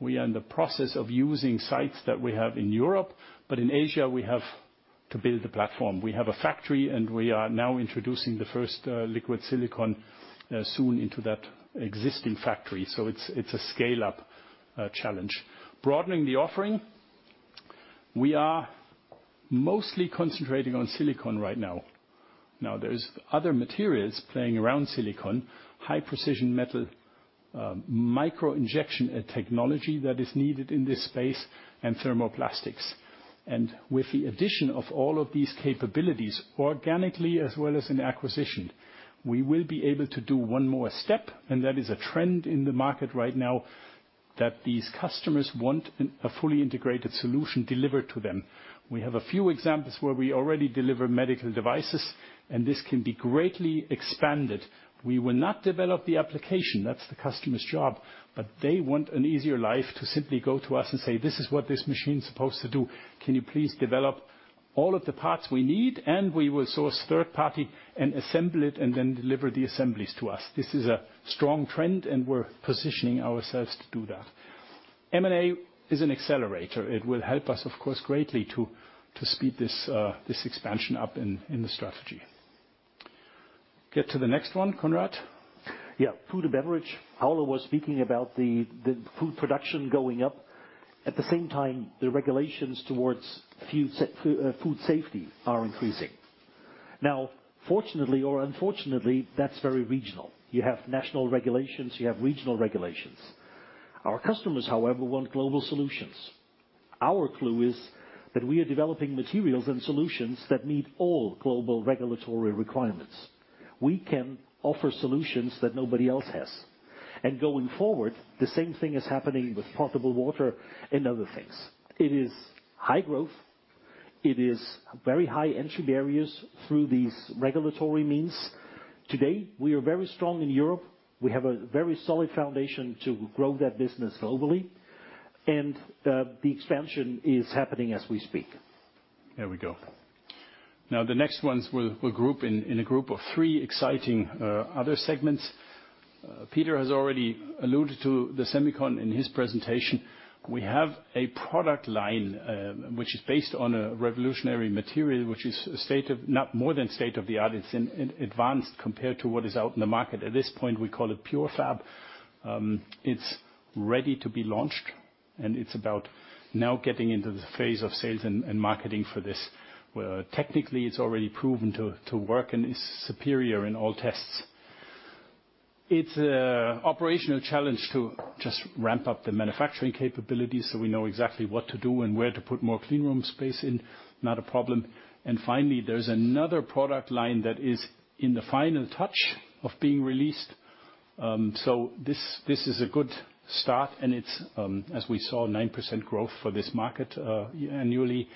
We are in the process of using sites that we have in Europe, but in Asia, we have to build a platform. We have a factory, and we are now introducing the first liquid silicone soon into that existing factory. So it's a scale-up challenge. Broadening the offering. We are mostly concentrating on silicon right now. Now there's other materials playing around silicon, high-precision metal, microinjection, a technology that is needed in this space and thermoplastics. With the addition of all of these capabilities, organically as well as in acquisition, we will be able to do one more step, and that is a trend in the market right now that these customers want a fully integrated solution delivered to them. We have a few examples where we already deliver medical devices and this can be greatly expanded. We will not develop the application, that's the customer's job. They want an easier life to simply go to us and say, "This is what this machine's supposed to do. Can you please develop all of the parts we need? We will source third party and assemble it and then deliver the assemblies to us." This is a strong trend, and we're positioning ourselves to do that. M&A is an accelerator. It will help us of course greatly to speed this expansion up in the strategy. Get to the next one, Konrad. Yeah, food and beverage. Paolo was speaking about the food production going up. At the same time, the regulations towards food safety are increasing. Now, fortunately or unfortunately, that's very regional. You have national regulations, you have regional regulations. Our customers, however, want global solutions. Our clue is that we are developing materials and solutions that meet all global regulatory requirements. We can offer solutions that nobody else has. Going forward, the same thing is happening with potable water and other things. It is high growth. It is very high entry barriers through these regulatory means. Today, we are very strong in Europe. We have a very solid foundation to grow that business globally, and the expansion is happening as we speak. Now, the next ones we'll group in a group of three exciting other segments. Peter has already alluded to the semiconductor in his presentation. We have a product line which is based on a revolutionary material, which is more than state of the art. It's more advanced compared to what is out in the market. At this point, we call it PureFab. It's ready to be launched, and it's about now getting into the phase of sales and marketing for this. Where technically it's already proven to work and is superior in all tests. It's an operational challenge to just ramp up the manufacturing capabilities so we know exactly what to do and where to put more clean room space in, not a problem. Finally, there's another product line that is in the final touch of being released. So this is a good start and it's, as we saw, 9% growth for this market annually.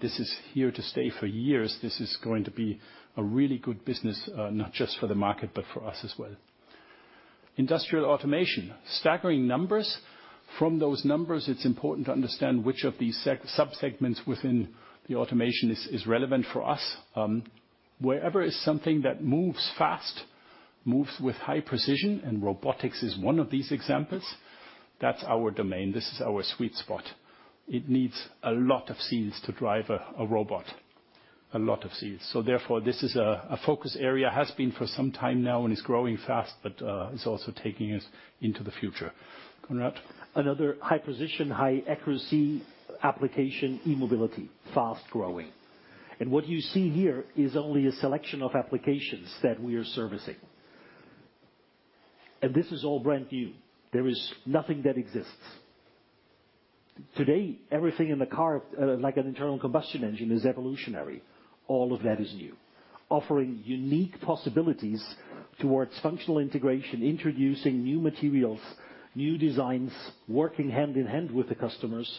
This is here to stay for years. This is going to be a really good business, not just for the market, but for us as well. Industrial automation, staggering numbers. From those numbers, it's important to understand which of these subsegments within the automation is relevant for us. Wherever is something that moves fast, moves with high precision, and robotics is one of these examples, that's our domain. This is our sweet spot. It needs a lot of seals to drive a robot, a lot of seals. This is a focus area, has been for some time now and is growing fast, but is also taking us into the future. Konrad? Another high-precision, high-accuracy application, e-mobility, fast growing. What you see here is only a selection of applications that we are servicing. This is all brand new. There is nothing that exists. Today, everything in the car, like an internal combustion engine, is evolutionary. All of that is new. Offering unique possibilities towards functional integration, introducing new materials, new designs, working hand in hand with the customers,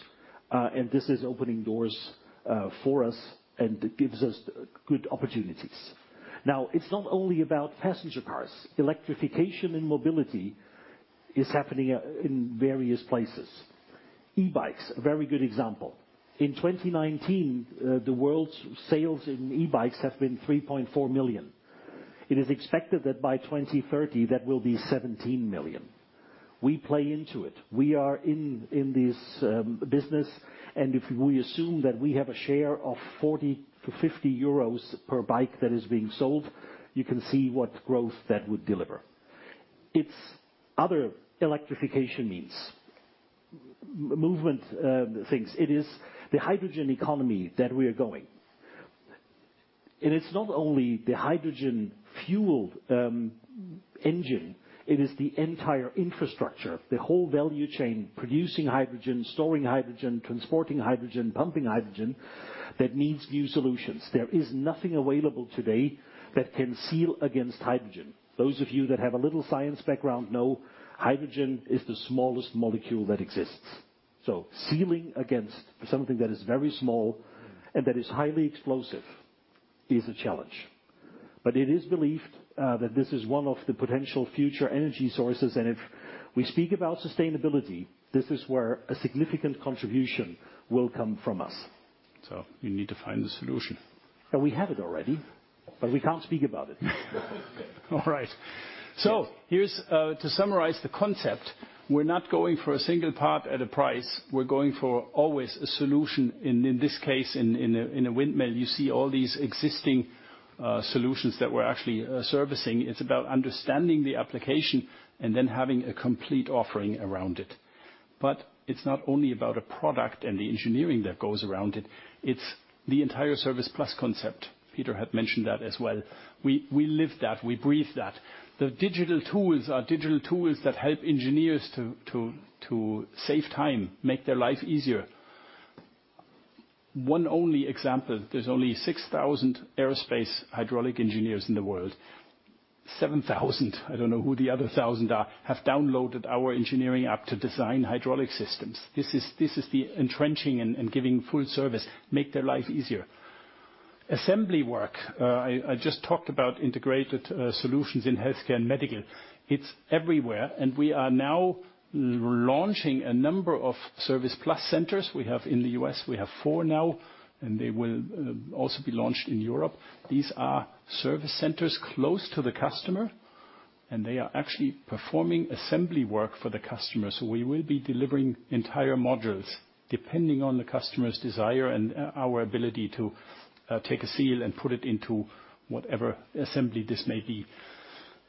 and this is opening doors, for us, and it gives us good opportunities. Now, it's not only about passenger cars. Electrification in mobility is happening in various places. E-bikes, a very good example. In 2019, the world's sales in e-bikes have been 3.4 million. It is expected that by 2030, that will be 17 million. We play into it. We are in this business, and if we assume that we have a share of 40-50 euros per bike that is being sold, you can see what growth that would deliver. It's other electrification means, movement, things. It is the hydrogen economy that we are going. It's not only the hydrogen fueled engine, it is the entire infrastructure, the whole value chain, producing hydrogen, storing hydrogen, transporting hydrogen, pumping hydrogen, that needs new solutions. There is nothing available today that can seal against hydrogen. Those of you that have a little science background know hydrogen is the smallest molecule that exists. So sealing against something that is very small and that is highly explosive is a challenge. It is believed that this is one of the potential future energy sources. If we speak about sustainability, this is where a significant contribution will come from us. We need to find a solution. We have it already, but we can't speak about it. All right. Here's to summarize the concept, we're not going for a single part at a price. We're going for always a solution in this case, in a windmill. You see all these existing solutions that we're actually servicing. It's about understanding the application and then having a complete offering around it. It's not only about a product and the engineering that goes around it's the entire service plus concept. Peter had mentioned that as well. We live that, we breathe that. The digital tools are digital tools that help engineers to save time, make their life easier. One only example, there's only 6,000 aerospace hydraulic engineers in the world. Seven thousand, I don't know who the other 1,000 are, have downloaded our engineering app to design hydraulic systems. This is the entrenching and giving full service, make their life easier. Assembly work. I just talked about integrated solutions in healthcare and medical. It's everywhere. We are now launching a number of ServicePLUS centers. We have in the U.S. four now, and they will also be launched in Europe. These are service centers close to the customer, and they are actually performing assembly work for the customer. We will be delivering entire modules depending on the customer's desire and our ability to take a seal and put it into whatever assembly this may be.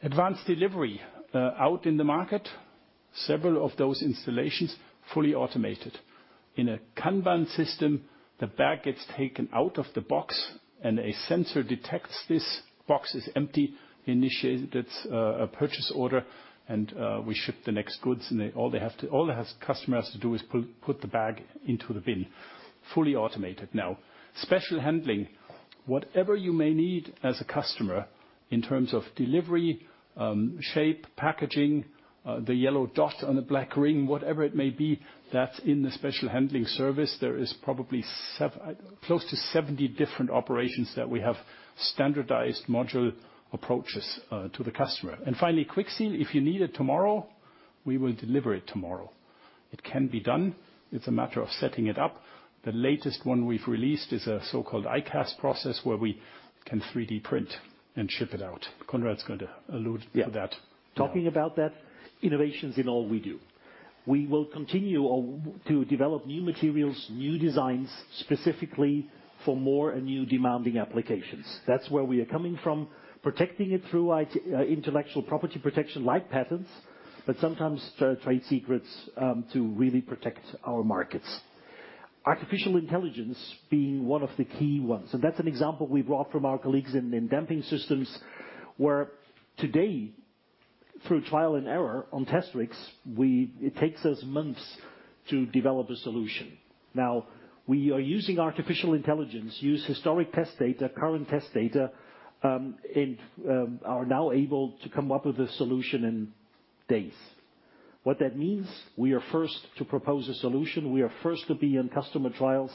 Advanced delivery out in the market, several of those installations fully automated. In a Kanban system, the bag gets taken out of the box and a sensor detects this box is empty, initiates a purchase order, and we ship the next goods. All the customer has to do is put the bag into the bin. Fully automated now. Special handling. Whatever you may need as a customer in terms of delivery, shape, packaging, the yellow dot on the black ring, whatever it may be, that's in the special handling service. There is probably close to 70 different operations that we have standardized module approaches to the customer. Finally, QuickSeal. If you need it tomorrow, we will deliver it tomorrow. It can be done. It's a matter of setting it up. The latest one we've released is a so-called iCast process where we can 3D print and ship it out. Konrad's going to allude to that. Yeah. Talking about that, innovations in all we do. We will continue to develop new materials, new designs, specifically for more and new demanding applications. That's where we are coming from, protecting it through IP, intellectual property protection like patents, but sometimes trade secrets, to really protect our markets. Artificial intelligence being one of the key ones. That's an example we brought from our colleagues in damping systems, where today, through trial and error on test rigs, it takes us months to develop a solution. Now, we are using artificial intelligence, use historic test data, current test data, and are now able to come up with a solution in days. What that means, we are first to propose a solution, we are first to be in customer trials,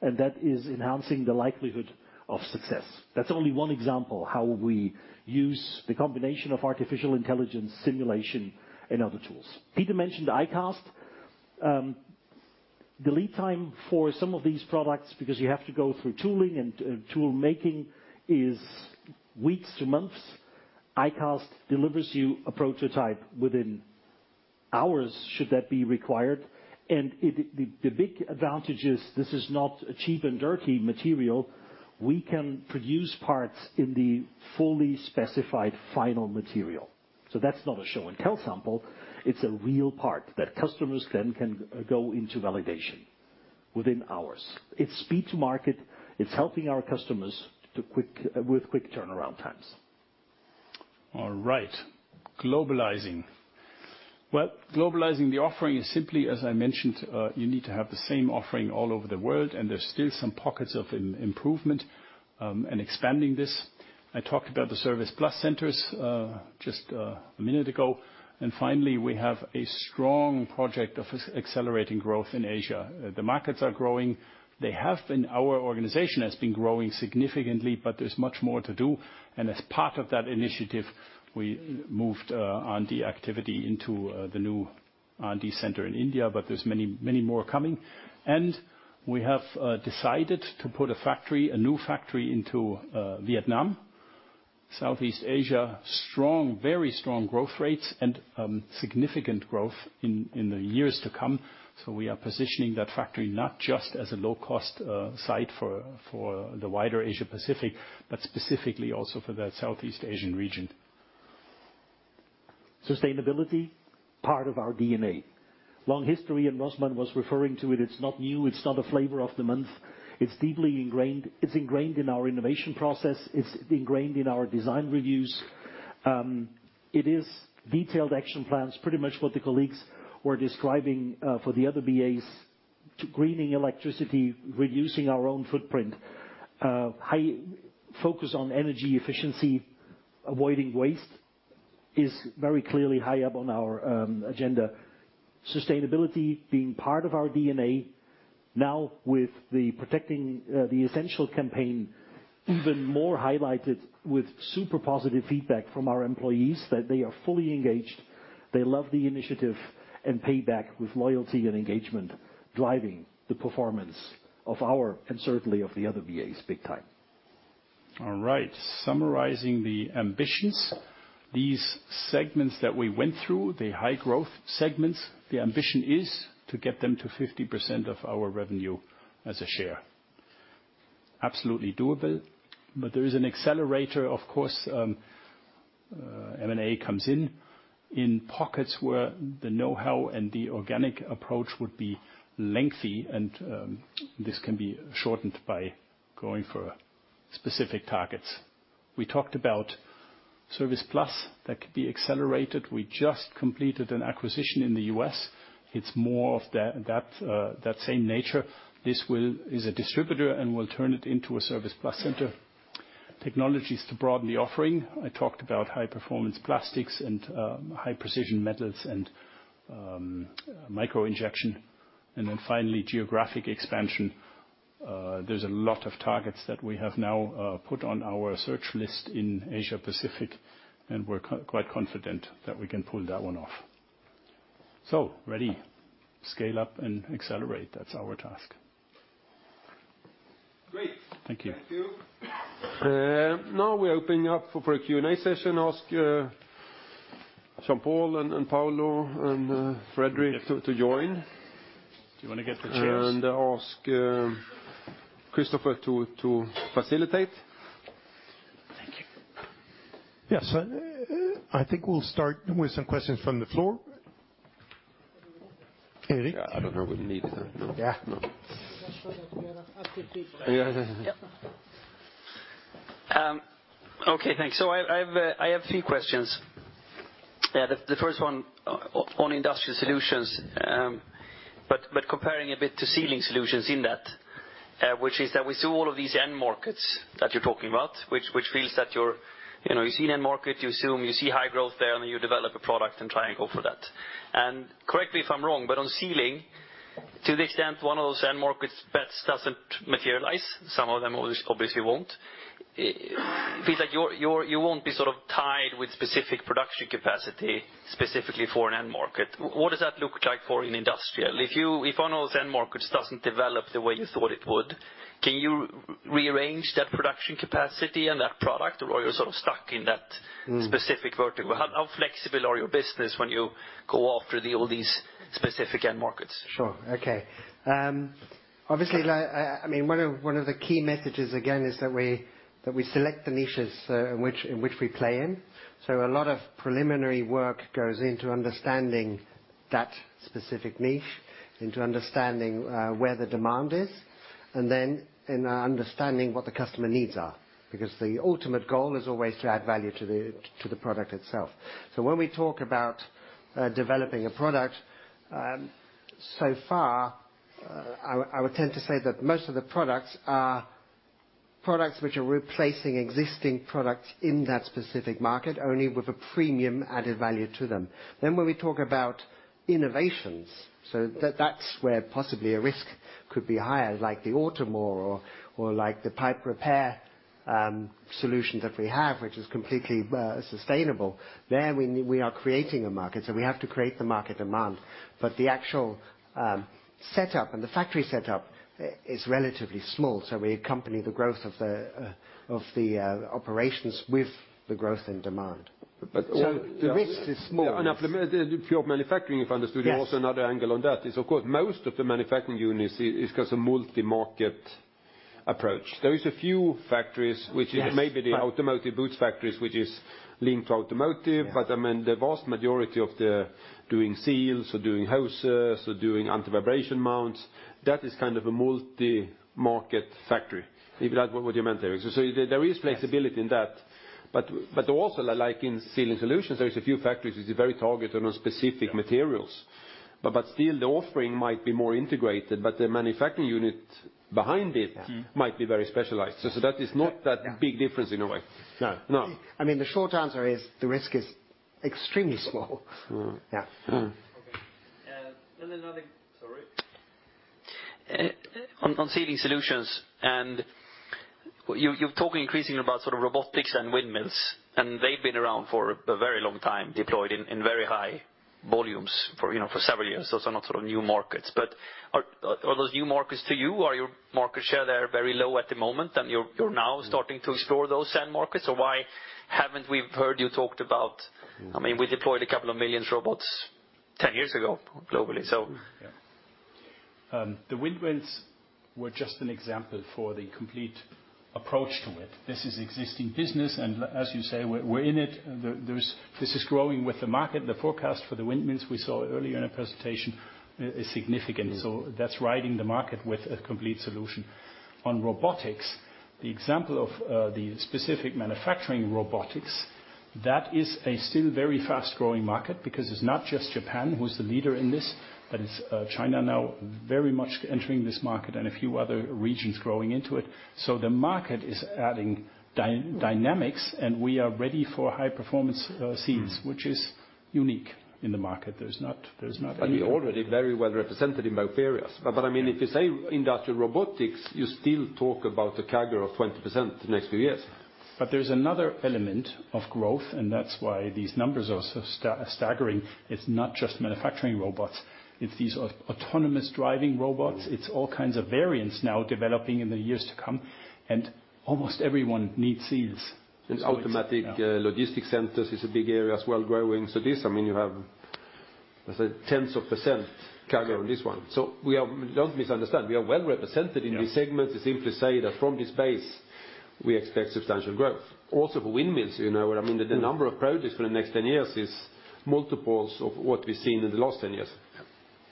and that is enhancing the likelihood of success. That's only one example of how we use the combination of artificial intelligence, simulation, and other tools. Peter mentioned iCast. The lead time for some of these products, because you have to go through tooling and tool making, is weeks to months, iCast delivers a prototype to you within hours should that be required. The big advantage is this is not a cheap and dirty material. We can produce parts in the fully specified final material. That's not a show and tell sample. It's a real part that customers then can go into validation within hours. It's speed to market. It's helping our customers with quick turnaround times. All right. Globalizing. Well, globalizing the offering is simply, as I mentioned, you need to have the same offering all over the world, and there's still some pockets of improvement and expanding this. I talked about the ServicePLUS centers just a minute ago. Finally, we have a strong project of accelerating growth in Asia. The markets are growing. Our organization has been growing significantly, but there's much more to do. As part of that initiative, we moved R&D activity into the new R&D center in India, but there's many, many more coming. We have decided to put a factory, a new factory into Vietnam. Southeast Asia, strong, very strong growth rates and significant growth in the years to come. We are positioning that factory not just as a low cost site for the wider Asia-Pacific, but specifically also for that Southeast Asian region. Sustainability, part of our DNA. Long history. Rosman was referring to it. It's not new. It's not a flavor of the month. It's deeply ingrained. It's ingrained in our innovation process. It's ingrained in our design reviews. It is detailed action plans, pretty much what the colleagues were describing, for the other BAs, to greening electricity, reducing our own footprint. High focus on energy efficiency, avoiding waste is very clearly high up on our agenda. Sustainability being part of our DNA now with the Protecting the Essential campaign even more highlighted with super positive feedback from our employees that they are fully engaged. They love the initiative and pay back with loyalty and engagement, driving the performance of our, and certainly of the other BAs big time. All right. Summarizing the ambitions, these segments that we went through, the high-growth segments, the ambition is to get them to 50% of our revenue as a share. Absolutely doable, but there is an accelerator, of course, M&A comes in. In pockets where the know-how and the organic approach would be lengthy and, this can be shortened by going for specific targets. We talked about ServicePLUS that could be accelerated. We just completed an acquisition in the U.S. It's more of that same nature. This is a distributor, and we'll turn it into a ServicePLUS center. Technologies to broaden the offering. I talked about high-performance plastics and, high-precision metals and, micro-injection. Then finally, geographic expansion. There's a lot of targets that we have now put on our search list in Asia-Pacific, and we're quite confident that we can pull that one off. Ready, scale up, and accelerate. That's our task. Great. Thank you. Thank you. Now we open up for a Q&A session. Ask Jean-Paul and Paolo and Fredrik to join. Do you want to get the chairs? I'll ask Christofer to facilitate. Thank you. Yes. I think we'll start with some questions from the floor. Erik? Okay, thanks. I have three questions. The first one on Industrial Solutions, but comparing a bit to Sealing Solutions in that, which is that we saw all of these end markets that you're talking about, which feels that you're, you know, you see an end market, you assume you see high growth there, and then you develop a product and try and go for that. Correct me if I'm wrong, but on Sealing, to the extent one of those end markets bets doesn't materialize, some of them obviously won't, it feels like you won't be sort of tied with specific production capacity specifically for an end market. What does that look like for Industrial? If one of those end markets doesn't develop the way you thought it would, can you rearrange that production capacity and that product, or you're sort of stuck in that specific vertical? How flexible are your business when you go after the, all these specific end markets? Sure. Okay. Obviously, like I mean, one of the key messages again is that we select the niches in which we play in. A lot of preliminary work goes into understanding that specific niche, into understanding where the demand is, and then in understanding what the customer needs are. Because the ultimate goal is always to add value to the product itself. When we talk about developing a product, so far, I would tend to say that most of the products are products which are replacing existing products in that specific market, only with a premium added value to them. When we talk about innovations, that's where possibly a risk could be higher, like the AutoMoor or like the pipe repair solution that we have, which is completely sustainable. There we are creating a market, so we have to create the market demand. The actual setup and the factory setup is relatively small, so we accompany the growth of the operations with the growth in demand. But— The risk is small. The pure manufacturing, if I understood you. Yes. Also another angle on that is, of course, most of the manufacturing units has a multi-market approach. There is a few factories which— Yes. Is maybe the automotive boots factories, which is linked to automotive. Yeah. I mean, the vast majority of the doing seals or doing hoses or doing anti-vibration mounts, that is kind of a multi-market factory, if that what you meant there. There is flexibility in that. But also, like in Sealing Solutions, there is a few factories which is very targeted on specific materials. But still the offering might be more integrated, but the manufacturing unit behind it— Yeah. Might be very specialized. That is not that big difference in a way. No. No. I mean, the short answer is the risk is extremely small. Yeah. Okay. On Sealing Solutions, you're talking increasingly about sort of robotics and windmills, and they've been around for a very long time, deployed in very high volumes, you know, for several years. Those are not sort of new markets. Are those new markets to you? Is your market share there very low at the moment, and you're now starting to explore those end markets? Or why haven't we heard you talked about, I mean, we deployed a couple of million robots 10 years ago globally, so. Yeah. The windmills were just an example for the complete approach to it. This is existing business, and as you say, we're in it. This is growing with the market. The forecast for the windmills we saw earlier in a presentation is significant. That's riding the market with a complete solution. On robotics, the example of the specific manufacturing robotics, that is still a very fast-growing market because it's not just Japan who's the leader in this, but it's China now very much entering this market and a few other regions growing into it. The market is adding dynamics, and we are ready for high-performance seals, which is unique in the market. There's not any— We're already very well represented in both areas. I mean, if you say industrial robotics, you still talk about a CAGR of 20% the next few years. There's another element of growth, and that's why these numbers are so staggering. It's not just manufacturing robots, it's these autonomous driving robots. It's all kinds of variants now developing in the years to come and almost everyone needs seals. Automatic logistic centers is a big area as well, growing. This, I mean, you have, let's say tens of percent CAGR on this one. Don't misunderstand, we are well represented in these segments. To simply say that from this base we expect substantial growth. Also for windmills, you know what I mean? The number of projects for the next 10 years is multiples of what we've seen in the last 10 years.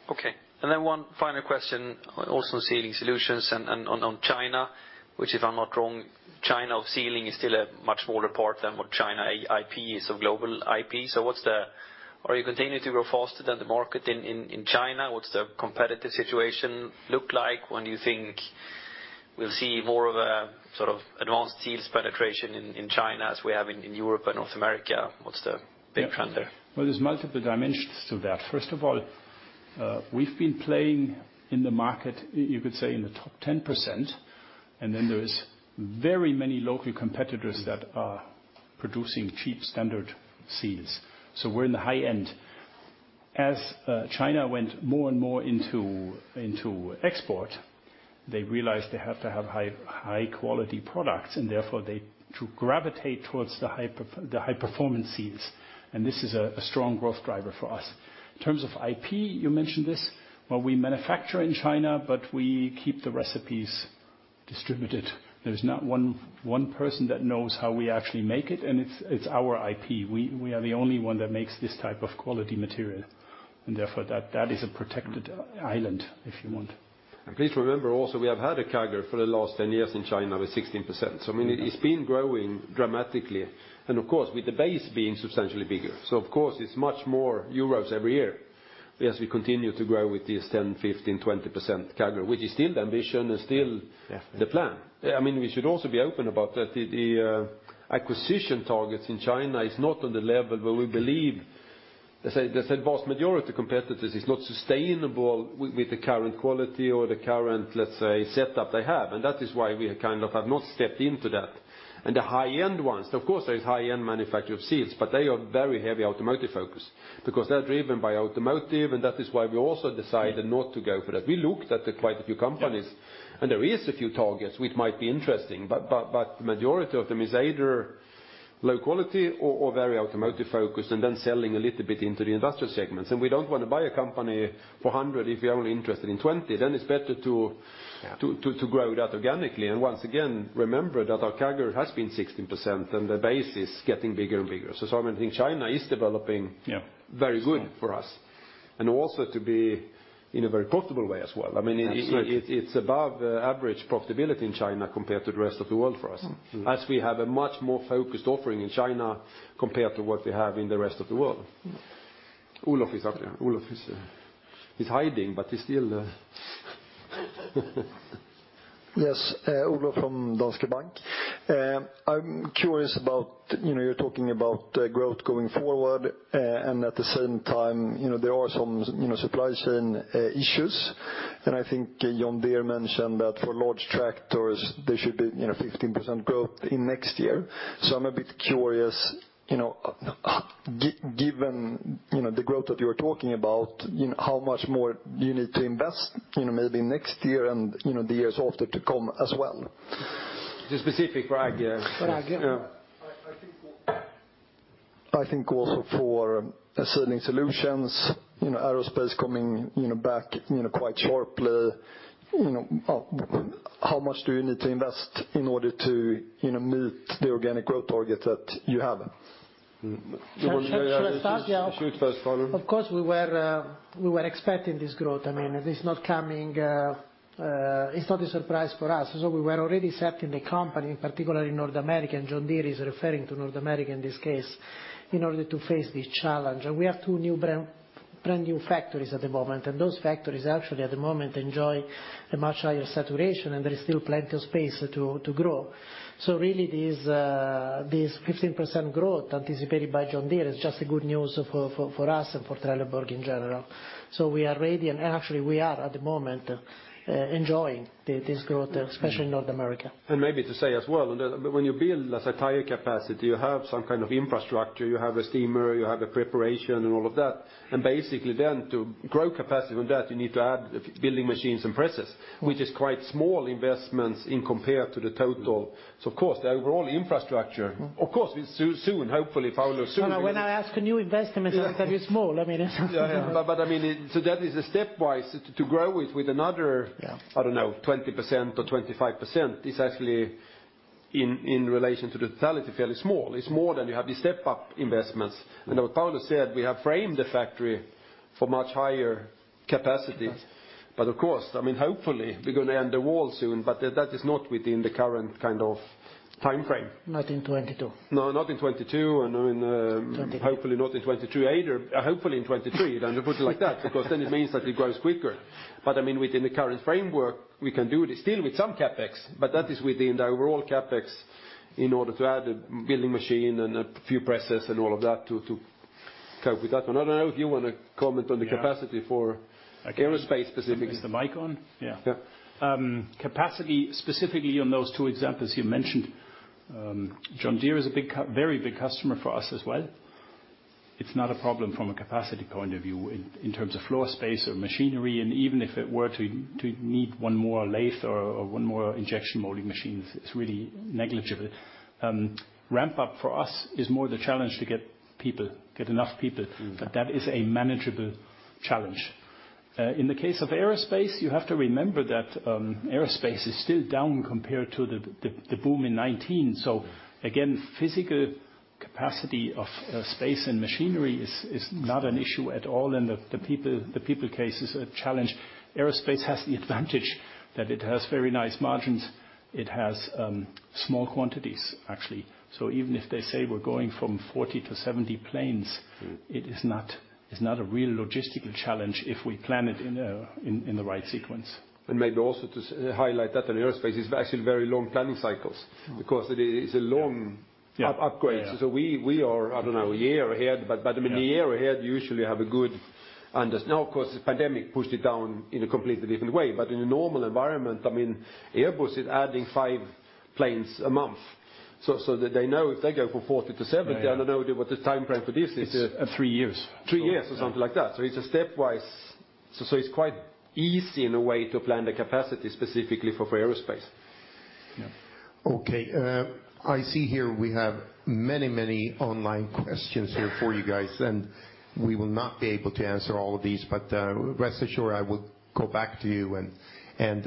Yeah. Okay. One final question also on Sealing Solutions and on China, which if I'm not wrong, China of sealing is still a much smaller part than what China IP is of global IP. What's the Are you continuing to grow faster than the market in China? What's the competitive situation look like? When you think we'll see more of a sort of advanced seals penetration in China as we have in Europe and North America, what's the big trend there? Well, there's multiple dimensions to that. First of all, we've been playing in the market, you could say in the top 10%, and then there is very many local competitors that are producing cheap standard seals. So we're in the high end. As China went more and more into export, they realized they have to have high-quality products and therefore they do gravitate towards the high-performance seals, and this is a strong growth driver for us. In terms of IP, you mentioned this. Well, we manufacture in China, but we keep the recipes distributed. There's not one person that knows how we actually make it, and it's our IP. We are the only one that makes this type of quality material, and therefore that is a protected island, if you want. Please remember also we have had a CAGR for the last 10 years in China with 16%. I mean, it's been growing dramatically and of course with the base being substantially bigger. Of course it's much more euros every year as we continue to grow with this 10%, 15%, 20% CAGR, which is still the ambition and still the plan. Yeah. I mean, we should also be open about that the acquisition targets in China are not on the level where we believe, let's say, vast majority of competitors are not sustainable with the current quality or the current setup they have. That is why we kind of have not stepped into that. The high-end ones, of course there are high-end manufacturers of seals, but they are very heavy automotive focused because they're driven by automotive, and that is why we also decided not to go for that. We looked at quite a few companies. Yeah. there is a few targets which might be interesting, but majority of them is either low quality or very automotive-focused and then selling a little bit into the industrial segments. We don't want to buy a company for 100 if you're only interested in 20, then it's better to grow that organically. Yeah. Once again, remember that our CAGR has been 16% and the base is getting bigger and bigger. I think China is developing— Yeah. Very good for us. Also to be in a very profitable way as well. I mean— That's right. It's above the average profitability in China compared to the rest of the world for us. Mm-hmm. As we have a much more focused offering in China compared to what we have in the rest of the world. Olof is out there. Olof is hiding, but he's still. Yes. Olof from Danske Bank. I'm curious about, you know, you're talking about growth going forward, and at the same time, you know, there are some supply chain issues. I think John Deere mentioned that for large tractors there should be, you know, 15% growth in next year. I'm a bit curious, you know, given, you know, the growth that you're talking about, you know, how much more do you need to invest, you know, maybe next year and, you know, the years after to come as well? The specific for ag. For ag. Yeah. I think also for Sealing Solutions, you know, aerospace coming, you know, back, you know, quite sharply. You know, how much do you need to invest in order to, you know, meet the organic growth target that you have? Well, yeah. Should I start? Shoot first, Paolo. Of course, we were expecting this growth. I mean, it is not coming. It's not a surprise for us. We were already setting the company, particularly North America, and John Deere is refering to North America in this case, in order to face this challenge. We have two brand new factories at the moment, and those factories actually at the moment enjoy a much higher saturation and there is still plenty of space to grow. Really this 15% growth anticipated by John Deere is just a good news for us and for Trelleborg in general. We are ready and actually we are at the moment enjoying this growth, especially in North America. Maybe to say as well, that when you build, let's say, tire capacity, you have some kind of infrastructure, you have a steamer, you have a preparation and all of that. Basically then to grow capacity on that, you need to add building machines and presses, which is quite small investments in comparison to the total. Of course, the overall infrastructure, of course, it's soon, hopefully, Paolo, soon— When I ask about a new investment, I think it's small. I mean— I mean, that is a stepwise to grow it with another— Yeah. I don't know, 20% or 25% is actually in relation to the totality fairly small. It's more than you have the step-up investments. As Paolo said, we have framed the factory for much higher capacity. Of course, I mean, hopefully we're gonna end the war soon, but that is not within the current kind of timeframe. Not in 2022. No, not in 2022, and hopefully not in 2023 either. Hopefully in 2023, let me put it like that, because then it means that it grows quicker. I mean, within the current framework, we can do this still with some CapEx, but that is within the overall CapEx in order to add a building machine and a few presses and all of that to cope with that one. I don't know if you wanna comment on the capacity for aerospace specifically. Is the mic on? Yeah. Yeah. Capacity specifically on those two examples you mentioned, John Deere is a very big customer for us as well. It's not a problem from a capacity point of view in terms of floor space or machinery, and even if it were to need one more lathe or one more injection molding machine, it's really negligible. Ramp-up for us is more the challenge to get enough people. That is a manageable challenge. In the case of aerospace, you have to remember that aerospace is still down compared to the boom in 2019. So again, physical capacity of space and machinery is not an issue at all, and the people case is a challenge. Aerospace has the advantage that it has very nice margins. It has small quantities, actually. So even if they say we're going from 40 to 70 planes—it is not, it's not a real logistical challenge if we plan it in the right sequence. Maybe also to highlight that in aerospace, it's actually very long planning cycles because it is a long upgrade. Yeah. Yeah. We are, I don't know, a year ahead, but I mean. Yeah. A year ahead, you usually have a good—now, of course, the pandemic pushed it down in a completely different way. In a normal environment, I mean, Airbus is adding five planes a month. So that they know if they go from 40 to 70. Yeah. I don't know what the timeframe for this is. It's three years. Three years or something like that. It's a stepwise. It's quite easy in a way to plan the capacity specifically for aerospace. Yeah. Okay, I see here we have many, many online questions here for you guys, and we will not be able to answer all of these. Rest assured, I will go back to you and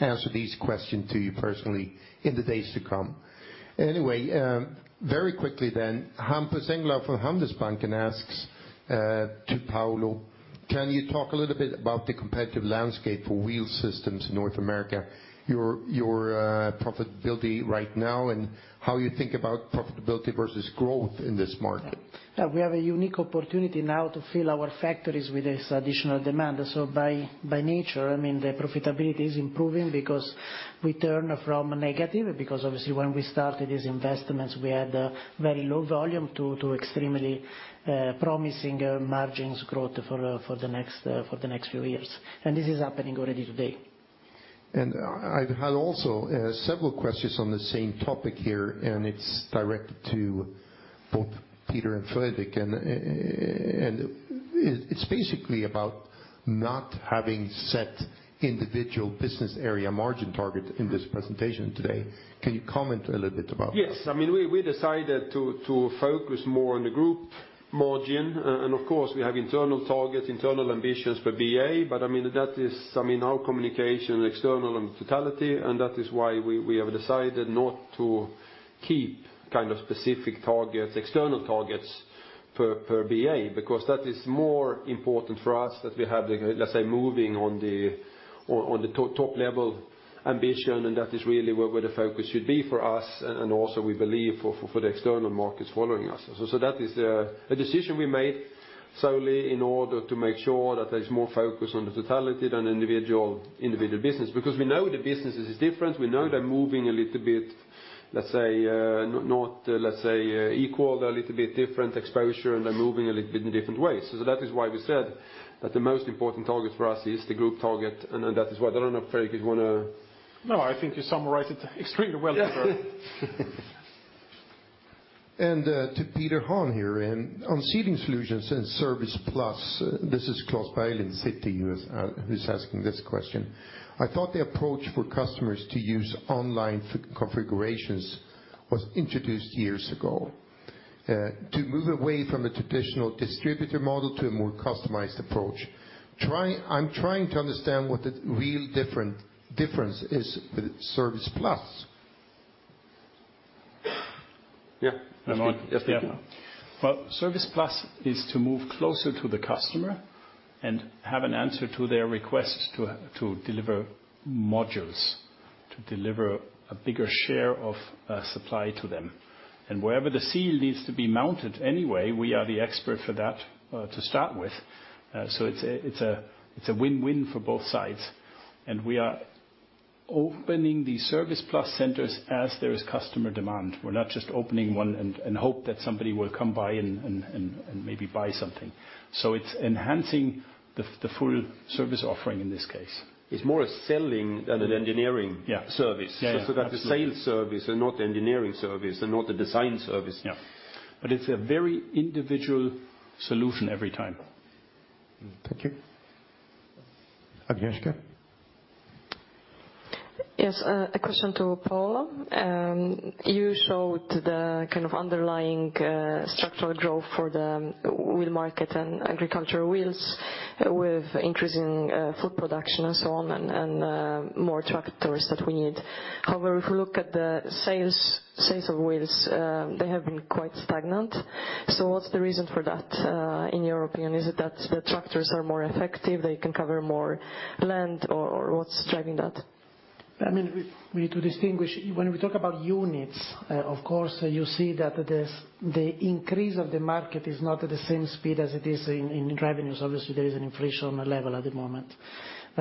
answer these questions to you personally in the days to come. Anyway, very quickly then, Hampus Engellau from Handelsbanken asks to Paolo: "Can you talk a little bit about the competitive landscape for Wheel Systems in North America, your profitability right now, and how you think about profitability versus growth in this market?" Yeah, we have a unique opportunity now to fill our factories with this additional demand. By nature, I mean, the profitability is improving because we turn from negative, because obviously when we started these investments, we had a very low volume to extremely promising margins growth for the next few years. This is happening already today. I had also several questions on the same topic here, and it's directed to both Peter and Fredrik. It's basically about not having set individual business area margin targets in this presentation today. Can you comment a little bit about that? Yes. I mean, we decided to focus more on the group margin. Of course, we have internal targets, internal ambitions per BA. I mean, that is, I mean, our communication external in totality, and that is why we have decided not to keep kind of specific targets, external targets per BA. Because that is more important for us that we have the, let's say, moving on the top-level ambition, and that is really where the focus should be for us and also we believe for the external markets following us. That is a decision we made solely in order to make sure that there's more focus on the totality than individual business. Because we know the businesses is different. We know they're moving a little bit, let's say, not equal. They're a little bit different exposure, and they're moving a little bit in different ways. That is why we said that the most important target for us is the group target, and then that is what I don't know, Fredrik, you wanna? No, I think you summarized it extremely well, Peter. To Peter Hahn here. On Sealing Solutions and ServicePLUS, this is Klas Bergelind, Citi, who's asking this question: "I thought the approach for customers to use online configurations was introduced years ago, to move away from a traditional distributor model to a more customized approach. I'm trying to understand what the real difference is with ServicePLUS." Yeah. I'm on? Yes, please. Yeah. Well, ServicePLUS is to move closer to the customer and have an answer to their request to deliver modules, to deliver a bigger share of supply to them. Wherever the seal needs to be mounted anyway, we are the expert for that to start with. It's a win-win for both sides. We are opening the ServicePLUS centers as there is customer demand. We're not just opening one and hope that somebody will come by and maybe buy something. It's enhancing the full service offering in this case. It's more a selling than an engineering service. Yeah. Yeah, yeah. Absolutely. So that's the sales service and not engineering service and not the design service. Yeah. It's a very individual solution every time. Thank you. Agnieszka? Yes, a question to Paolo. You showed the kind of underlying structural growth for the wheel market and agricultural wheels with increasing food production and so on and more tractors that we need. However, if you look at the sales of wheels, they have been quite stagnant. What's the reason for that in your opinion? Is it that the tractors are more effective, they can cover more land, or what's driving that? I mean, we need to distinguish. When we talk about units, of course, you see that the increase of the market is not at the same speed as it is in revenues. Obviously, there is an inflation level at the moment.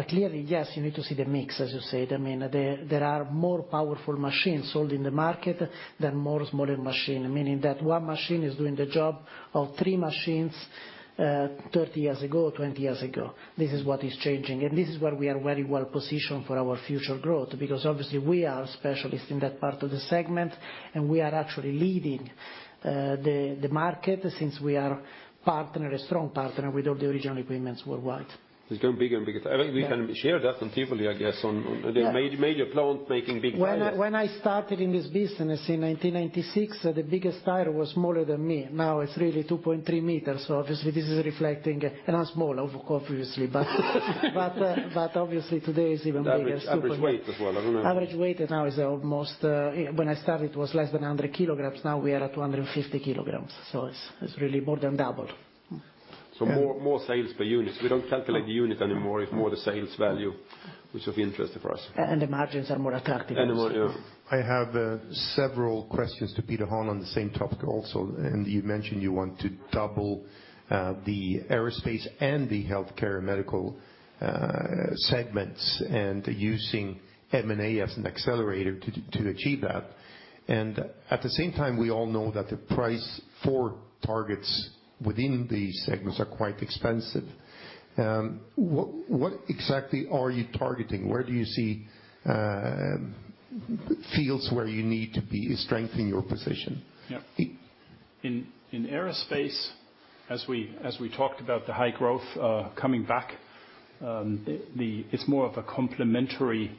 Clearly, yes, you need to see the mix, as you said. I mean, there are more powerful machines sold in the market than more smaller machine, meaning that one machine is doing the job of three machines, 30 years ago, 20 years ago. This is what is changing, and this is where we are very well positioned for our future growth because obviously we are specialists in that part of the segment, and we are actually leading the market since we are a partner, a strong partner with all the original equipment worldwide. It's going bigger and bigger. Yeah. I think we can share that on Tivoli, I guess. Yeah. The major plant making big tires. When I started in this business in 1996, the biggest tire was smaller than me. Now it's really 2.3 m, so obviously this is reflecting—I'm small obviously. Obviously today is even bigger. The average weight as well. I don't know. Average weight now is almost, when I started it was less than 100 kg. Now we are at 250 kg, so it's really more than double. So more sales per unit. We don't calculate the unit anymore, it's more the sales value which will be interesting for us. The margins are more attractive as well. More, yeah. I have several questions to Peter Hahn on the same topic also. You mentioned you want to double the aerospace and the healthcare medical segments and using M&A as an accelerator to achieve that. At the same time we all know that the price for targets within these segments are quite expensive. What exactly are you targeting? Where do you see fields where you need to be strengthening your position? Yeah. In aerospace, as we talked about the high growth coming back, it's more of a complementary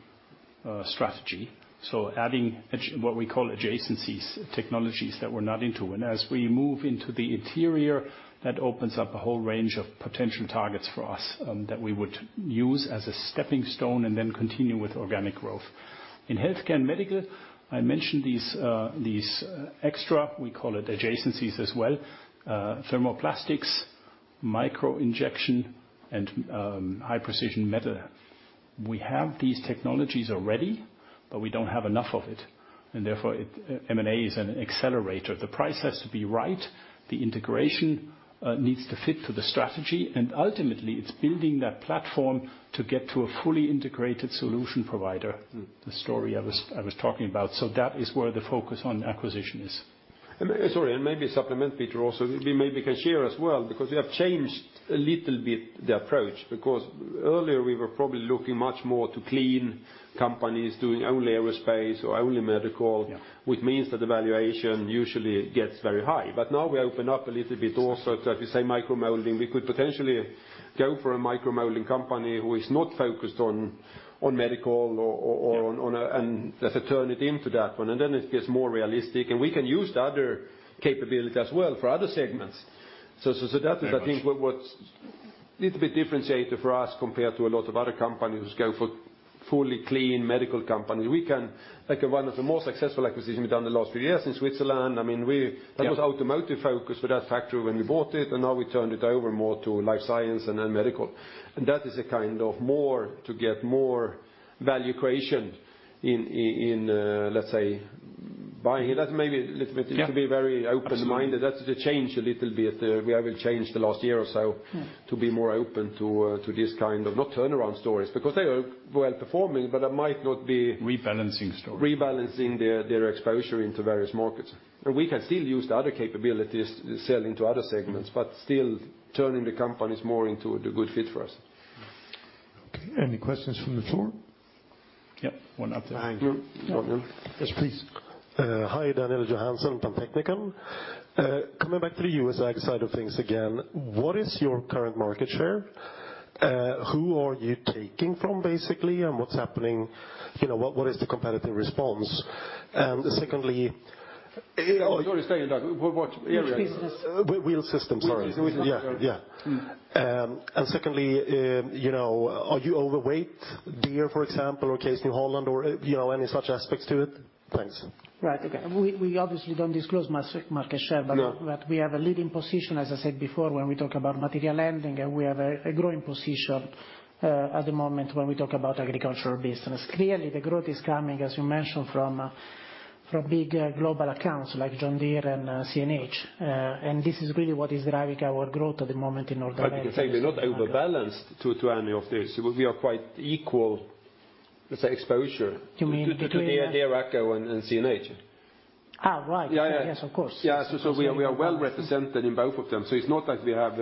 strategy, so adding what we call adjacencies, technologies that we're not into. As we move into the interior, that opens up a whole range of potential targets for us, that we would use as a stepping stone and then continue with organic growth. In healthcare and medical, I mentioned these extra, we call it adjacencies as well, thermoplastics, micro-injection, and high-precision metal. We have these technologies already, but we don't have enough of it, and therefore M&A is an accelerator. The price has to be right, the integration needs to fit to the strategy, and ultimately it's building that platform to get to a fully integrated solution provider, the story I was talking about. That is where the focus on acquisition is. Maybe supplement, Peter, also, we maybe can share as well because we have changed a little bit the approach because earlier we were probably looking much more to clean companies doing only aerospace or only medical. Yeah. Which means that the valuation usually gets very high. Now we open up a little bit also to, as you say, micro molding. We could potentially go for a micro molding company who is not focused on medical or on a—let's turn it into that one, and then it gets more realistic and we can use the other capability as well for other segments. That is I think what's little bit differentiator for us compared to a lot of other companies who go for fully clean medical companies. We can like one of the more successful acquisitions we've done the last few years in Switzerland. Yeah. I mean we—that was automotive focus for that factory when we bought it, and now we turned it over more to life science and then medical. That is a kind of more to get more value creation in, let's say, buying. That may be a little bit. Yeah. You need to be very open-minded. Absolutely. That's the change a little bit. We have changed the last year or so to be more open to this kind of not turnaround stories because they are well-performing, but that might not be— Rebalancing story. Rebalancing their exposure into various markets. We can still use the other capabilities to sell into other segments, but still turning the companies more into a good fit for us. Okay, any questions from the floor? Yep, one up there. Thank you. Yes, please. Hi, [Daniel Johansson] from [Technica]. Coming back to the U.S. side of things again, what is your current market share? Who are you taking from basically, and what's happening? You know, what is the competitive response? And secondly— Sorry, say again, Dan. What area? Which business? Wheel Systems, sorry. Wheel Systems. Yeah. Yeah. Secondly, you know, are you overweight Deere, for example, or Case New Holland or, you know, any such aspects to it? Thanks. Right. Okay. We obviously don't disclose market share. No. We have a leading position, as I said before, when we talk about material handling, and we have a growing position at the moment when we talk about agricultural business. Clearly, the growth is coming, as you mentioned, from big global accounts like John Deere and CNH, and this is really what is driving our growth at the moment in North America. I was gonna say we're not overbalanced to any of this. We are quite equal, let's say, exposure. You mean between— To Deere, AGCO, and CNH. Right. Yeah, yeah. Yes, of course. Yeah. We are well represented in both of them. It's not like we have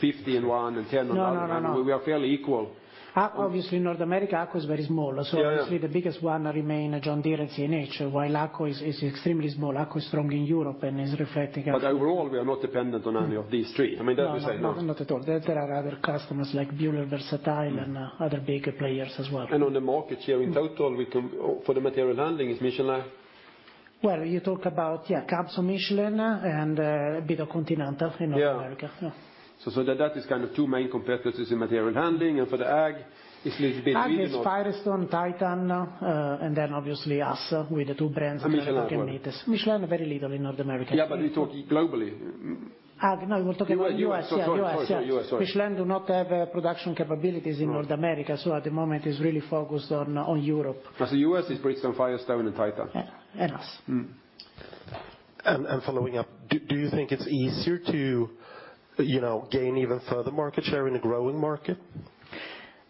50 in one and 10 in the other. No, no, no. We are fairly equal. Obviously, North America, AGCO is very small. Yeah, yeah. Obviously the biggest one remain John Deere and CNH, while AGCO is extremely small. AGCO is strong in Europe and is reflecting— Overall, we are not dependent on any of these three. I mean, that we say. No, not at all. There are other customers like Bühler, Versatile, and other bigger players as well. On the market share in total, for the material handling, it's Michelin. Well, you talk about, yeah, caps on Michelin and Continental in North America. Yeah. That is kind of two main competitors in material handling. For the ag, it's little bit really not— Ag is Firestone, Titan, and then obviously us with the two brands. Michelin as well. Michelin very little in North America. Yeah, we're talking globally. Ag, no, we're talking about U.S. U.S. Yeah, U.S., yeah. Sorry, U.S., sorry. Michelin do not have production capabilities in North America, so at the moment is really focused on Europe. U.S. is Bridgestone, Firestone, and Titan. Yeah, and us. Following up, do you think it's easier to, you know, gain even further market share in a growing market?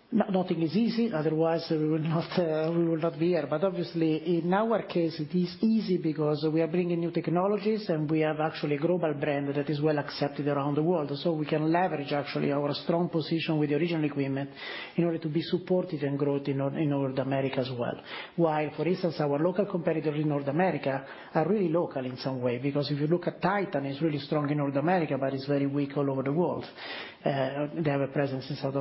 Nothing is easy, otherwise we would not be here. Obviously in our case, it is easy because we are bringing new technologies and we have actually a global brand that is well accepted around the world. We can leverage actually our strong position with the original equipment in order to be supportive and growth in North America as well. While, for instance, our local competitors in North America are really local in some way, because if you look at Titan, it's really strong in North America, but it's very weak all over the world. They have a presence in South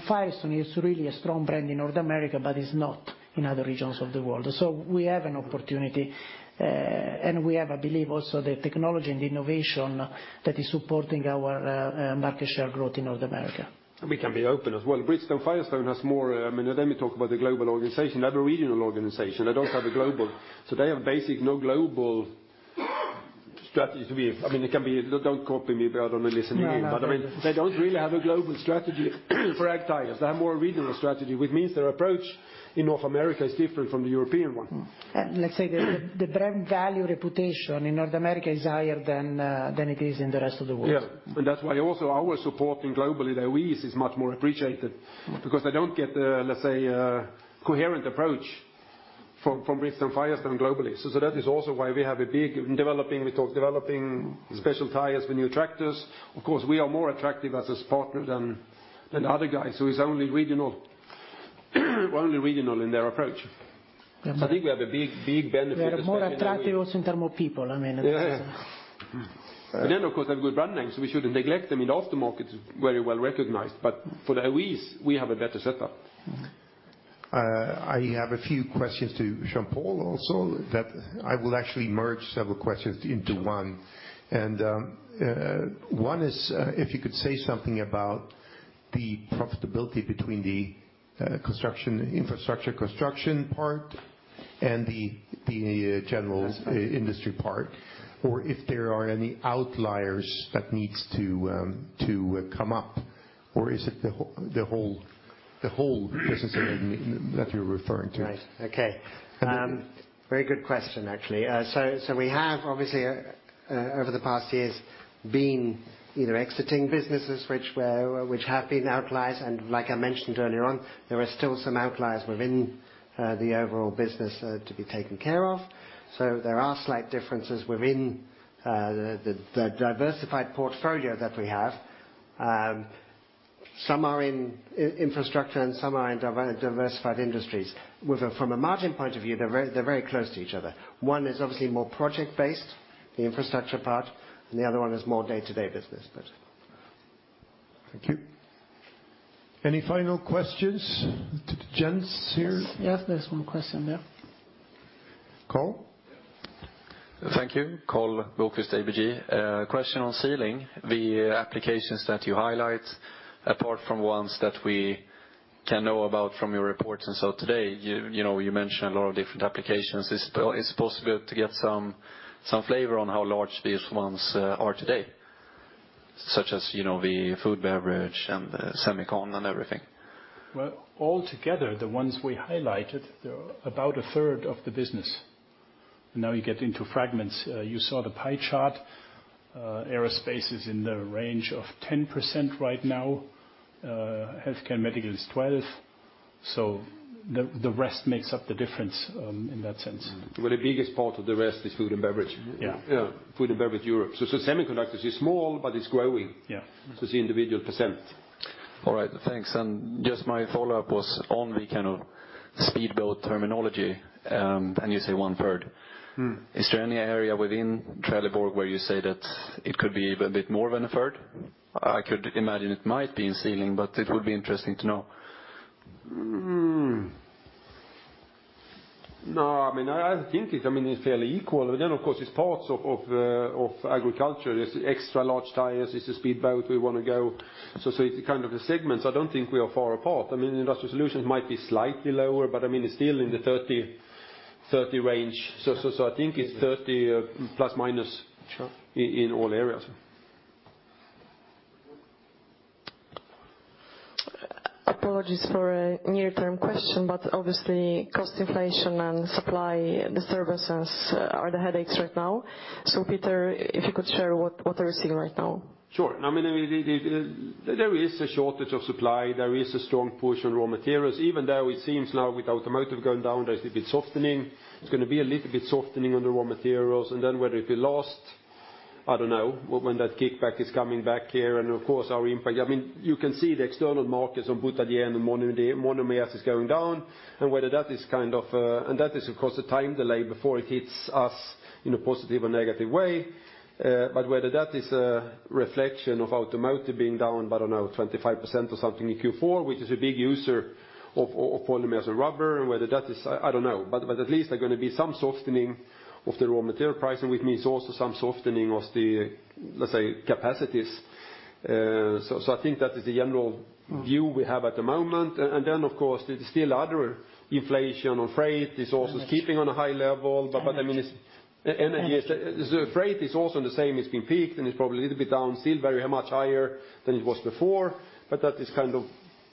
America. Firestone is really a strong brand in North America, but is not in other regions of the world. We have an opportunity, and we have, I believe, also the technology and innovation that is supporting our market share growth in North America. We can be open as well. Bridgestone/Firestone has more. I mean, let me talk about the global organization, not a regional organization. They don't have a global organization. They have basically no global strategy. I mean it can be— No, no. I mean, they don't really have a global strategy for ag tires. They have more regional strategy, which means their approach in North America is different from the European one. Let's say the brand value reputation in North America is higher than it is in the rest of the world. Yeah. That's why also our supporting globally, the OEs is much more appreciated because they don't get, let's say, a coherent approach from Bridgestone/Firestone globally. So that is also why we talk developing special tires for new tractors. Of course, we are more attractive as this partner than the other guys who is only regional in their approach. Yeah. I think we have a big benefit. We are more attractive also in terms of people, I mean. Yeah. Of course, they have good brand names. We shouldn't neglect them. In the aftermarket, it's very well-recognized. For the OEs, we have a better setup. I have a few questions to Jean-Paul also that I will actually merge several questions into one. One is, if you could say something about the profitability between the construction infrastructure construction part and the general industry part, or if there are any outliers that needs to come up, or is it the whole business area that you're referring to? Right. Okay. Very good question, actually. We have obviously over the past years been either exiting businesses which have been outliers. Like I mentioned earlier on, there are still some outliers within the overall business to be taken care of. There are slight differences within the diversified portfolio that we have. Some are in infrastructure and some are in diversified industries. From a margin point of view, they're very close to each other. One is obviously more project-based, the infrastructure part, and the other one is more day-to-day business, but. Thank you. Any final questions to the gents here? Yes, there's one question there. Karl? Thank you. Karl Bokvist, ABG Sundal Collier. A question on Sealing. The applications that you highlight, apart from ones that we can know about from your reports and so today, you know, you mentioned a lot of different applications. Is it possible to get some flavor on how large these ones are today, such as, you know, the food, beverage and semiconductor and everything? Well, all together, the ones we highlighted, they're about 1/3 of the business. Now you get into fragments. You saw the pie chart. Aerospace is in the range of 10% right now. Healthcare and medical is 12%. The rest makes up the difference, in that sense. Well, the biggest part of the rest is food and beverage. Yeah. Food and beverage Europe. Semiconductors is small, but it's growing. Yeah. It's individual percent. All right, thanks. Just my follow-up was on the kind of speedboat terminology, and you say 1/3. Is there any area within Trelleborg where you say that it could be even a bit more than 1/3? I could imagine it might be in Sealing, but it would be interesting to know. No, I mean, I think it's fairly equal. Then, of course, it's parts of agriculture. There's extra large tires. It's a speedboat. We wanna go—it's kind of the segments. I don't think we are far apart. I mean, Industrial Solutions might be slightly lower, but I mean, it's still in the 30 range. I think it's 30± in all areas. Sure. Apologies for a near-term question, but obviously cost inflation and supply disturbances are the headaches right now. Peter, if you could share what are you seeing right now? Sure. I mean, there is a shortage of supply. There is a strong push on raw materials, even though it seems now with automotive going down, there's a bit softening. It's gonna be a little bit softening on the raw materials. Then whether it be last, I don't know, when that kickback is coming back here. Of course, our impact. I mean, you can see the external markets on butadiene and monomer, the monomers is going down. Whether that is kind of. That is, of course, the time delay before it hits us in a positive or negative way. But whether that is a reflection of automotive being down by, I don't know, 25% or something in Q4, which is a big user of polymers or rubber, and whether that is—I don't know. At least there are gonna be some softening of the raw material pricing, which means also some softening of the, let's say, capacities. I think that is the general view we have at the moment. Of course, there's still other inflation on freight is also keeping on a high level. I mean, it's energy. Energy. Freight is also the same. It's been peaked, and it's probably a little bit down still, very much higher than it was before. That is kind of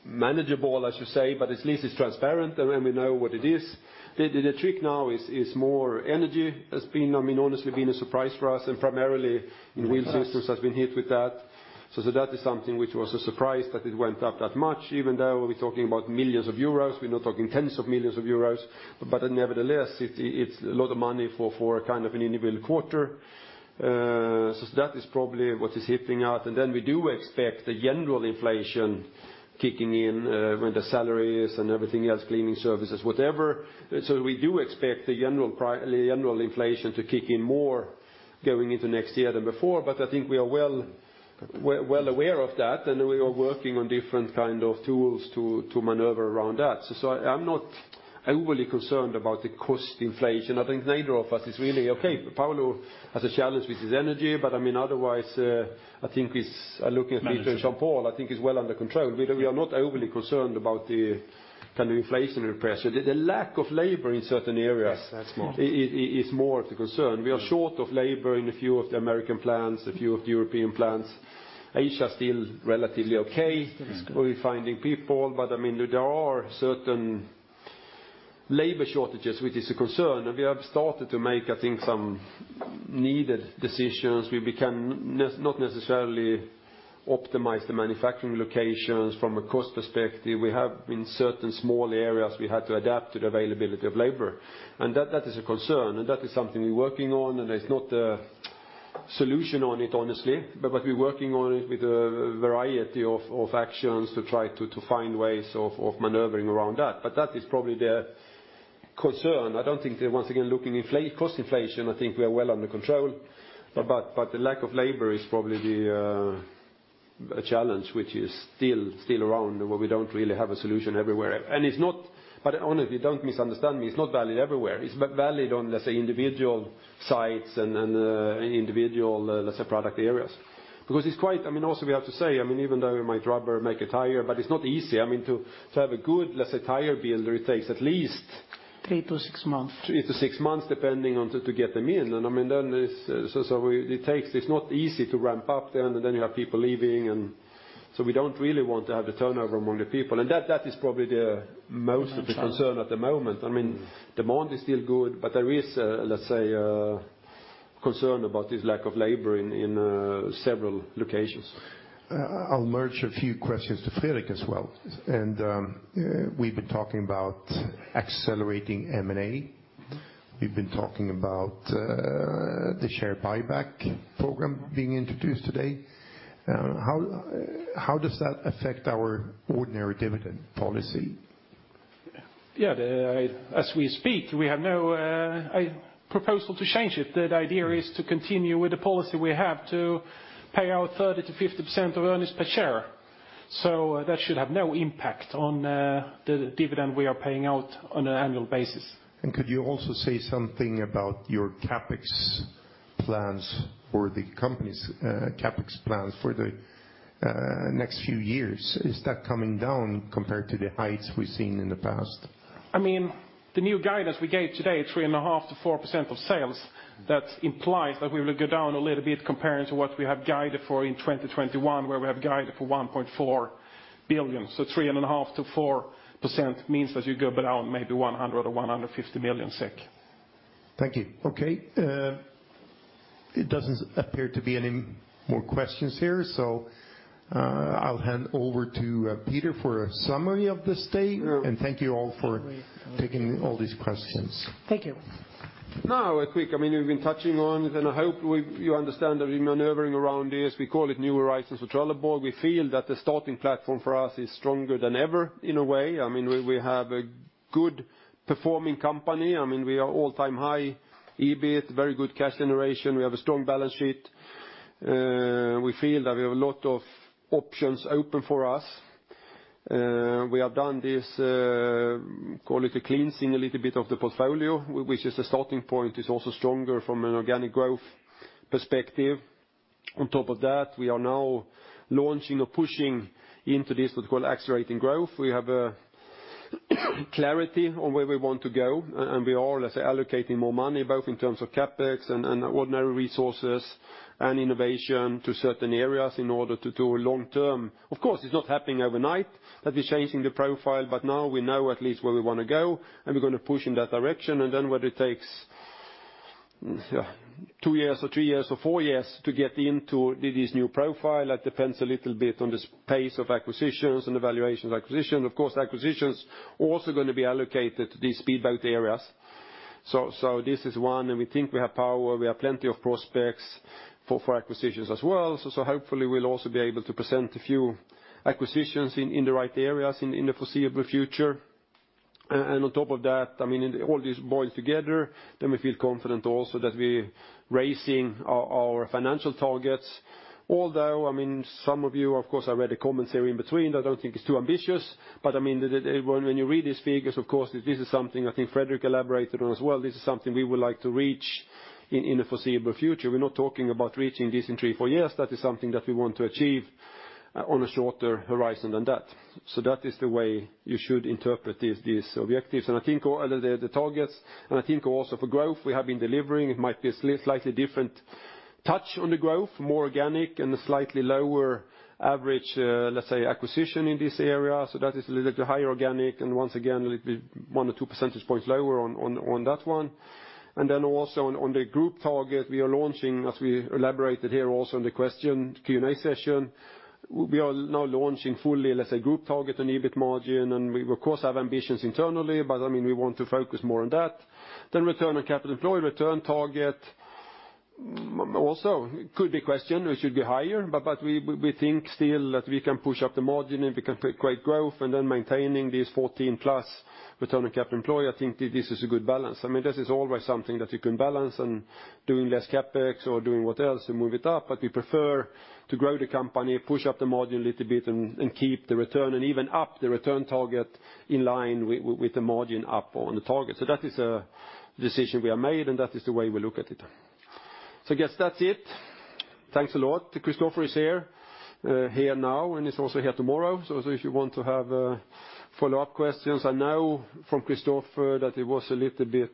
manageable, as you say, but at least it's transparent, and then we know what it is. The trick now is more energy has been, I mean, honestly, a surprise for us, and primarily Wheel Systems has been hit with that. That is something which was a surprise that it went up that much, even though we're talking about millions of euros. We're not talking tens of millions of euros. Nevertheless, it's a lot of money for kind of an individual quarter. That is probably what is helping out. Then we do expect the general inflation kicking in, when the salaries and everything else, cleaning services, whatever. We do expect the general inflation to kick in more going into next year than before. I think we are well aware of that, and we are working on different kind of tools to maneuver around that. I'm not overly concerned about the cost inflation. I think neither of us is really. Okay, Paolo has a challenge with his energy, but, I mean, otherwise, I think he's looking at inflation. Jean-Paul, I think it's well under control. We are not overly concerned about the kind of inflationary pressure. The lack of labor in certain areas— Yes, that's more. is more the concern. We are short of labor in a few of the American plants, a few of the European plants. Asia still relatively okay. It's good. We're finding people, but I mean, there are certain labor shortages, which is a concern. We have started to make, I think, some needed decisions. We cannot necessarily optimize the manufacturing locations from a cost perspective. We have in certain small areas we had to adapt to the availability of labor. That is a concern, and that is something we're working on, and there's not a solution on it, honestly. We're working on it with a variety of actions to try to find ways of maneuvering around that. That is probably the concern. I don't think that, once again, looking at cost inflation, I think we are well under control. The lack of labor is probably the challenge which is still around, where we don't really have a solution everywhere. But only if you don't misunderstand me, it's not valid everywhere. It's valid on, let's say, individual sites and individual, let's say, product areas. Because it's quite I mean, also we have to say, I mean, even though we might rather make a tire, but it's not easy. I mean, to have a good, let's say, tire builder, it takes at least— Three to six months. Three to six months, depending on to get them in. I mean, then so it takes. It's not easy to ramp up then, and then you have people leaving. We don't really want to have the turnover among the people. That is probably the most of the concern at the moment. I mean, demand is still good, but there is, let's say, concern about this lack of labor in several locations. I'll merge a few questions to Fredrik as well. We've been talking about accelerating M&A. We've been talking about the share buyback program being introduced today. How does that affect our ordinary dividend policy? Yeah, as we speak, we have no proposal to change it. The idea is to continue with the policy we have to pay out 30%-50% of earnings per share. That should have no impact on the dividend we are paying out on an annual basis. Could you also say something about your CapEx plans or the company's CapEx plans for the next few years? Is that coming down compared to the heights we've seen in the past? I mean, the new guidance we gave today, 3.5%-4% of sales, that implies that we will go down a little bit comparing to what we have guided for in 2021, where we have guided for 1.4 billion. So 3.5%-4% means that you go down maybe 100 million or 150 million SEK. Thank you. Okay, it doesn't appear to be any more questions here, so, I'll hand over to Peter for a summary of this day. Thank you all for taking all these questions. Thank you. Now a quick, I mean, we've been touching on it, and I hope you understand that we're maneuvering around this. We call it new horizons for Trelleborg. We feel that the starting platform for us is stronger than ever in a way. I mean, we have a good performing company. I mean, we are at all-time high EBIT, very good cash generation. We have a strong balance sheet. We feel that we have a lot of options open for us. We have done this, call it a cleansing a little bit of the portfolio, which is the starting point, is also stronger from an organic growth perspective. On top of that, we are now launching or pushing into this what we call accelerating growth. We have a clarity on where we want to go, and we are, let's say, allocating more money, both in terms of CapEx and ordinary resources and innovation to certain areas in order to do a long-term. Of course, it's not happening overnight that we're changing the profile, but now we know at least where we wanna go, and we're gonna push in that direction. Then whether it takes two years or three years or four years to get into this new profile, that depends a little bit on the pace of acquisitions and evaluations of acquisition. Of course, acquisitions also gonna be allocated to these speedboat areas. This is one, and we think we have firepower, we have plenty of prospects for acquisitions as well. Hopefully we'll also be able to present a few acquisitions in the right areas in the foreseeable future. On top of that, I mean, all this boils together, then we feel confident also that we're raising our financial targets. Although, I mean, some of you, of course, have read the comments here in between that don't think it's too ambitious. I mean, when you read these figures, of course, this is something I think Fredrik elaborated on as well. This is something we would like to reach in the foreseeable future. We're not talking about reaching this in three, four years. That is something that we want to achieve on a shorter horizon than that. That is the way you should interpret these objectives. I think the targets, and I think also for growth, we have been delivering. It might be a slightly different touch on the growth, more organic and a slightly lower average, let's say, acquisition in this area. That is a little bit higher organic, and once again, a little bit 1 percentage points-2 percentage points lower on that one. Then also on the group target we are launching, as we elaborated here also in the question, Q&A session, we are now launching fully, let's say, group target and EBIT margin. We of course have ambitions internally, but I mean, we want to focus more on that. ROCE, return target also could be questioned or should be higher, but we think still that we can push up the margin and we can create growth and then maintaining this 14%+ ROCE. I think this is a good balance. I mean, this is always something that you can balance and doing less CapEx or doing what else and move it up. But we prefer to grow the company, push up the margin a little bit and keep the return and even up the return target in line with the margin up on the target. So that is a decision we have made, and that is the way we look at it. So I guess that's it. Thanks a lot. Christofer is here now, and he's also here tomorrow. If you want to have follow-up questions, I know from Christofer that it was a little bit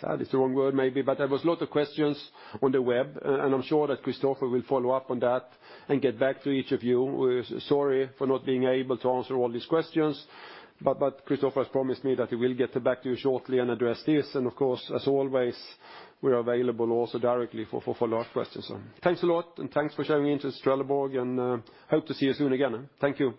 sad is the wrong word maybe, but there was a lot of questions on the web and I'm sure that Christofer will follow up on that and get back to each of you. We're sorry for not being able to answer all these questions, but Christofer has promised me that he will get back to you shortly and address this. Of course, as always, we're available also directly for follow-up questions. Thanks a lot, and thanks for showing interest to Trelleborg, and hope to see you soon again. Thank you.